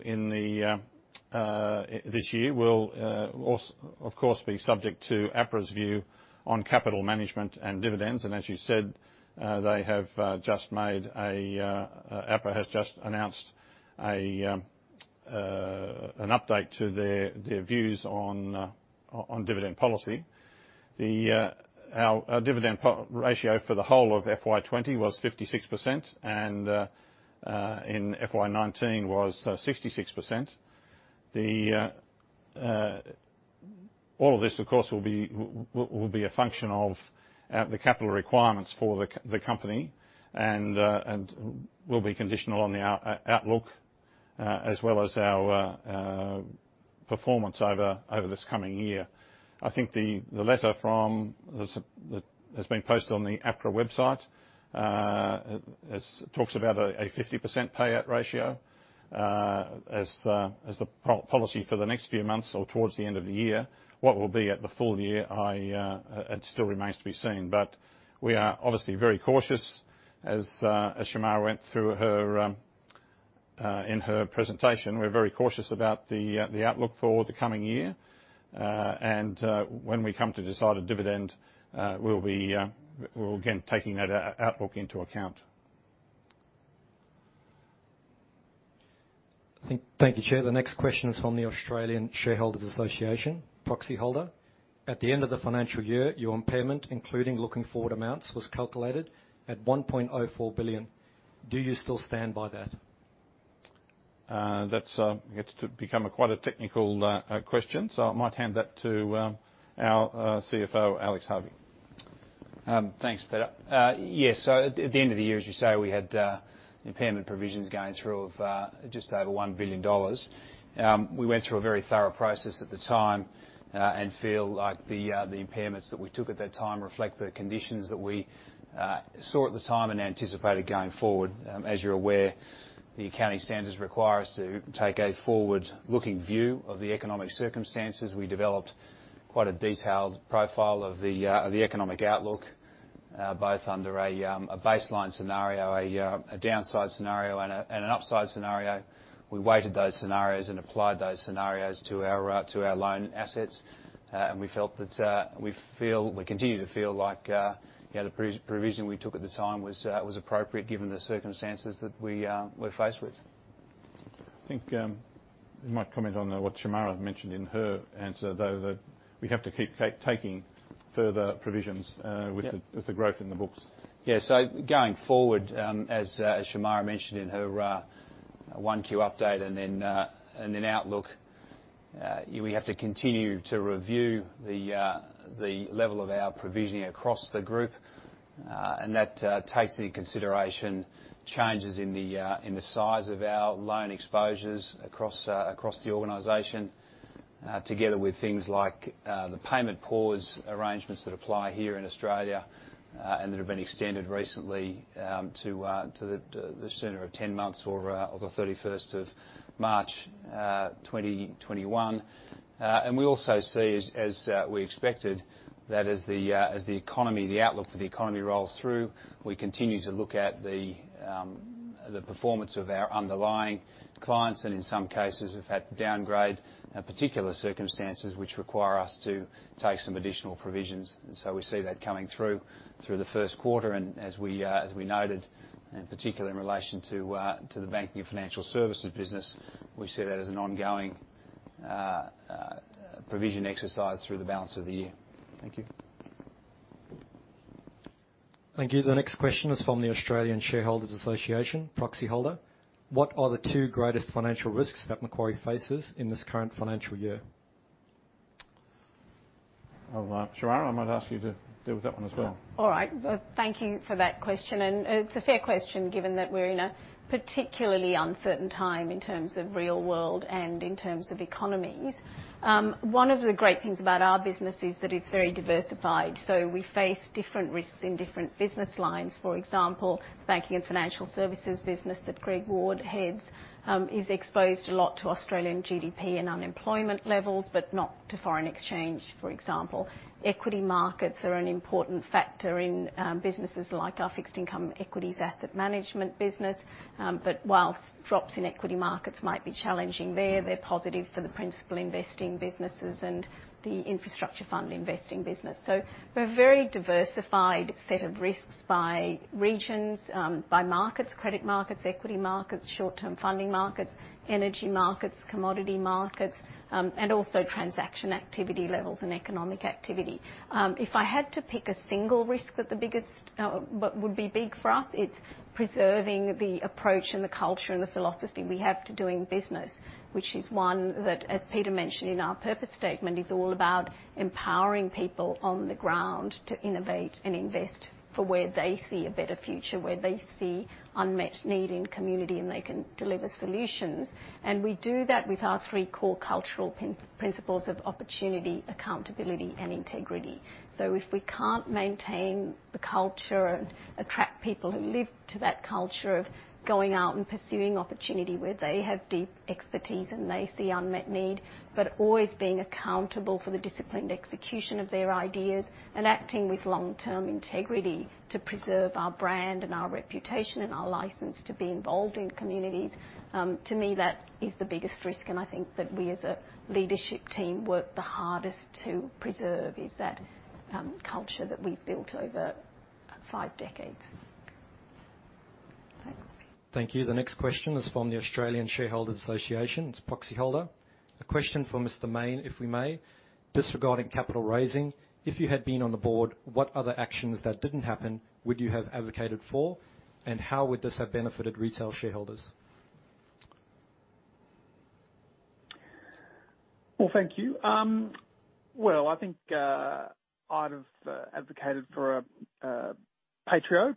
this year will, of course, be subject to APRA's view on capital management and dividends. As you said, APRA has just announced an update to their views on dividend policy. Our dividend ratio for the whole of FY2020 was 56%, and in FY2019 was 66%. All of this, of course, will be a function of the capital requirements for the company and will be conditional on our outlook as well as our performance over this coming year. I think the letter that has been posted on the APRA website talks about a 50% payout ratio as the policy for the next few months or towards the end of the year. What will be at the full year, it still remains to be seen. We are obviously very cautious, as Shemara went through in her presentation. We are very cautious about the outlook for the coming year. When we come to decide a dividend, we will be again taking that outlook into account. Thank you, Chair. The next question is from the Australian Shareholders Association, Proxy Holder. At the end of the financial year, your impairment, including looking forward amounts, was calculated at 1.04 billion. Do you still stand by that? That's become quite a technical question, so I might hand that to our CFO, Alex Harvey. Thanks, Peter. Yes, at the end of the year, as you say, we had impairment provisions going through of just over $1 billion. We went through a very thorough process at the time and feel like the impairments that we took at that time reflect the conditions that we saw at the time and anticipated going forward. As you're aware, the accounting standards require us to take a forward-looking view of the economic circumstances. We developed quite a detailed profile of the economic outlook, both under a baseline scenario, a downside scenario, and an upside scenario. We weighted those scenarios and applied those scenarios to our loan assets. We feel we continue to feel like the provision we took at the time was appropriate given the circumstances that we were faced with. I think you might comment on what Shemara mentioned in her answer, though, that we have to keep taking further provisions with the growth in the books. Yeah, so going forward, as Shemara mentioned in her 1Q update and then outlook, we have to continue to review the level of our provisioning across the group. That takes into consideration changes in the size of our loan exposures across the organization, together with things like the payment pause arrangements that apply here in Australia and that have been extended recently to the sooner of 10 months or the 31st of March 2021. We also see, as we expected, that as the outlook for the economy rolls through, we continue to look at the performance of our underlying clients and, in some cases, have had to downgrade particular circumstances which require us to take some additional provisions. We see that coming through the first quarter. As we noted, in particular in relation to the Banking and Financial Services business, we see that as an ongoing provision exercise through the balance of the year. Thank you. Thank you. The next question is from the Australian Shareholders Association, Proxy Holder. What are the two greatest financial risks that Macquarie faces in this current financial year? Shemara, I might ask you to deal with that one as well. All right. Thank you for that question. It's a fair question given that we're in a particularly uncertain time in terms of real world and in terms of economies. One of the great things about our business is that it's very diversified. We face different risks in different business lines. For example, the Banking and Financial Services business that Greg Ward heads is exposed a lot to Australian GDP and unemployment levels, but not to foreign exchange, for example. Equity markets are an important factor in businesses like our fixed income equities asset management business. Whilst drops in equity markets might be challenging there, they're positive for the principal investing businesses and the infrastructure fund investing business. We're a very diversified set of risks by regions, by markets: credit markets, equity markets, short-term funding markets, energy markets, commodity markets, and also transaction activity levels and economic activity. If I had to pick a single risk that would be big for us, it's preserving the approach and the culture and the philosophy we have to doing business, which is one that, as Peter mentioned in our purpose statement, is all about empowering people on the ground to innovate and invest for where they see a better future, where they see unmet need in community, and they can deliver solutions. We do that with our three core cultural principles of opportunity, accountability, and integrity. If we can't maintain the culture and attract people who live to that culture of going out and pursuing opportunity where they have deep expertise and they see unmet need, but always being accountable for the disciplined execution of their ideas and acting with long-term integrity to preserve our brand and our reputation and our license to be involved in communities, to me, that is the biggest risk. I think that we, as a leadership team, work the hardest to preserve is that culture that we've built over five decades. Thanks. Thank you. The next question is from the Australian Shareholders Association, Proxy Holder. A question for Mr. Main, if we may. This regarding capital raising. If you had been on the board, what other actions that did not happen would you have advocated for, and how would this have benefited retail shareholders? Thank you. I think I'd have advocated for a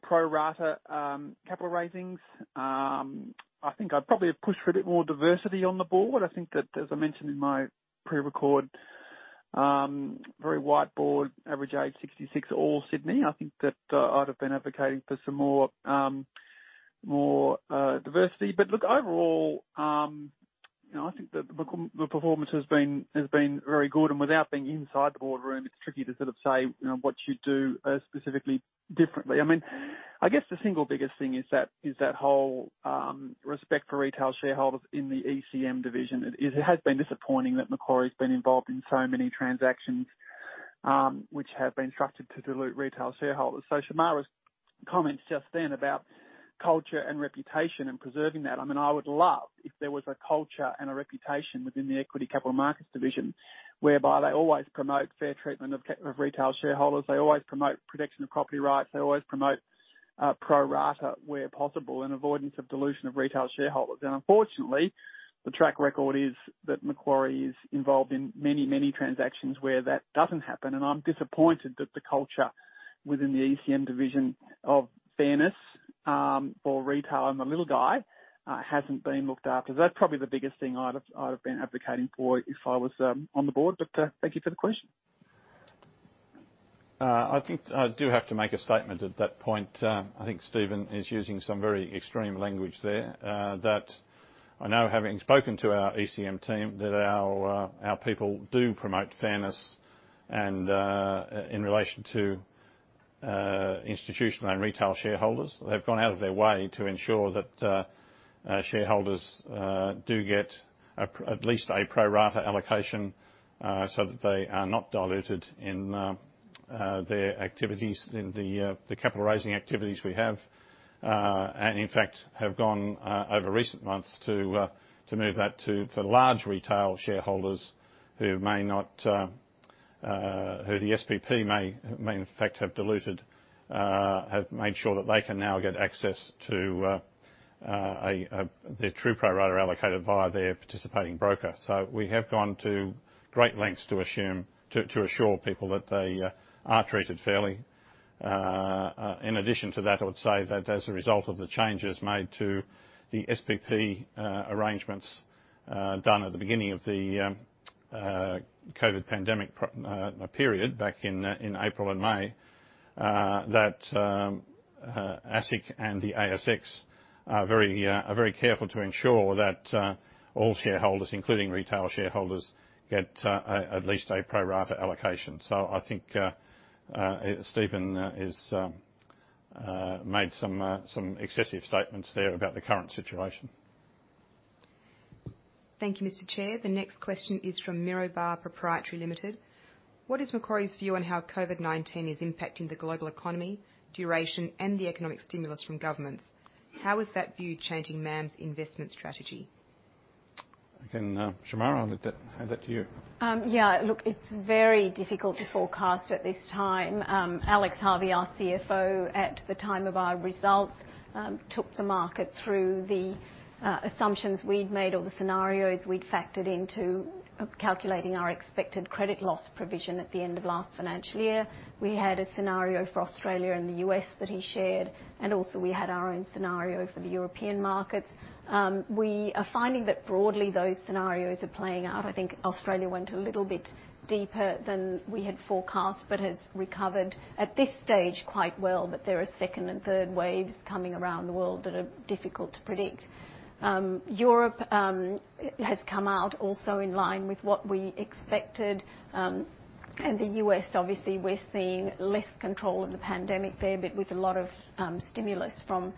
pro-rata capital raising. I think I'd probably have pushed for a bit more diversity on the board. I think that, as I mentioned in my pre-record, very white board, average age 66, all Sydney. I think that I'd have been advocating for some more diversity. Look, overall, I think the performance has been very good. Without being inside the boardroom, it's tricky to sort of say what you do specifically differently. I mean, I guess the single biggest thing is that whole respect for retail shareholders in the ECM division. It has been disappointing that Macquarie has been involved in so many transactions which have been structured to dilute retail shareholders. Shimara's comments just then about culture and reputation and preserving that, I mean, I would love if there was a culture and a reputation within the equity capital markets division whereby they always promote fair treatment of retail shareholders. They always promote protection of property rights. They always promote pro-rata where possible and avoidance of dilution of retail shareholders. Unfortunately, the track record is that Macquarie is involved in many, many transactions where that does not happen. I am disappointed that the culture within the ECM division of fairness for retail and the little guy has not been looked after. That is probably the biggest thing I would have been advocating for if I was on the board. Thank you for the question. I think I do have to make a statement at that point. I think Stephen is using some very extreme language there that I know, having spoken to our ECM team, that our people do promote fairness in relation to institutional and retail shareholders. They have gone out of their way to ensure that shareholders do get at least a pro-rata allocation so that they are not diluted in their activities in the capital raising activities we have. In fact, have gone over recent months to move that to for large retail shareholders who may not—who the SPP may, in fact, have diluted—have made sure that they can now get access to their true pro-rata allocated via their participating broker. We have gone to great lengths to assure people that they are treated fairly. In addition to that, I would say that as a result of the changes made to the SPP arrangements done at the beginning of the COVID pandemic period back in April and May, that ASIC and the ASX are very careful to ensure that all shareholders, including retail shareholders, get at least a pro-rata allocation. I think Stephen has made some excessive statements there about the current situation. Thank you, Mr. Chair. The next question is from Mirobar Proprietary Limited. What is Macquarie's view on how COVID-19 is impacting the global economy, duration, and the economic stimulus from governments? How is that view changing MAM's investment strategy? Okay. Shemara, I'll leave that to you. Yeah. Look, it's very difficult to forecast at this time. Alex Harvey, our CFO, at the time of our results, took the market through the assumptions we'd made or the scenarios we'd factored into calculating our expected credit loss provision at the end of last financial year. We had a scenario for Australia and the US that he shared, and also we had our own scenario for the European markets. We are finding that broadly those scenarios are playing out. I think Australia went a little bit deeper than we had forecast but has recovered at this stage quite well. There are second and third waves coming around the world that are difficult to predict. Europe has come out also in line with what we expected. The US, obviously, we're seeing less control of the pandemic there, but with a lot of stimulus from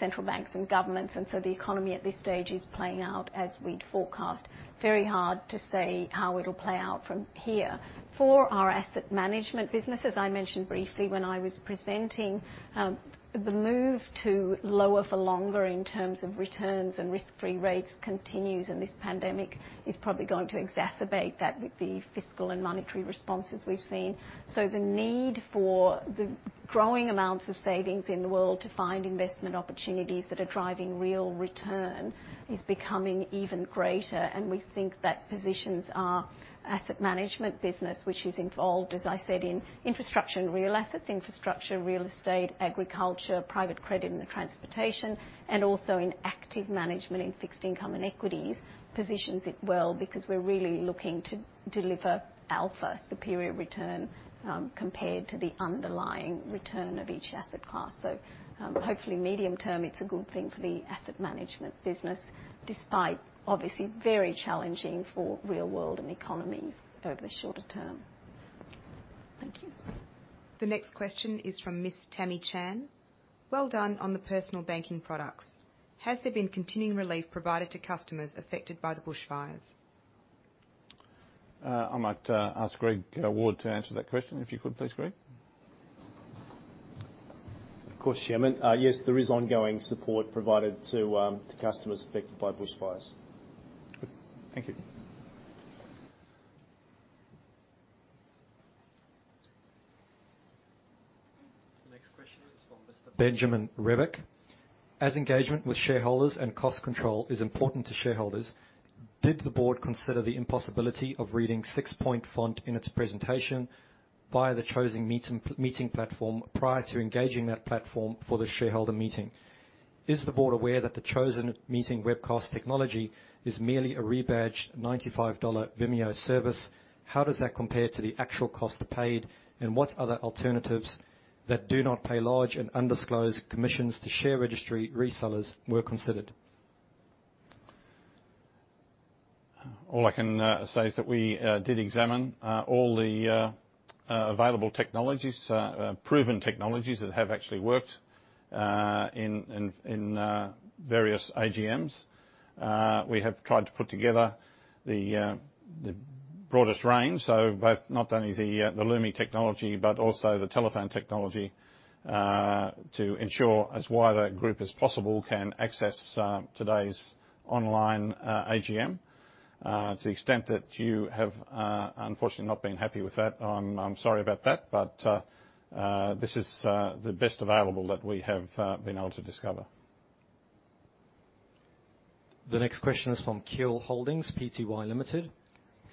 central banks and governments. The economy at this stage is playing out as we'd forecast. Very hard to say how it'll play out from here. For our asset management business, as I mentioned briefly when I was presenting, the move to lower for longer in terms of returns and risk-free rates continues, and this pandemic is probably going to exacerbate that with the fiscal and monetary responses we've seen. The need for the growing amounts of savings in the world to find investment opportunities that are driving real return is becoming even greater. We think that positions our asset management business, which is involved, as I said, in infrastructure and real assets, infrastructure, real estate, agriculture, private credit and transportation, and also in active management in fixed income and equities, positions it well because we're really looking to deliver alpha, superior return compared to the underlying return of each asset class. Hopefully, medium term, it's a good thing for the asset management business, despite obviously very challenging for real world and economies over the shorter term. Thank you. The next question is from Ms. Tammy Chan. Well done on the personal banking products. Has there been continuing relief provided to customers affected by the bushfires? I might ask Greg Ward to answer that question, if you could please, Greg. Of course, Chairman. Yes, there is ongoing support provided to customers affected by bushfires. Thank you. The next question is from Mr. Benjamin Revick. As engagement with shareholders and cost control is important to shareholders, did the board consider the impossibility of reading six-point font in its presentation via the chosen meeting platform prior to engaging that platform for the shareholder meeting? Is the board aware that the chosen meeting webcast technology is merely a rebadged $95 Vimeo service? How does that compare to the actual cost paid? What other alternatives that do not pay large and undisclosed commissions to share registry resellers were considered? All I can say is that we did examine all the available technologies, proven technologies that have actually worked in various AGMs. We have tried to put together the broadest range, so both not only the LUMI technology but also the telephone technology, to ensure as wide a group as possible can access today's online AGM. To the extent that you have unfortunately not been happy with that, I'm sorry about that. This is the best available that we have been able to discover. The next question is from Kiel Holdings, PTY Limited.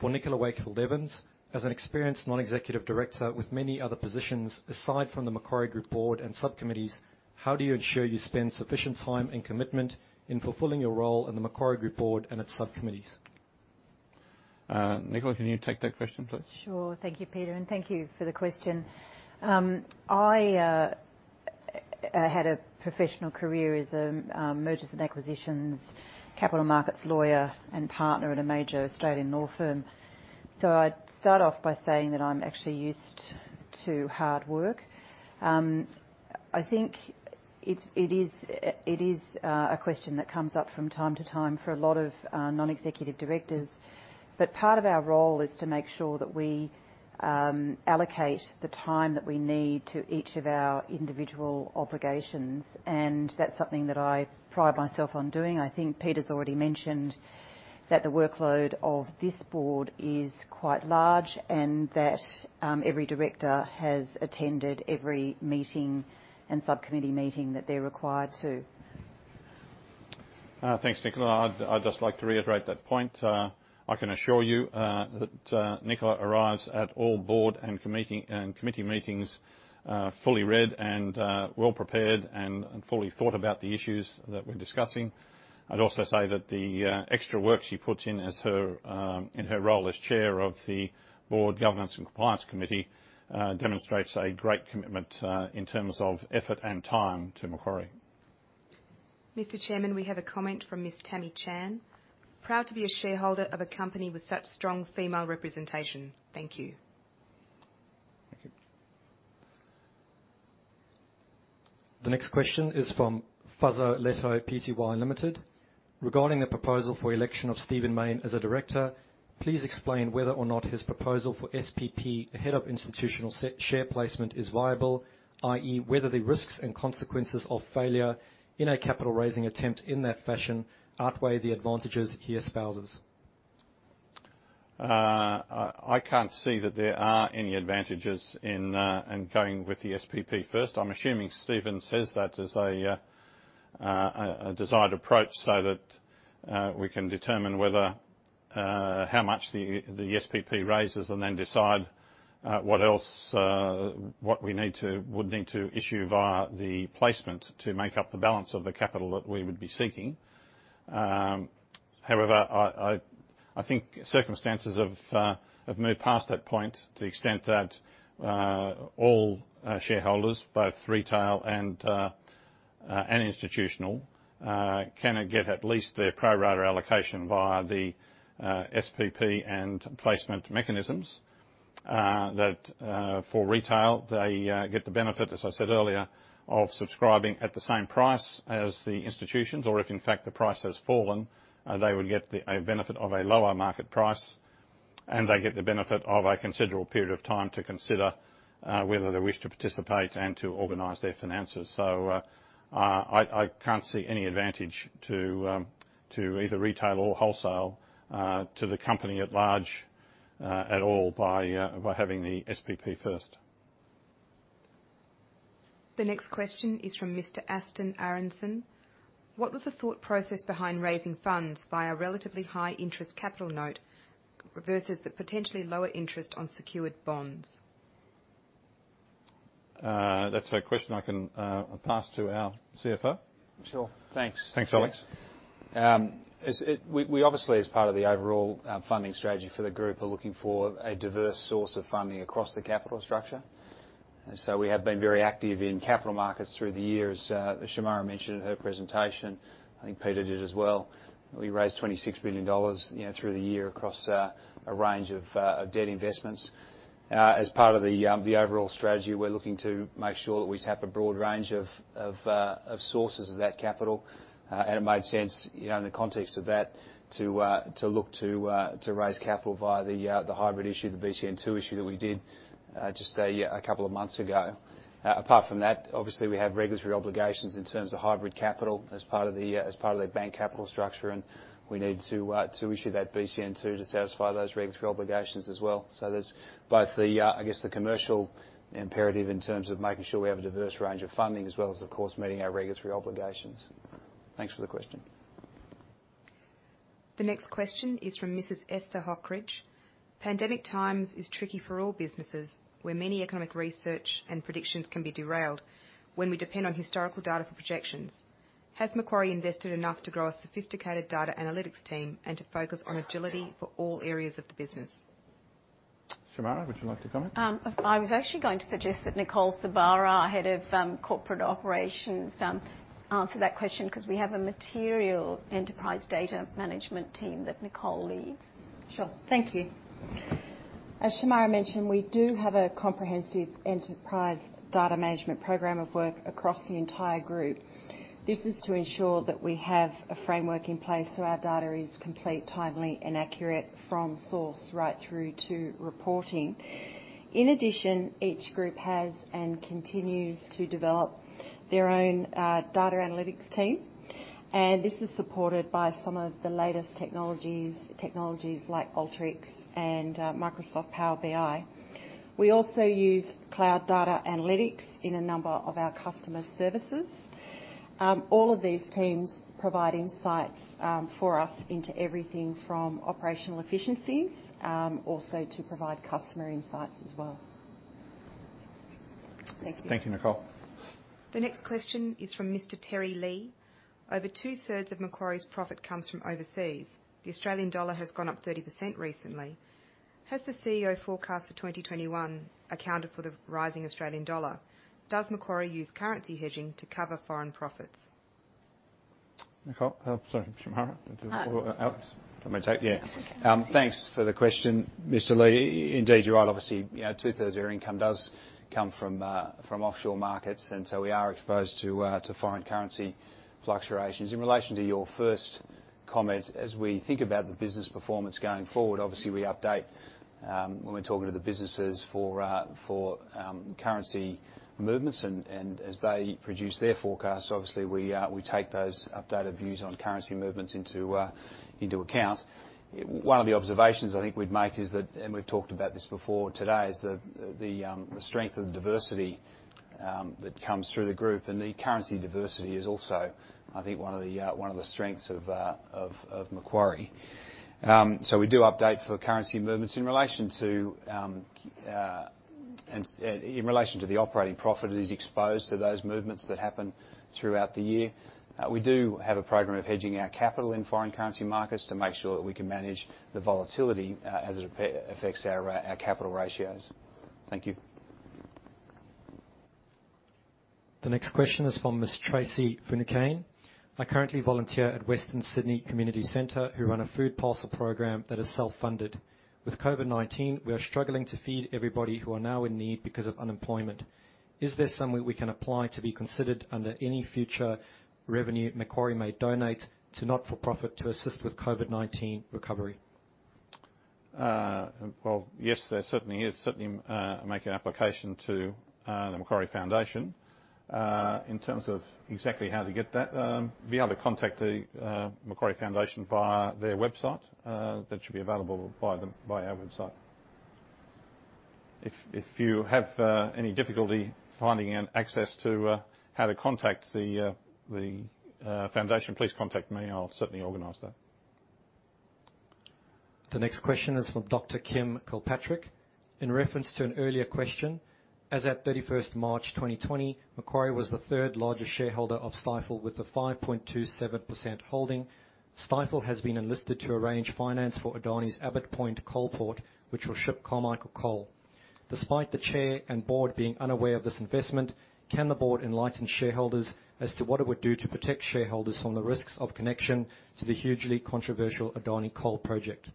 For Nicola Wakefield Evans, as an experienced non-executive director with many other positions aside from the Macquarie Group board and subcommittees, how do you ensure you spend sufficient time and commitment in fulfilling your role in the Macquarie Group board and its subcommittees? Nicola, can you take that question, please? Sure. Thank you, Peter. Thank you for the question. I had a professional career as a mergers and acquisitions, capital markets lawyer, and partner at a major Australian law firm. I'd start off by saying that I'm actually used to hard work. I think it is a question that comes up from time to time for a lot of non-executive directors. Part of our role is to make sure that we allocate the time that we need to each of our individual obligations. That's something that I pride myself on doing. I think Peter's already mentioned that the workload of this board is quite large and that every director has attended every meeting and subcommittee meeting that they're required to. Thanks, Nicholas. I'd just like to reiterate that point. I can assure you that Nicholas arrives at all board and committee meetings fully read and well prepared and fully thought about the issues that we're discussing. I'd also say that the extra work she puts in in her role as Chair of the Board Governance and Compliance Committee demonstrates a great commitment in terms of effort and time to Macquarie. Mr. Chairman, we have a comment from Ms. Tammy Chan. Proud to be a shareholder of a company with such strong female representation. Thank you. Thank you. The next question is from Fuzzo Leto, PTY Limited. Regarding the proposal for election of Stephen Main as a director, please explain whether or not his proposal for SPP ahead of institutional share placement is viable, i.e., whether the risks and consequences of failure in a capital raising attempt in that fashion outweigh the advantages he espouses. I can't see that there are any advantages in going with the SPP first. I'm assuming Stephen says that as a desired approach so that we can determine how much the SPP raises and then decide what we would need to issue via the placement to make up the balance of the capital that we would be seeking. However, I think circumstances have moved past that point to the extent that all shareholders, both retail and institutional, can get at least their pro-rata allocation via the SPP and placement mechanisms. That for retail, they get the benefit, as I said earlier, of subscribing at the same price as the institutions. Or if, in fact, the price has fallen, they would get a benefit of a lower market price. They get the benefit of a considerable period of time to consider whether they wish to participate and to organize their finances. I can't see any advantage to either retail or wholesale to the company at large at all by having the SPP first. The next question is from Mr. Aston Aronson. What was the thought process behind raising funds via a relatively high-interest capital note versus the potentially lower interest on secured bonds? That's a question I can pass to our CFO. Sure. Thanks. Thanks, Alex. We obviously, as part of the overall funding strategy for the group, are looking for a diverse source of funding across the capital structure. We have been very active in capital markets through the years. Shemara mentioned in her presentation. I think Peter did as well. We raised $26 billion through the year across a range of debt investments. As part of the overall strategy, we are looking to make sure that we tap a broad range of sources of that capital. It made sense in the context of that to look to raise capital via the hybrid issue, the BCN2 issue that we did just a couple of months ago. Apart from that, obviously, we have regulatory obligations in terms of hybrid capital as part of the bank capital structure. We need to issue that BCN2 to satisfy those regulatory obligations as well. There is both the, I guess, the commercial imperative in terms of making sure we have a diverse range of funding as well as, of course, meeting our regulatory obligations. Thanks for the question. The next question is from Mrs. Esther Hockridge. Pandemic times is tricky for all businesses where many economic research and predictions can be derailed when we depend on historical data for projections. Has Macquarie invested enough to grow a sophisticated data analytics team and to focus on agility for all areas of the business? Shemara, would you like to comment? I was actually going to suggest that Nicole Sabara, Head of Corporate Operations, answer that question because we have a material enterprise data management team that Nicole leads. Sure. Thank you. As Shemara mentioned, we do have a comprehensive enterprise data management program of work across the entire group. This is to ensure that we have a framework in place so our data is complete, timely, and accurate from source right through to reporting. In addition, each group has and continues to develop their own data analytics team. This is supported by some of the latest technologies like Alteryx and Microsoft Power BI. We also use cloud data analytics in a number of our customer services. All of these teams provide insights for us into everything from operational efficiencies also to provide customer insights as well. Thank you. Thank you, Nicole. The next question is from Mr. Terry Lee. Over two-thirds of Macquarie's profit comes from overseas. The Australian dollar has gone up 30% recently. Has the CEO forecast for 2021 accounted for the rising Australian dollar? Does Macquarie use currency hedging to cover foreign profits? Nicole? Sorry, Shemara. Alex? Yeah. Thanks for the question, Mr. Lee. Indeed, you're right. Obviously, two-thirds of your income does come from offshore markets. We are exposed to foreign currency fluctuations. In relation to your first comment, as we think about the business performance going forward, we update when we're talking to the businesses for currency movements. As they produce their forecasts, we take those updated views on currency movements into account. One of the observations I think we'd make is that, and we've talked about this before today, is the strength of the diversity that comes through the group. The currency diversity is also, I think, one of the strengths of Macquarie. We do update for currency movements in relation to the operating profit that is exposed to those movements that happen throughout the year. We do have a program of hedging our capital in foreign currency markets to make sure that we can manage the volatility as it affects our capital ratios. Thank you. The next question is from Ms. Tracy Funekane. I currently volunteer at Western Sydney Community Center who run a food parcel program that is self-funded. With COVID-19, we are struggling to feed everybody who are now in need because of unemployment. Is there some way we can apply to be considered under any future revenue Macquarie may donate to not-for-profit to assist with COVID-19 recovery? Yes, there certainly is. Certainly, I make an application to the Macquarie Foundation. In terms of exactly how to get that, be able to contact the Macquarie Foundation via their website. That should be available via our website. If you have any difficulty finding access to how to contact the foundation, please contact me. I'll certainly organize that. The next question is from Dr. Kim Kilpatrick. In reference to an earlier question, as at 31 March 2020, Macquarie was the third largest shareholder of Stifel with a 5.27% holding. Stifel has been enlisted to arrange finance for Adani's Abbot Point Coalport, which will ship Carmichael Coal. Despite the chair and board being unaware of this investment, can the board enlighten shareholders as to what it would do to protect shareholders from the risks of connection to the hugely controversial Adani Coal project?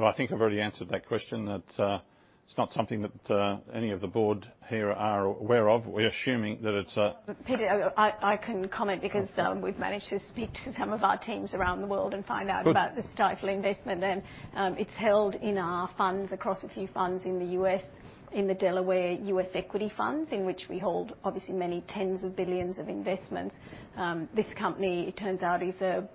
I think I've already answered that question. It's not something that any of the board here are aware of. We're assuming that it's. Peter, I can comment because we've managed to speak to some of our teams around the world and find out about the Stifel investment. It's held in our funds across a few funds in the US, in the Delaware US Equity Funds, in which we hold obviously many tens of billions of investments. This company, it turns out, is a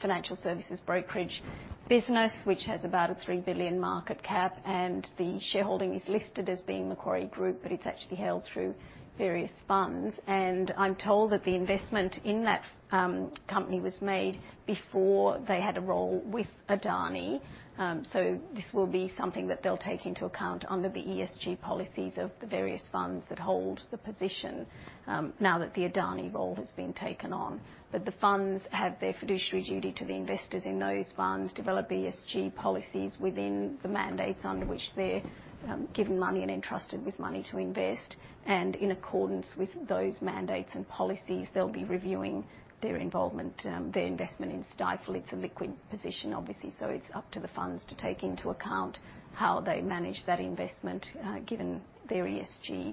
financial services brokerage business which has about a $3 billion market cap. The shareholding is listed as being Macquarie Group, but it's actually held through various funds. I'm told that the investment in that company was made before they had a role with Adani. This will be something that they'll take into account under the ESG policies of the various funds that hold the position now that the Adani role has been taken on. The funds have their fiduciary duty to the investors in those funds, develop ESG policies within the mandates under which they're given money and entrusted with money to invest. In accordance with those mandates and policies, they'll be reviewing their involvement, their investment in Stifel. It's a liquid position, obviously. It's up to the funds to take into account how they manage that investment given their ESG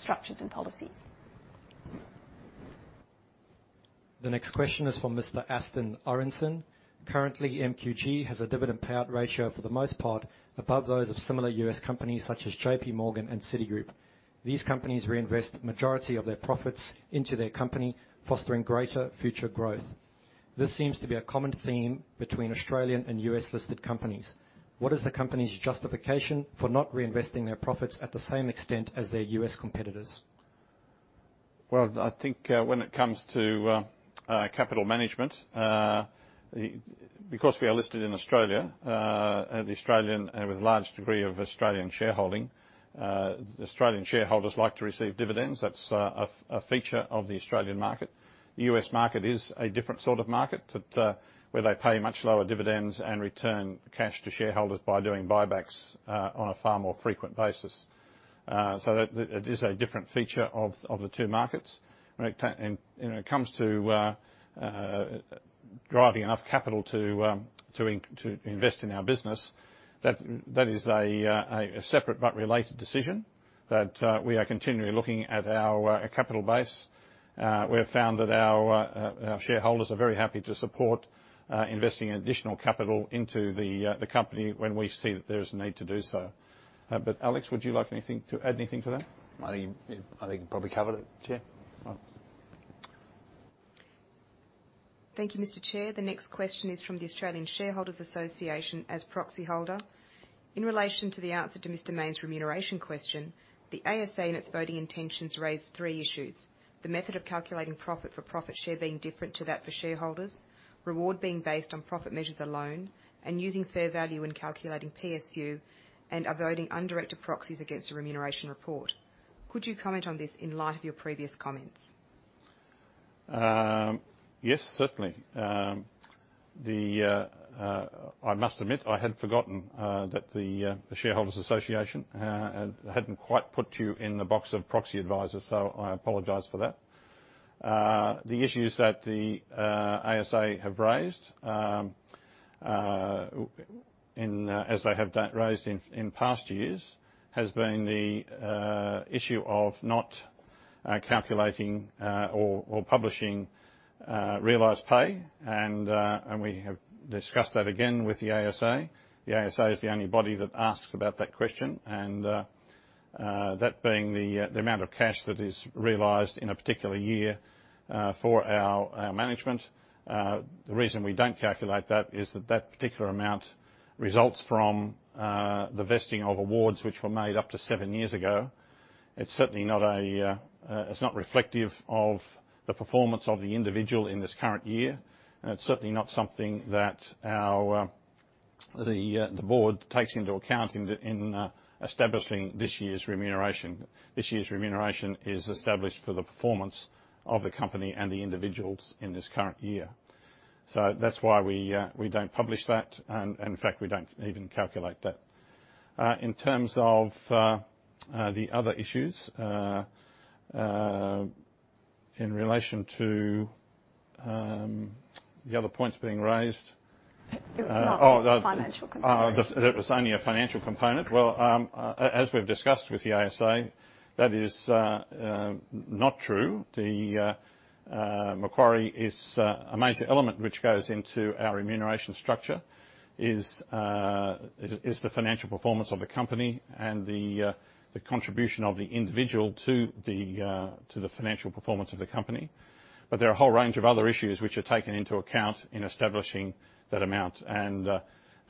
structures and policies. The next question is from Mr. Aston Aronson. Currently, MQG has a dividend payout ratio for the most part above those of similar US companies such as JP Morgan and Citigroup. These companies reinvest the majority of their profits into their company, fostering greater future growth. This seems to be a common theme between Australian and US-listed companies. What is the company's justification for not reinvesting their profits at the same extent as their US competitors? I think when it comes to capital management, because we are listed in Australia with a large degree of Australian shareholding, Australian shareholders like to receive dividends. That is a feature of the Australian market. The US market is a different sort of market where they pay much lower dividends and return cash to shareholders by doing buybacks on a far more frequent basis. It is a different feature of the two markets. When it comes to driving enough capital to invest in our business, that is a separate but related decision that we are continually looking at our capital base. We have found that our shareholders are very happy to support investing additional capital into the company when we see that there is a need to do so. Alex, would you like to add anything to that? I think you probably covered it, Chair. Thank you, Mr. Chair. The next question is from the Australian Shareholders Association as proxy holder. In relation to the answer to Mr. Main's remuneration question, the ASA and its voting intentions raised three issues: the method of calculating profit for profit share being different to that for shareholders, reward being based on profit measures alone, and using fair value when calculating PSU and avoiding undirected proxies against the remuneration report. Could you comment on this in light of your previous comments? Yes, certainly. I must admit I had forgotten that the Shareholders Association had not quite put you in the box of proxy advisors, so I apologize for that. The issues that the ASA have raised, as they have raised in past years, have been the issue of not calculating or publishing realized pay. We have discussed that again with the ASA. The ASA is the only body that asks about that question. That being the amount of cash that is realized in a particular year for our management, the reason we do not calculate that is that that particular amount results from the vesting of awards which were made up to seven years ago. It is certainly not reflective of the performance of the individual in this current year. It is certainly not something that the board takes into account in establishing this year's remuneration. This year's remuneration is established for the performance of the company and the individuals in this current year. That is why we do not publish that. In fact, we do not even calculate that. In terms of the other issues in relation to the other points being raised. It was not a financial component. Oh, it was only a financial component. As we've discussed with the ASA, that is not true. The Macquarie is a major element which goes into our remuneration structure is the financial performance of the company and the contribution of the individual to the financial performance of the company. There are a whole range of other issues which are taken into account in establishing that amount.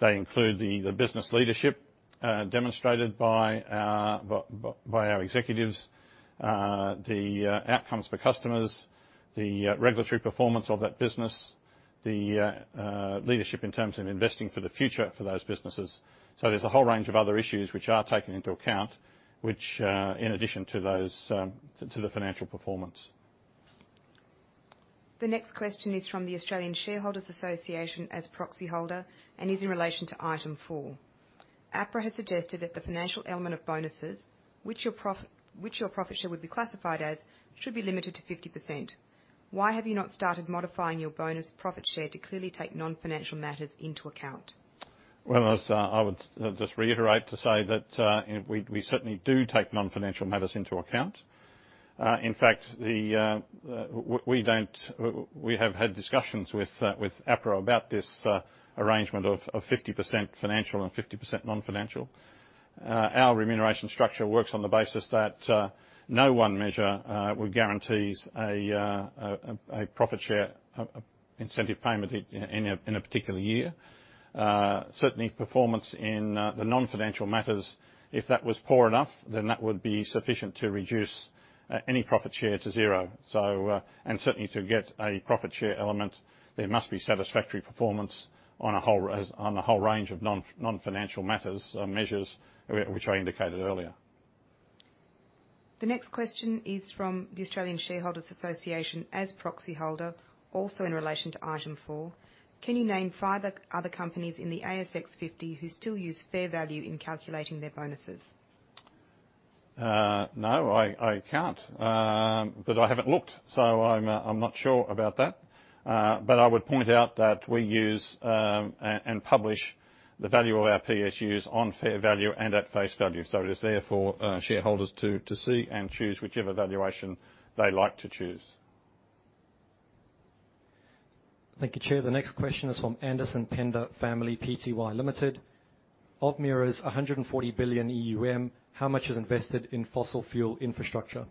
They include the business leadership demonstrated by our executives, the outcomes for customers, the regulatory performance of that business, the leadership in terms of investing for the future for those businesses. There is a whole range of other issues which are taken into account, which are in addition to the financial performance. The next question is from the Australian Shareholders Association as proxy holder and is in relation to item four. APRA has suggested that the financial element of bonuses, which your profit share would be classified as, should be limited to 50%. Why have you not started modifying your bonus profit share to clearly take non-financial matters into account? I would just reiterate to say that we certainly do take non-financial matters into account. In fact, we have had discussions with APRA about this arrangement of 50% financial and 50% non-financial. Our remuneration structure works on the basis that no one measure guarantees a profit share incentive payment in a particular year. Certainly, performance in the non-financial matters, if that was poor enough, then that would be sufficient to reduce any profit share to zero. Certainly, to get a profit share element, there must be satisfactory performance on a whole range of non-financial matters measures which I indicated earlier. The next question is from the Australian Shareholders Association as proxy holder, also in relation to item four. Can you name five other companies in the ASX 50 who still use fair value in calculating their bonuses? No, I can't. I haven't looked, so I'm not sure about that. I would point out that we use and publish the value of our PSUs on fair value and at face value. It is there for shareholders to see and choose whichever valuation they like to choose. Thank you, Chair. The next question is from Anderson Pender Family Pty Ltd. Of MIRA's $140 billion EUM, how much is invested in fossil fuel infrastructure?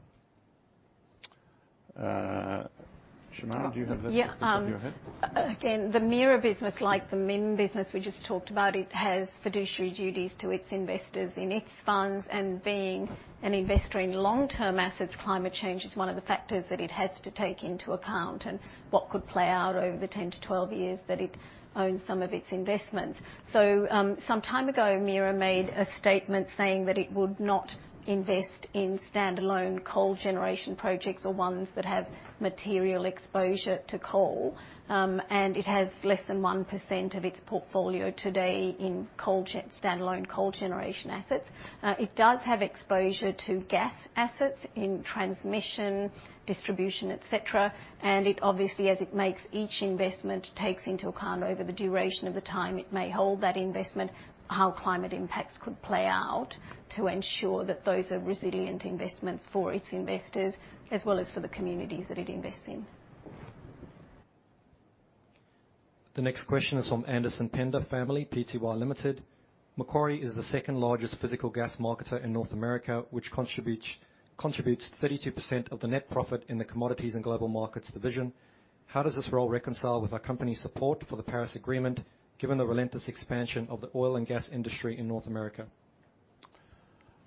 Shemara, do you have that question in your head? Yeah. Again, the MIRA business, like the MIM business we just talked about, it has fiduciary duties to its investors in its funds. Being an investor in long-term assets, climate change is one of the factors that it has to take into account and what could play out over the 10-12 years that it owns some of its investments. Some time ago, MIRA made a statement saying that it would not invest in standalone coal generation projects or ones that have material exposure to coal. It has less than 1% of its portfolio today in standalone coal generation assets. It does have exposure to gas assets in transmission, distribution, etc. It obviously, as it makes each investment, takes into account over the duration of the time it may hold that investment how climate impacts could play out to ensure that those are resilient investments for its investors as well as for the communities that it invests in. The next question is from Anderson Pender Family Pty Ltd. Macquarie is the second largest physical gas marketer in North America, which contributes 32% of the net profit in the Commodities and Global Markets division. How does this role reconcile with our company's support for the Paris Agreement, given the relentless expansion of the oil and gas industry in North America?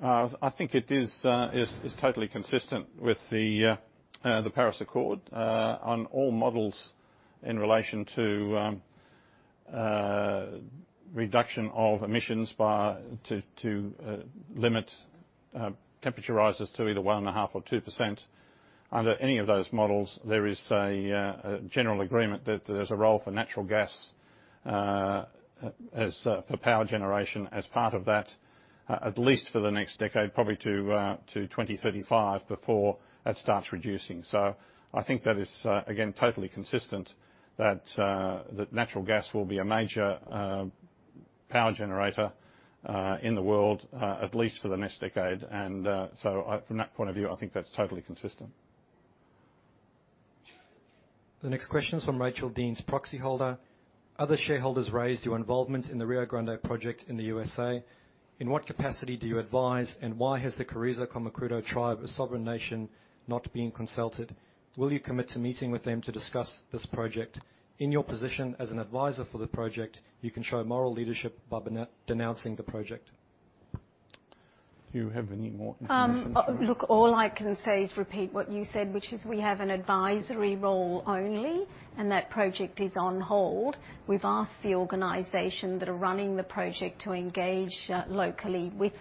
I think it is totally consistent with the Paris Agreement on all models in relation to reduction of emissions to limit temperature rises to either 1.5% or 2%. Under any of those models, there is a general agreement that there's a role for natural gas for power generation as part of that, at least for the next decade, probably to 2035 before it starts reducing. I think that is, again, totally consistent that natural gas will be a major power generator in the world, at least for the next decade. From that point of view, I think that's totally consistent. The next question is from Rachel Deans, Proxy Holder. Other shareholders raised your involvement in the Rio Grande project in the United States. In what capacity do you advise, and why has the Carrizo Comacuto Tribe, a sovereign nation, not been consulted? Will you commit to meeting with them to discuss this project? In your position as an advisor for the project, you can show moral leadership by denouncing the project. Do you have any more information? Look, all I can say is repeat what you said, which is we have an advisory role only, and that project is on hold. We've asked the organization that are running the project to engage locally with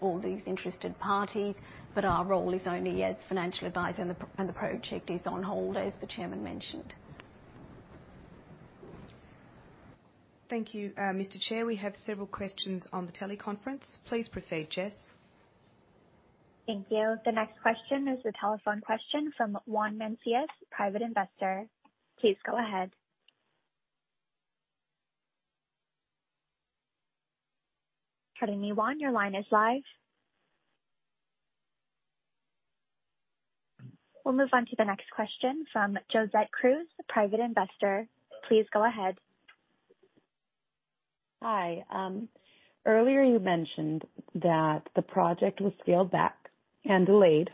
all these interested parties, but our role is only as financial advisor, and the project is on hold, as the Chairman mentioned. Thank you, Mr. Chair. We have several questions on the teleconference. Please proceed, Jess. Thank you. The next question is a telephone question from Juan Mencius, private investor. Please go ahead. Pardon me, Juan, your line is live. We'll move on to the next question from Josette Cruz, private investor. Please go ahead. Hi. Earlier, you mentioned that the project was scaled back and delayed,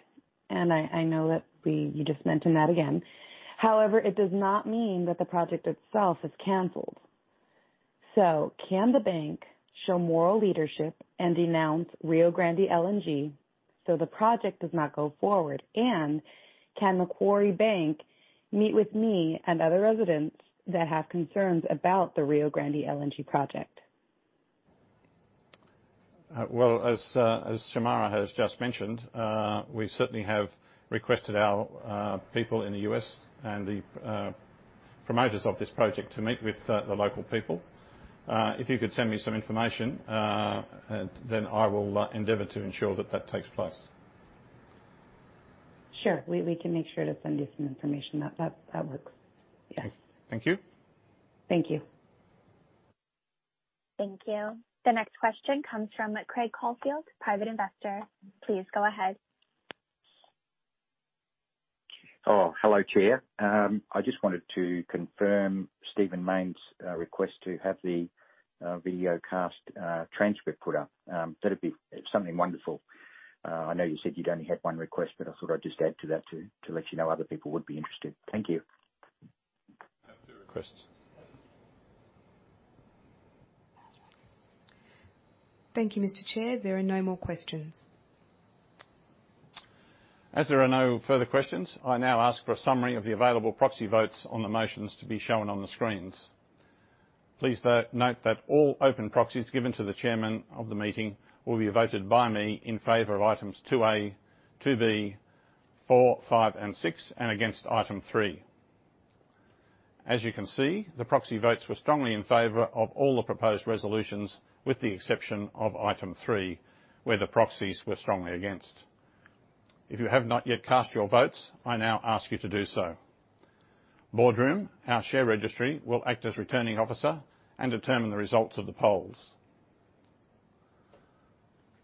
and I know that you just mentioned that again. However, it does not mean that the project itself is canceled. Can the bank show moral leadership and denounce Rio Grande LNG so the project does not go forward? Can Macquarie Bank meet with me and other residents that have concerns about the Rio Grande LNG project? As Shemara has just mentioned, we certainly have requested our people in the US and the promoters of this project to meet with the local people. If you could send me some information, then I will endeavor to ensure that that takes place. Sure. We can make sure to send you some information. That works. Yes. Thank you. Thank you. Thank you. The next question comes from Craig Caulfield, private investor. Please go ahead. Oh, hello, Chair. I just wanted to confirm Stephen Main's request to have the video cast transcript put up. That'd be something wonderful. I know you said you'd only had one request, but I thought I'd just add to that to let you know other people would be interested. Thank you. Requests. Thank you, Mr. Chair. There are no more questions. As there are no further questions, I now ask for a summary of the available proxy votes on the motions to be shown on the screens. Please note that all open proxies given to the chairman of the meeting will be voted by me in favor of items 2A, 2B, 4, 5, and 6, and against item 3. As you can see, the proxy votes were strongly in favor of all the proposed resolutions, with the exception of item 3, where the proxies were strongly against. If you have not yet cast your votes, I now ask you to do so. Boardroom, our share registry, will act as returning officer and determine the results of the polls.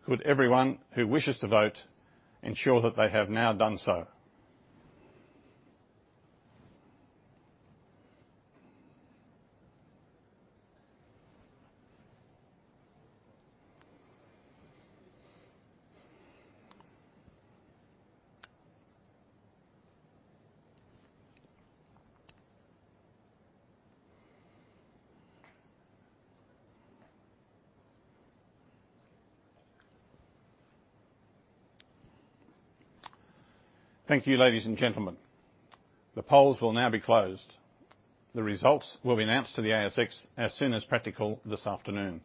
Could everyone who wishes to vote ensure that they have now done so? Thank you, ladies and gentlemen. The polls will now be closed. The results will be announced to the ASX as soon as practical this afternoon.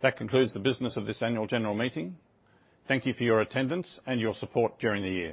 That concludes the business of this annual general meeting. Thank you for your attendance and your support during the year.